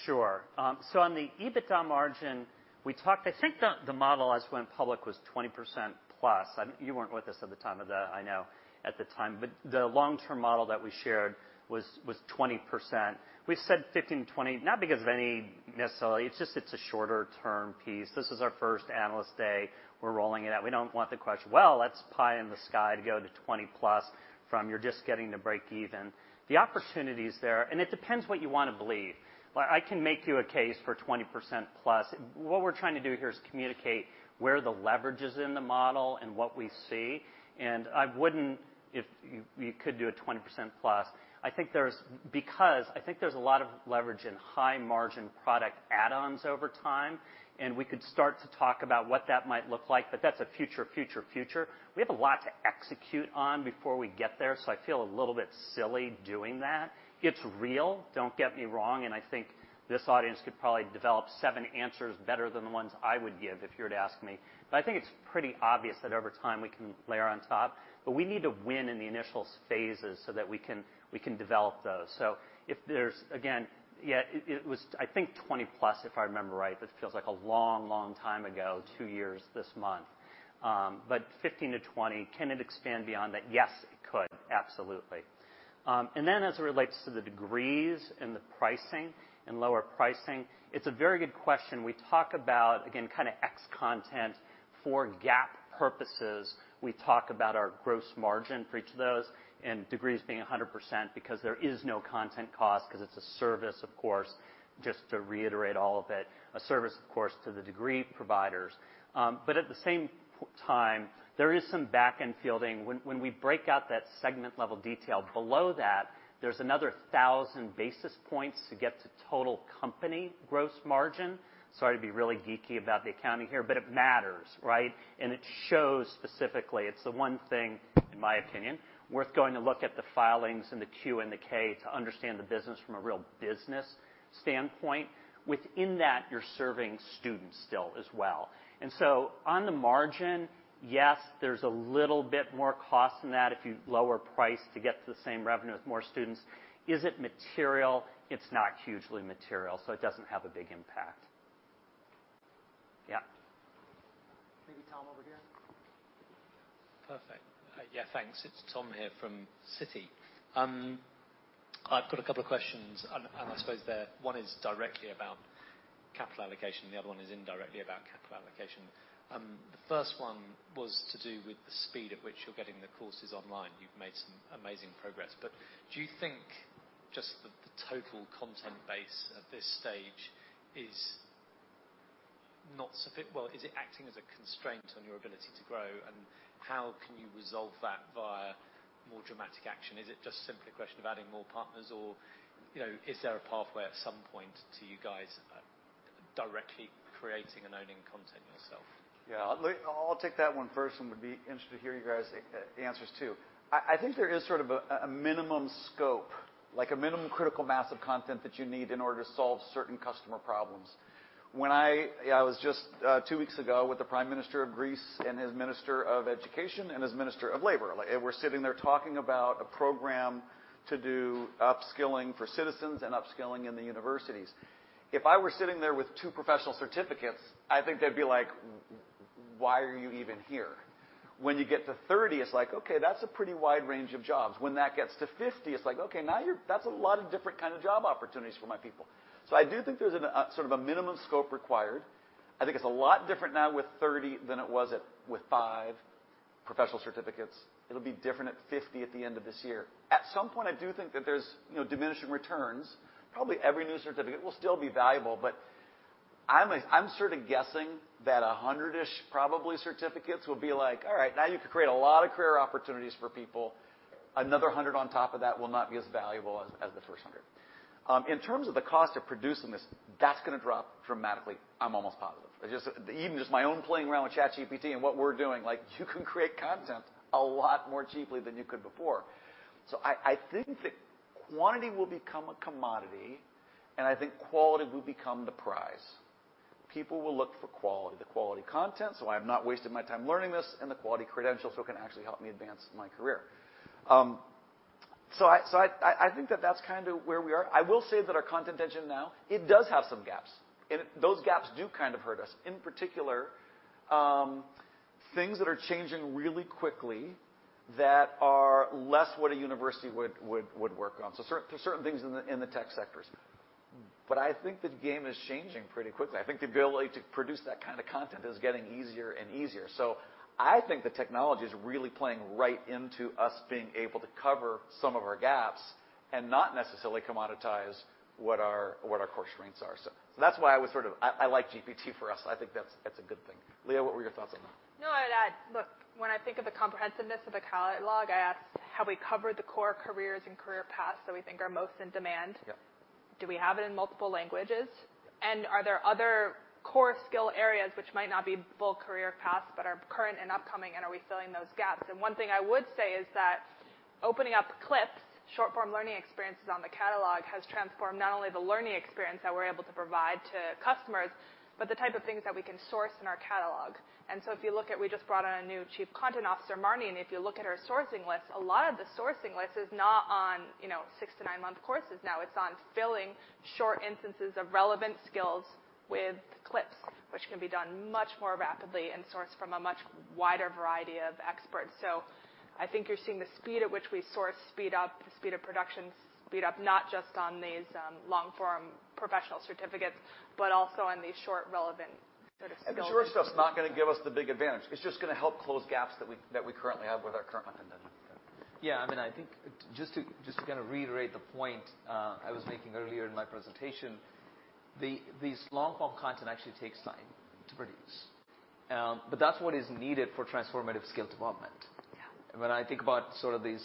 Sure. On the EBITDA margin, I think the model as it went public was +20%. You weren't with us at the time. The long-term model that we shared was 20%. We've said 15%, 20%, not because of any necessarily, it's just it's a shorter-term piece. This is our first Analyst Day. We're rolling it out. We don't want the question, "Well, that's pie in the sky to go to +20% from you're just getting to break even." The opportunity is there, it depends what you wanna believe. Well, I can make you a case for +20%. What we're trying to do here is communicate where the leverage is in the model and what we see. I wouldn't if you could do a +20%. I think there's a lot of leverage in high-margin product add-ons over time. We could start to talk about what that might look like, that's a future, future. We have a lot to execute on before we get there. I feel a little bit silly doing that. It's real, don't get me wrong. I think this audience could probably develop seven answers better than the ones I would give if you were to ask me. I think it's pretty obvious that over time we can layer on top. We need to win in the initial phases so that we can develop those. If there's, again, yeah, it was I think +20%, if I remember right. It feels like a long, long time ago, two years this month. 15%-20%, can it expand beyond that? Yes, it could. Absolutely. As it relates to the degrees and the pricing and lower pricing, it's a very good question. We talk about, again, kinda ex content for GAAP purposes. We talk about our gross margin for each of those and degrees being 100% because there is no content cost 'cause it's a service, of course, just to reiterate all of it. A service, of course, to the degree providers. At the same time, there is some back-end fielding. When we break out that segment-level detail below that, there's another 1,000 basis points to get to total company gross margin. Sorry to be really geeky about the accounting here, it matters, right? It shows specifically. It's the one thing, in my opinion, worth going to look at the filings and the Q and the K to understand the business from a real business standpoint. Within that, you're serving students still as well. On the margin, yes, there's a little bit more cost than that if you lower price to get to the same revenue with more students. Is it material? It's not hugely material, so it doesn't have a big impact. Yeah. Maybe Tom over here. Perfect. Yeah, thanks. It's Tom here from Citi. I've got a couple of questions. I suppose one is directly about capital allocation, the other one is indirectly about capital allocation. The first one was to do with the speed at which you're getting the courses online. You've made some amazing progress. Do you think just the total content base at this stage is not Well, is it acting as a constraint on your ability to grow, and how can you resolve that via more dramatic action? Is it just simply a question of adding more partners or, you know, is there a pathway at some point to you guys, directly creating and owning content yourself? Yeah. Let I'll take that one first and would be interested to hear you guys, the answers too. I think there is sort of a minimum scope, like a minimum critical mass of content that you need in order to solve certain customer problems. When I. Yeah, I was just two weeks ago, with the Prime Minister of Greece and his Minister of Education and his Minister of Labor. Like, we're sitting there talking about a program to do upskilling for citizens and upskilling in the universities. If I were sitting there with two professional certificates, I think they'd be like, "Why are you even here?" When you get to 30, it's like, "Okay, that's a pretty wide range of jobs." When that gets to 50, it's like, "Okay, now that's a lot of different kinda job opportunities for my people." I do think there's a sort of a minimum scope required. I think it's a lot different now with 30 than it was at, with five professional certificates. It'll be different at 50 at the end of this year. At some point, I do think that there's, you know, diminishing returns. Probably every new certificate will still be valuable, but I'm sorta guessing that a 100-ish probably certificates will be like, all right, now you can create a lot of career opportunities for people. Another 100 on top of that will not be as valuable as the first 100. In terms of the cost of producing this, that's gonna drop dramatically. I'm almost positive. Just even just my own playing around with ChatGPT and what we're doing, like, you can create content a lot more cheaply than you could before. I think that quantity will become a commodity, and I think quality will become the prize. People will look for quality, the quality content, so I'm not wasting my time learning this, and the quality credentials so it can actually help me advance my career. I think that that's kind of where we are. I will say that our content engine now, it does have some gaps, and those gaps do kind of hurt us. In particular, things that are changing really quickly that are less what a university would work on. Certain things in the tech sectors. I think the game is changing pretty quickly. I think the ability to produce that kind of content is getting easier and easier. I think the technology is really playing right into us being able to cover some of our gaps and not necessarily commoditize what our core strengths are. That's why I like GPT for us. I think that's a good thing. Leah, what were your thoughts on that? I'd add. Look, when I think of the comprehensiveness of a catalog, I ask, have we covered the core careers and career paths that we think are most in demand? Yeah. Do we have it in multiple languages? Are there other core skill areas which might not be full career paths but are current and upcoming, and are we filling those gaps? One thing I would say is that opening up Clips, short-form learning experiences on the catalog, has transformed not only the learning experience that we're able to provide to customers, but the type of things that we can source in our catalog. So if you look at, we just brought on a new Chief Content Officer, Marnie, and if you look at her sourcing list, a lot of the sourcing list is not on, you know, six to nine month courses now. It's on filling short instances of relevant skills with Clips, which can be done much more rapidly and sourced from a much wider variety of experts. I think you're seeing the speed at which we source speed up, the speed of production speed up, not just on these long-form professional certificates, but also on these short relevant sort of skills-. The short stuff's not gonna give us the big advantage. It's just gonna help close gaps that we currently have with our current content. Yeah. Yeah. I mean, I think just to kinda reiterate the point, I was making earlier in my presentation, these long-form content actually takes time to produce. That's what is needed for transformative skill development. Yeah. When I think about sort of these,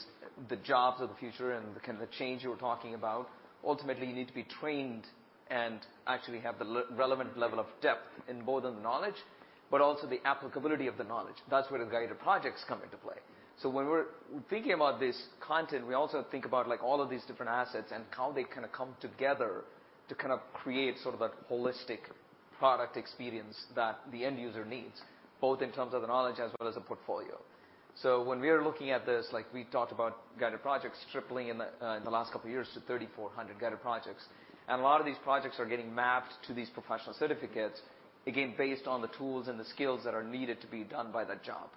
the jobs of the future and the kinda change you were talking about, ultimately, you need to be trained and actually have the relevant level of depth in both the knowledge but also the applicability of the knowledge. That's where the Guided Projects come into play. When we're thinking about this content, we also think about, like, all of these different assets and how they kinda come together to kind of create sort of that holistic product experience that the end user needs, both in terms of the knowledge as well as the portfolio. When we are looking at this, like we talked about Guided Projects tripling in the last couple of years to 3,400 Guided Projects, and a lot of these projects are getting mapped to these Professional Certificates, again, based on the tools and the skills that are needed to be done by that job.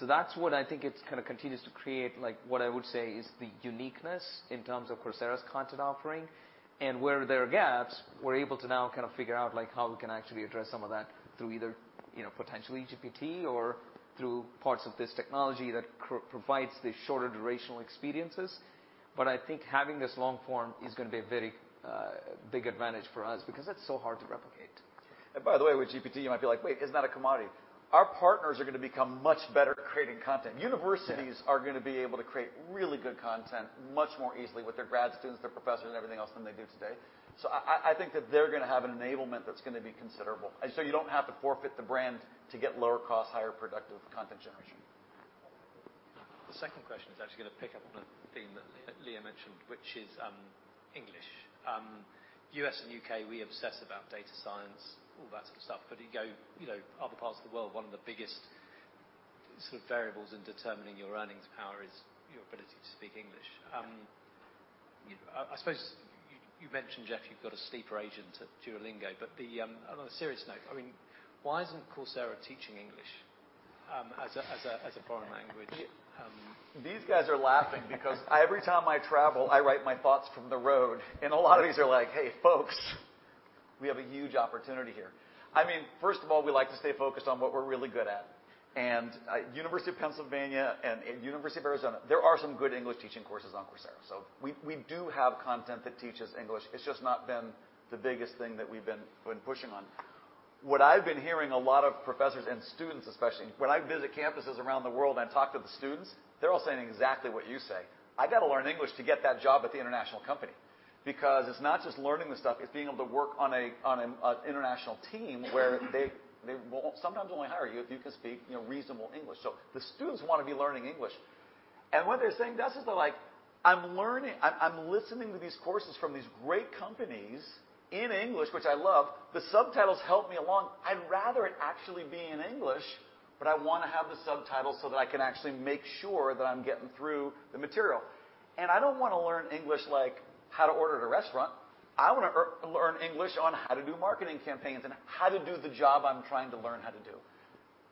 That's what I think it's kinda continues to create, like, what I would say is the uniqueness in terms of Coursera's content offering. Where there are gaps, we're able to now kind of figure out, like, how we can actually address some of that through either, you know, potentially GPT or through parts of this technology that provides the shorter durational experiences. I think having this long form is gonna be a very big advantage for us because that's so hard to replicate. By the way, with GPT, you might be like, "Wait, isn't that a commodity?" Our partners are gonna become much better at creating content. Yeah. Universities are gonna be able to create really good content much more easily with their grad students, their professors, and everything else than they do today. I think that they're gonna have an enablement that's gonna be considerable. You don't have to forfeit the brand to get lower cost, higher productive content generation. The second question is actually gonna pick up on a thing that Leah mentioned, which is, English. U.S. and U.K., we obsess about data science, all that sort of stuff. You go, you know, other parts of the world, one of the biggest sort of variables in determining your earnings power is your ability to speak English. I suppose you mentioned, Jeff, you've got a sleeper agent at Duolingo. On a serious note, I mean, why isn't Coursera teaching English as a foreign language? These guys are laughing because every time I travel, I write my thoughts from the road, and a lot of these are like, "Hey, folks, we have a huge opportunity here." I mean, first of all, we like to stay focused on what we're really good at. University of Pennsylvania and University of Arizona, there are some good English teaching courses on Coursera. We do have content that teaches English. It's just not been the biggest thing that we've been pushing on. What I've been hearing a lot of professors and students, especially, when I visit campuses around the world and talk to the students, they're all saying exactly what you say. I gotta learn English to get that job at the international company. It's not just learning the stuff, it's being able to work on an international team where they won't sometimes only hire you if you can speak, you know, reasonable English. The students wanna be learning English. What they're saying to us is they're like, "I'm listening to these courses from these great companies in English, which I love. The subtitles help me along. I'd rather it actually be in English, but I wanna have the subtitles so that I can actually make sure that I'm getting through the material. I don't wanna learn English, like how to order at a restaurant. I wanna learn English on how to do marketing campaigns and how to do the job I'm trying to learn how to do."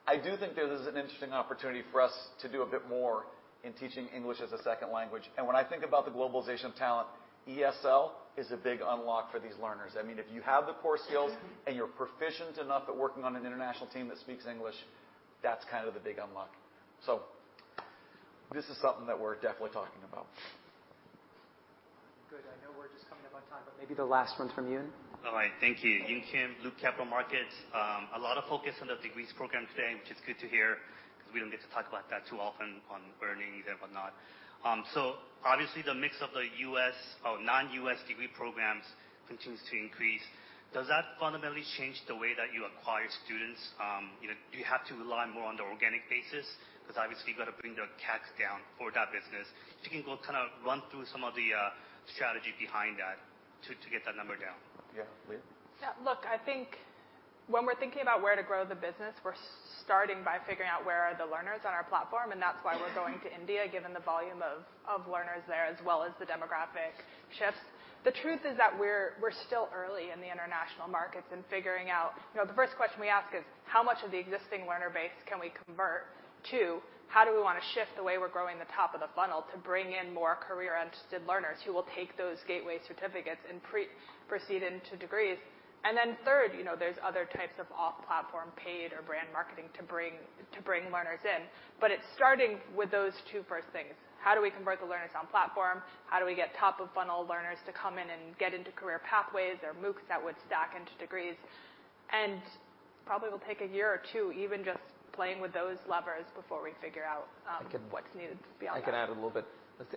I do think there is an interesting opportunity for us to do a bit more in teaching English as a second language. When I think about the globalization of talent, ESL is a big unlock for these learners. I mean, if you have the core skills and you're proficient enough at working on an international team that speaks English, that's kind of the big unlock. This is something that we're definitely talking about. Good. I know we're just coming up on time, but maybe the last one from you. All right. Thank you. Yun Kim, Loop Capital Markets. A lot of focus on the degrees program today, which is good to hear 'cause we don't get to talk about that too often on earnings and whatnot. Obviously, the mix of the U.S. or non-U.S. degree programs continues to increase. Does that fundamentally change the way that you acquire students? You know, do you have to rely more on the organic basis? 'Cause obviously you've got to bring the CAC down for that business. If you can go kind of run through some of the strategy behind that to get that number down? Yeah. Leah? Yeah. Look, I think when we're thinking about where to grow the business, we're starting by figuring out where are the learners on our platform, and that's why we're going to India, given the volume of learners there, as well as the demographic shifts. The truth is that we're still early in the international markets and figuring out. You know, the first question we ask is: how much of the existing learner base can we convert to how do we wanna shift the way we're growing the top of the funnel to bring in more career-interested learners who will take those gateway certificates and proceed into degrees? Third, you know, there's other types of off-platform paid or brand marketing to bring learners in. It's starting with those two first things. How do we convert the learners on platform? How do we get top of funnel learners to come in and get into career pathways or MOOCs that would stack into degrees? Probably will take a year or two even just playing with those levers before we figure out, what's needed. I can- beyond that. I can add a little bit.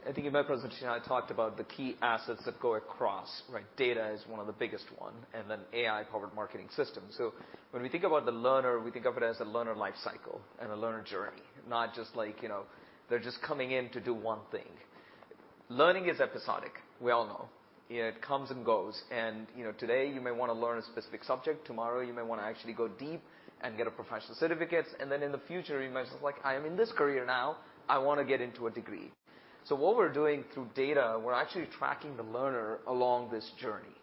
I think in my presentation, I talked about the key assets that go across, right? Data is one of the biggest one, and then AI-powered marketing system. When we think about the learner, we think of it as a learner life cycle and a learner journey, not just like, you know, they're just coming in to do one thing. Learning is episodic, we all know. It comes and goes. You know, today you may wanna learn a specific subject, tomorrow you may wanna actually go deep and get a professional certificate, and then in the future you might say like, "I am in this career now, I wanna get into a degree." What we're doing through data, we're actually tracking the learner along this journey,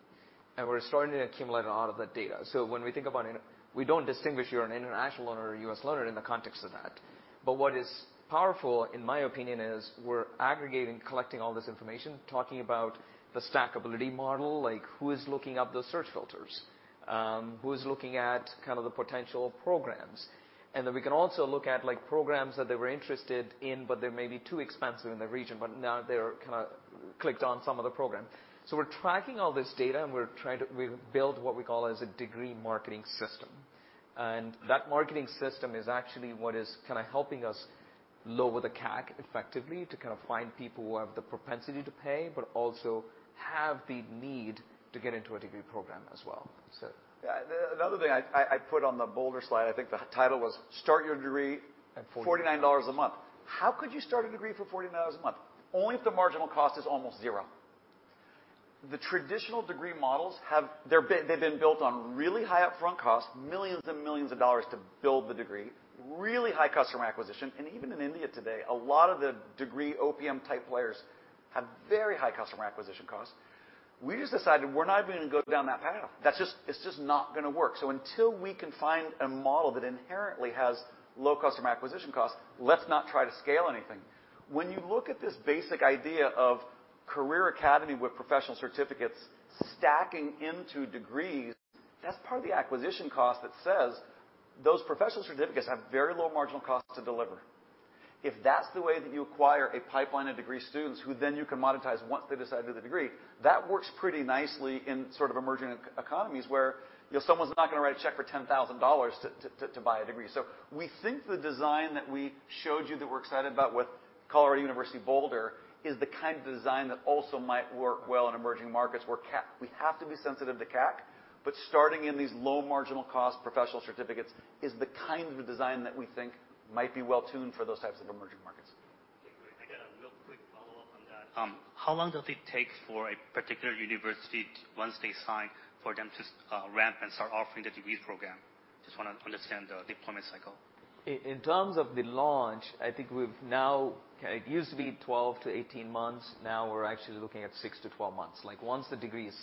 and we're starting to accumulate a lot of that data. When we think about it, we don't distinguish you're an international learner or a U.S. learner in the context of that. What is powerful, in my opinion, is we're aggregating, collecting all this information, talking about the stackability model, like who is looking up the search filters, who is looking at kind of the potential programs. We can also look at like programs that they were interested in, but they may be too expensive in their region, but now they're kinda clicked on some of the program. We're tracking all this data and we've built what we call as a degree marketing system. That marketing system is actually what is kind of helping us lower the CAC effectively to kind of find people who have the propensity to pay, but also have the need to get into a degree program as well. Yeah. The other thing I put on the bolder slide, I think the title was start your degree at $49 a month. How could you start a degree for $49 a month? Only if the marginal cost is almost zero. The traditional degree models have been built on really high upfront costs, millions and millions of dollars to build the degree, really high customer acquisition. Even in India today, a lot of the degree OPM type players have very high customer acquisition costs. We just decided we're not even gonna go down that path. It's just not gonna work. Until we can find a model that inherently has low customer acquisition costs, let's not try to scale anything. When you look at this basic idea of Career Academy with Professional Certificates stacking into degrees, that's part of the acquisition cost that says those Professional Certificates have very low marginal costs to deliver. If that's the way that you acquire a pipeline of degree students who then you can monetize once they decide to do the degree, that works pretty nicely in sort of emerging economies where, you know, someone's not gonna write a check for $10,000 to buy a degree. We think the design that we showed you that we're excited about with University of Colorado Boulder is the kind of design that also might work well in emerging markets where we have to be sensitive to CAC, but starting in these low marginal cost professional certificates is the kind of design that we think might be well-tuned for those types of emerging markets. Okay, great. I got a real quick follow-up on that. How long does it take for a particular university, once they sign, for them to ramp and start offering the degree program? Just wanna understand the deployment cycle. In terms of the launch, I think we've now... It used to be 12 to 18 months. Now we're actually looking at six to 12 months. Like, once the degree is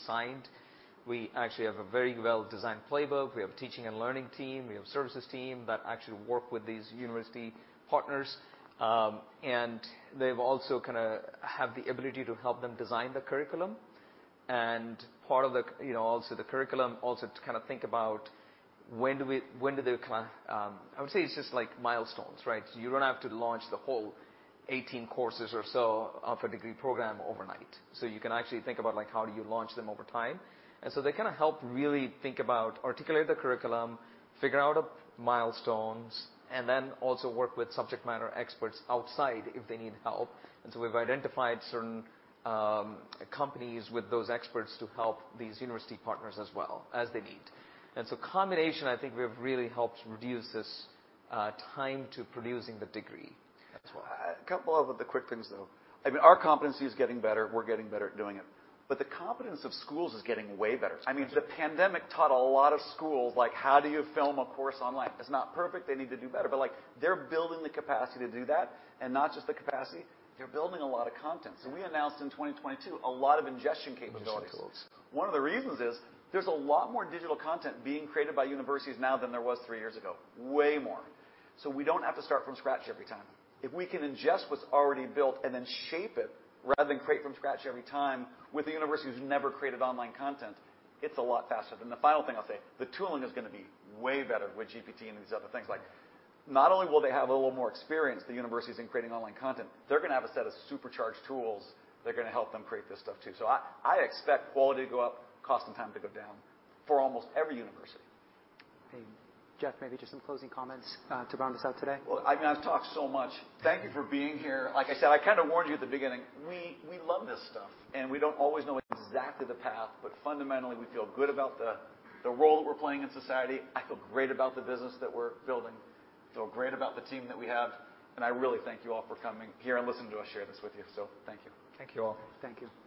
signed, we actually have a very well-designed playbook. We have a teaching and learning team, we have services team that actually work with these university partners. They've also kinda have the ability to help them design the curriculum. Part of the, you know, also the curriculum, also to kinda think about when do they kinda... I would say it's just like milestones, right? You don't have to launch the whole 18 courses or so of a degree program overnight. You can actually think about, like, how do you launch them over time. They kinda help really think about articulate the curriculum, figure out milestones, and then also work with subject matter experts outside if they need help. We've identified certain companies with those experts to help these university partners as well, as they need. Combination, I think we've really helped reduce this time to producing the degree as well. A couple of other quick things, though. I mean, our competency is getting better. We're getting better at doing it. The competence of schools is getting way better. I mean, the pandemic taught a lot of schools, like, how do you film a course online? It's not perfect. They need to do better. Like, they're building the capacity to do that, and not just the capacity, they're building a lot of content. We announced in 2022 a lot of ingestion capabilities. Ingestion tools. One of the reasons is there's a lot more digital content being created by universities now than there was three years ago. Way more. We don't have to start from scratch every time. If we can ingest what's already built and then shape it rather than create from scratch every time with a university who's never created online content, it's a lot faster. The final thing I'll say, the tooling is gonna be way better with GPT and these other things. Like, not only will they have a little more experience, the universities, in creating online content, they're gonna have a set of supercharged tools that are gonna help them create this stuff too. I expect quality to go up, cost and time to go down for almost every university. Hey, Jeff, maybe just some closing comments, to round us out today. Well, I mean, I've talked so much. Thank you for being here. Like I said, I kinda warned you at the beginning, we love this stuff, and we don't always know exactly the path, but fundamentally, we feel good about the role that we're playing in society. I feel great about the business that we're building. Feel great about the team that we have, and I really thank you all for coming here and listening to us share this with you. Thank you. Thank you all. Thank you.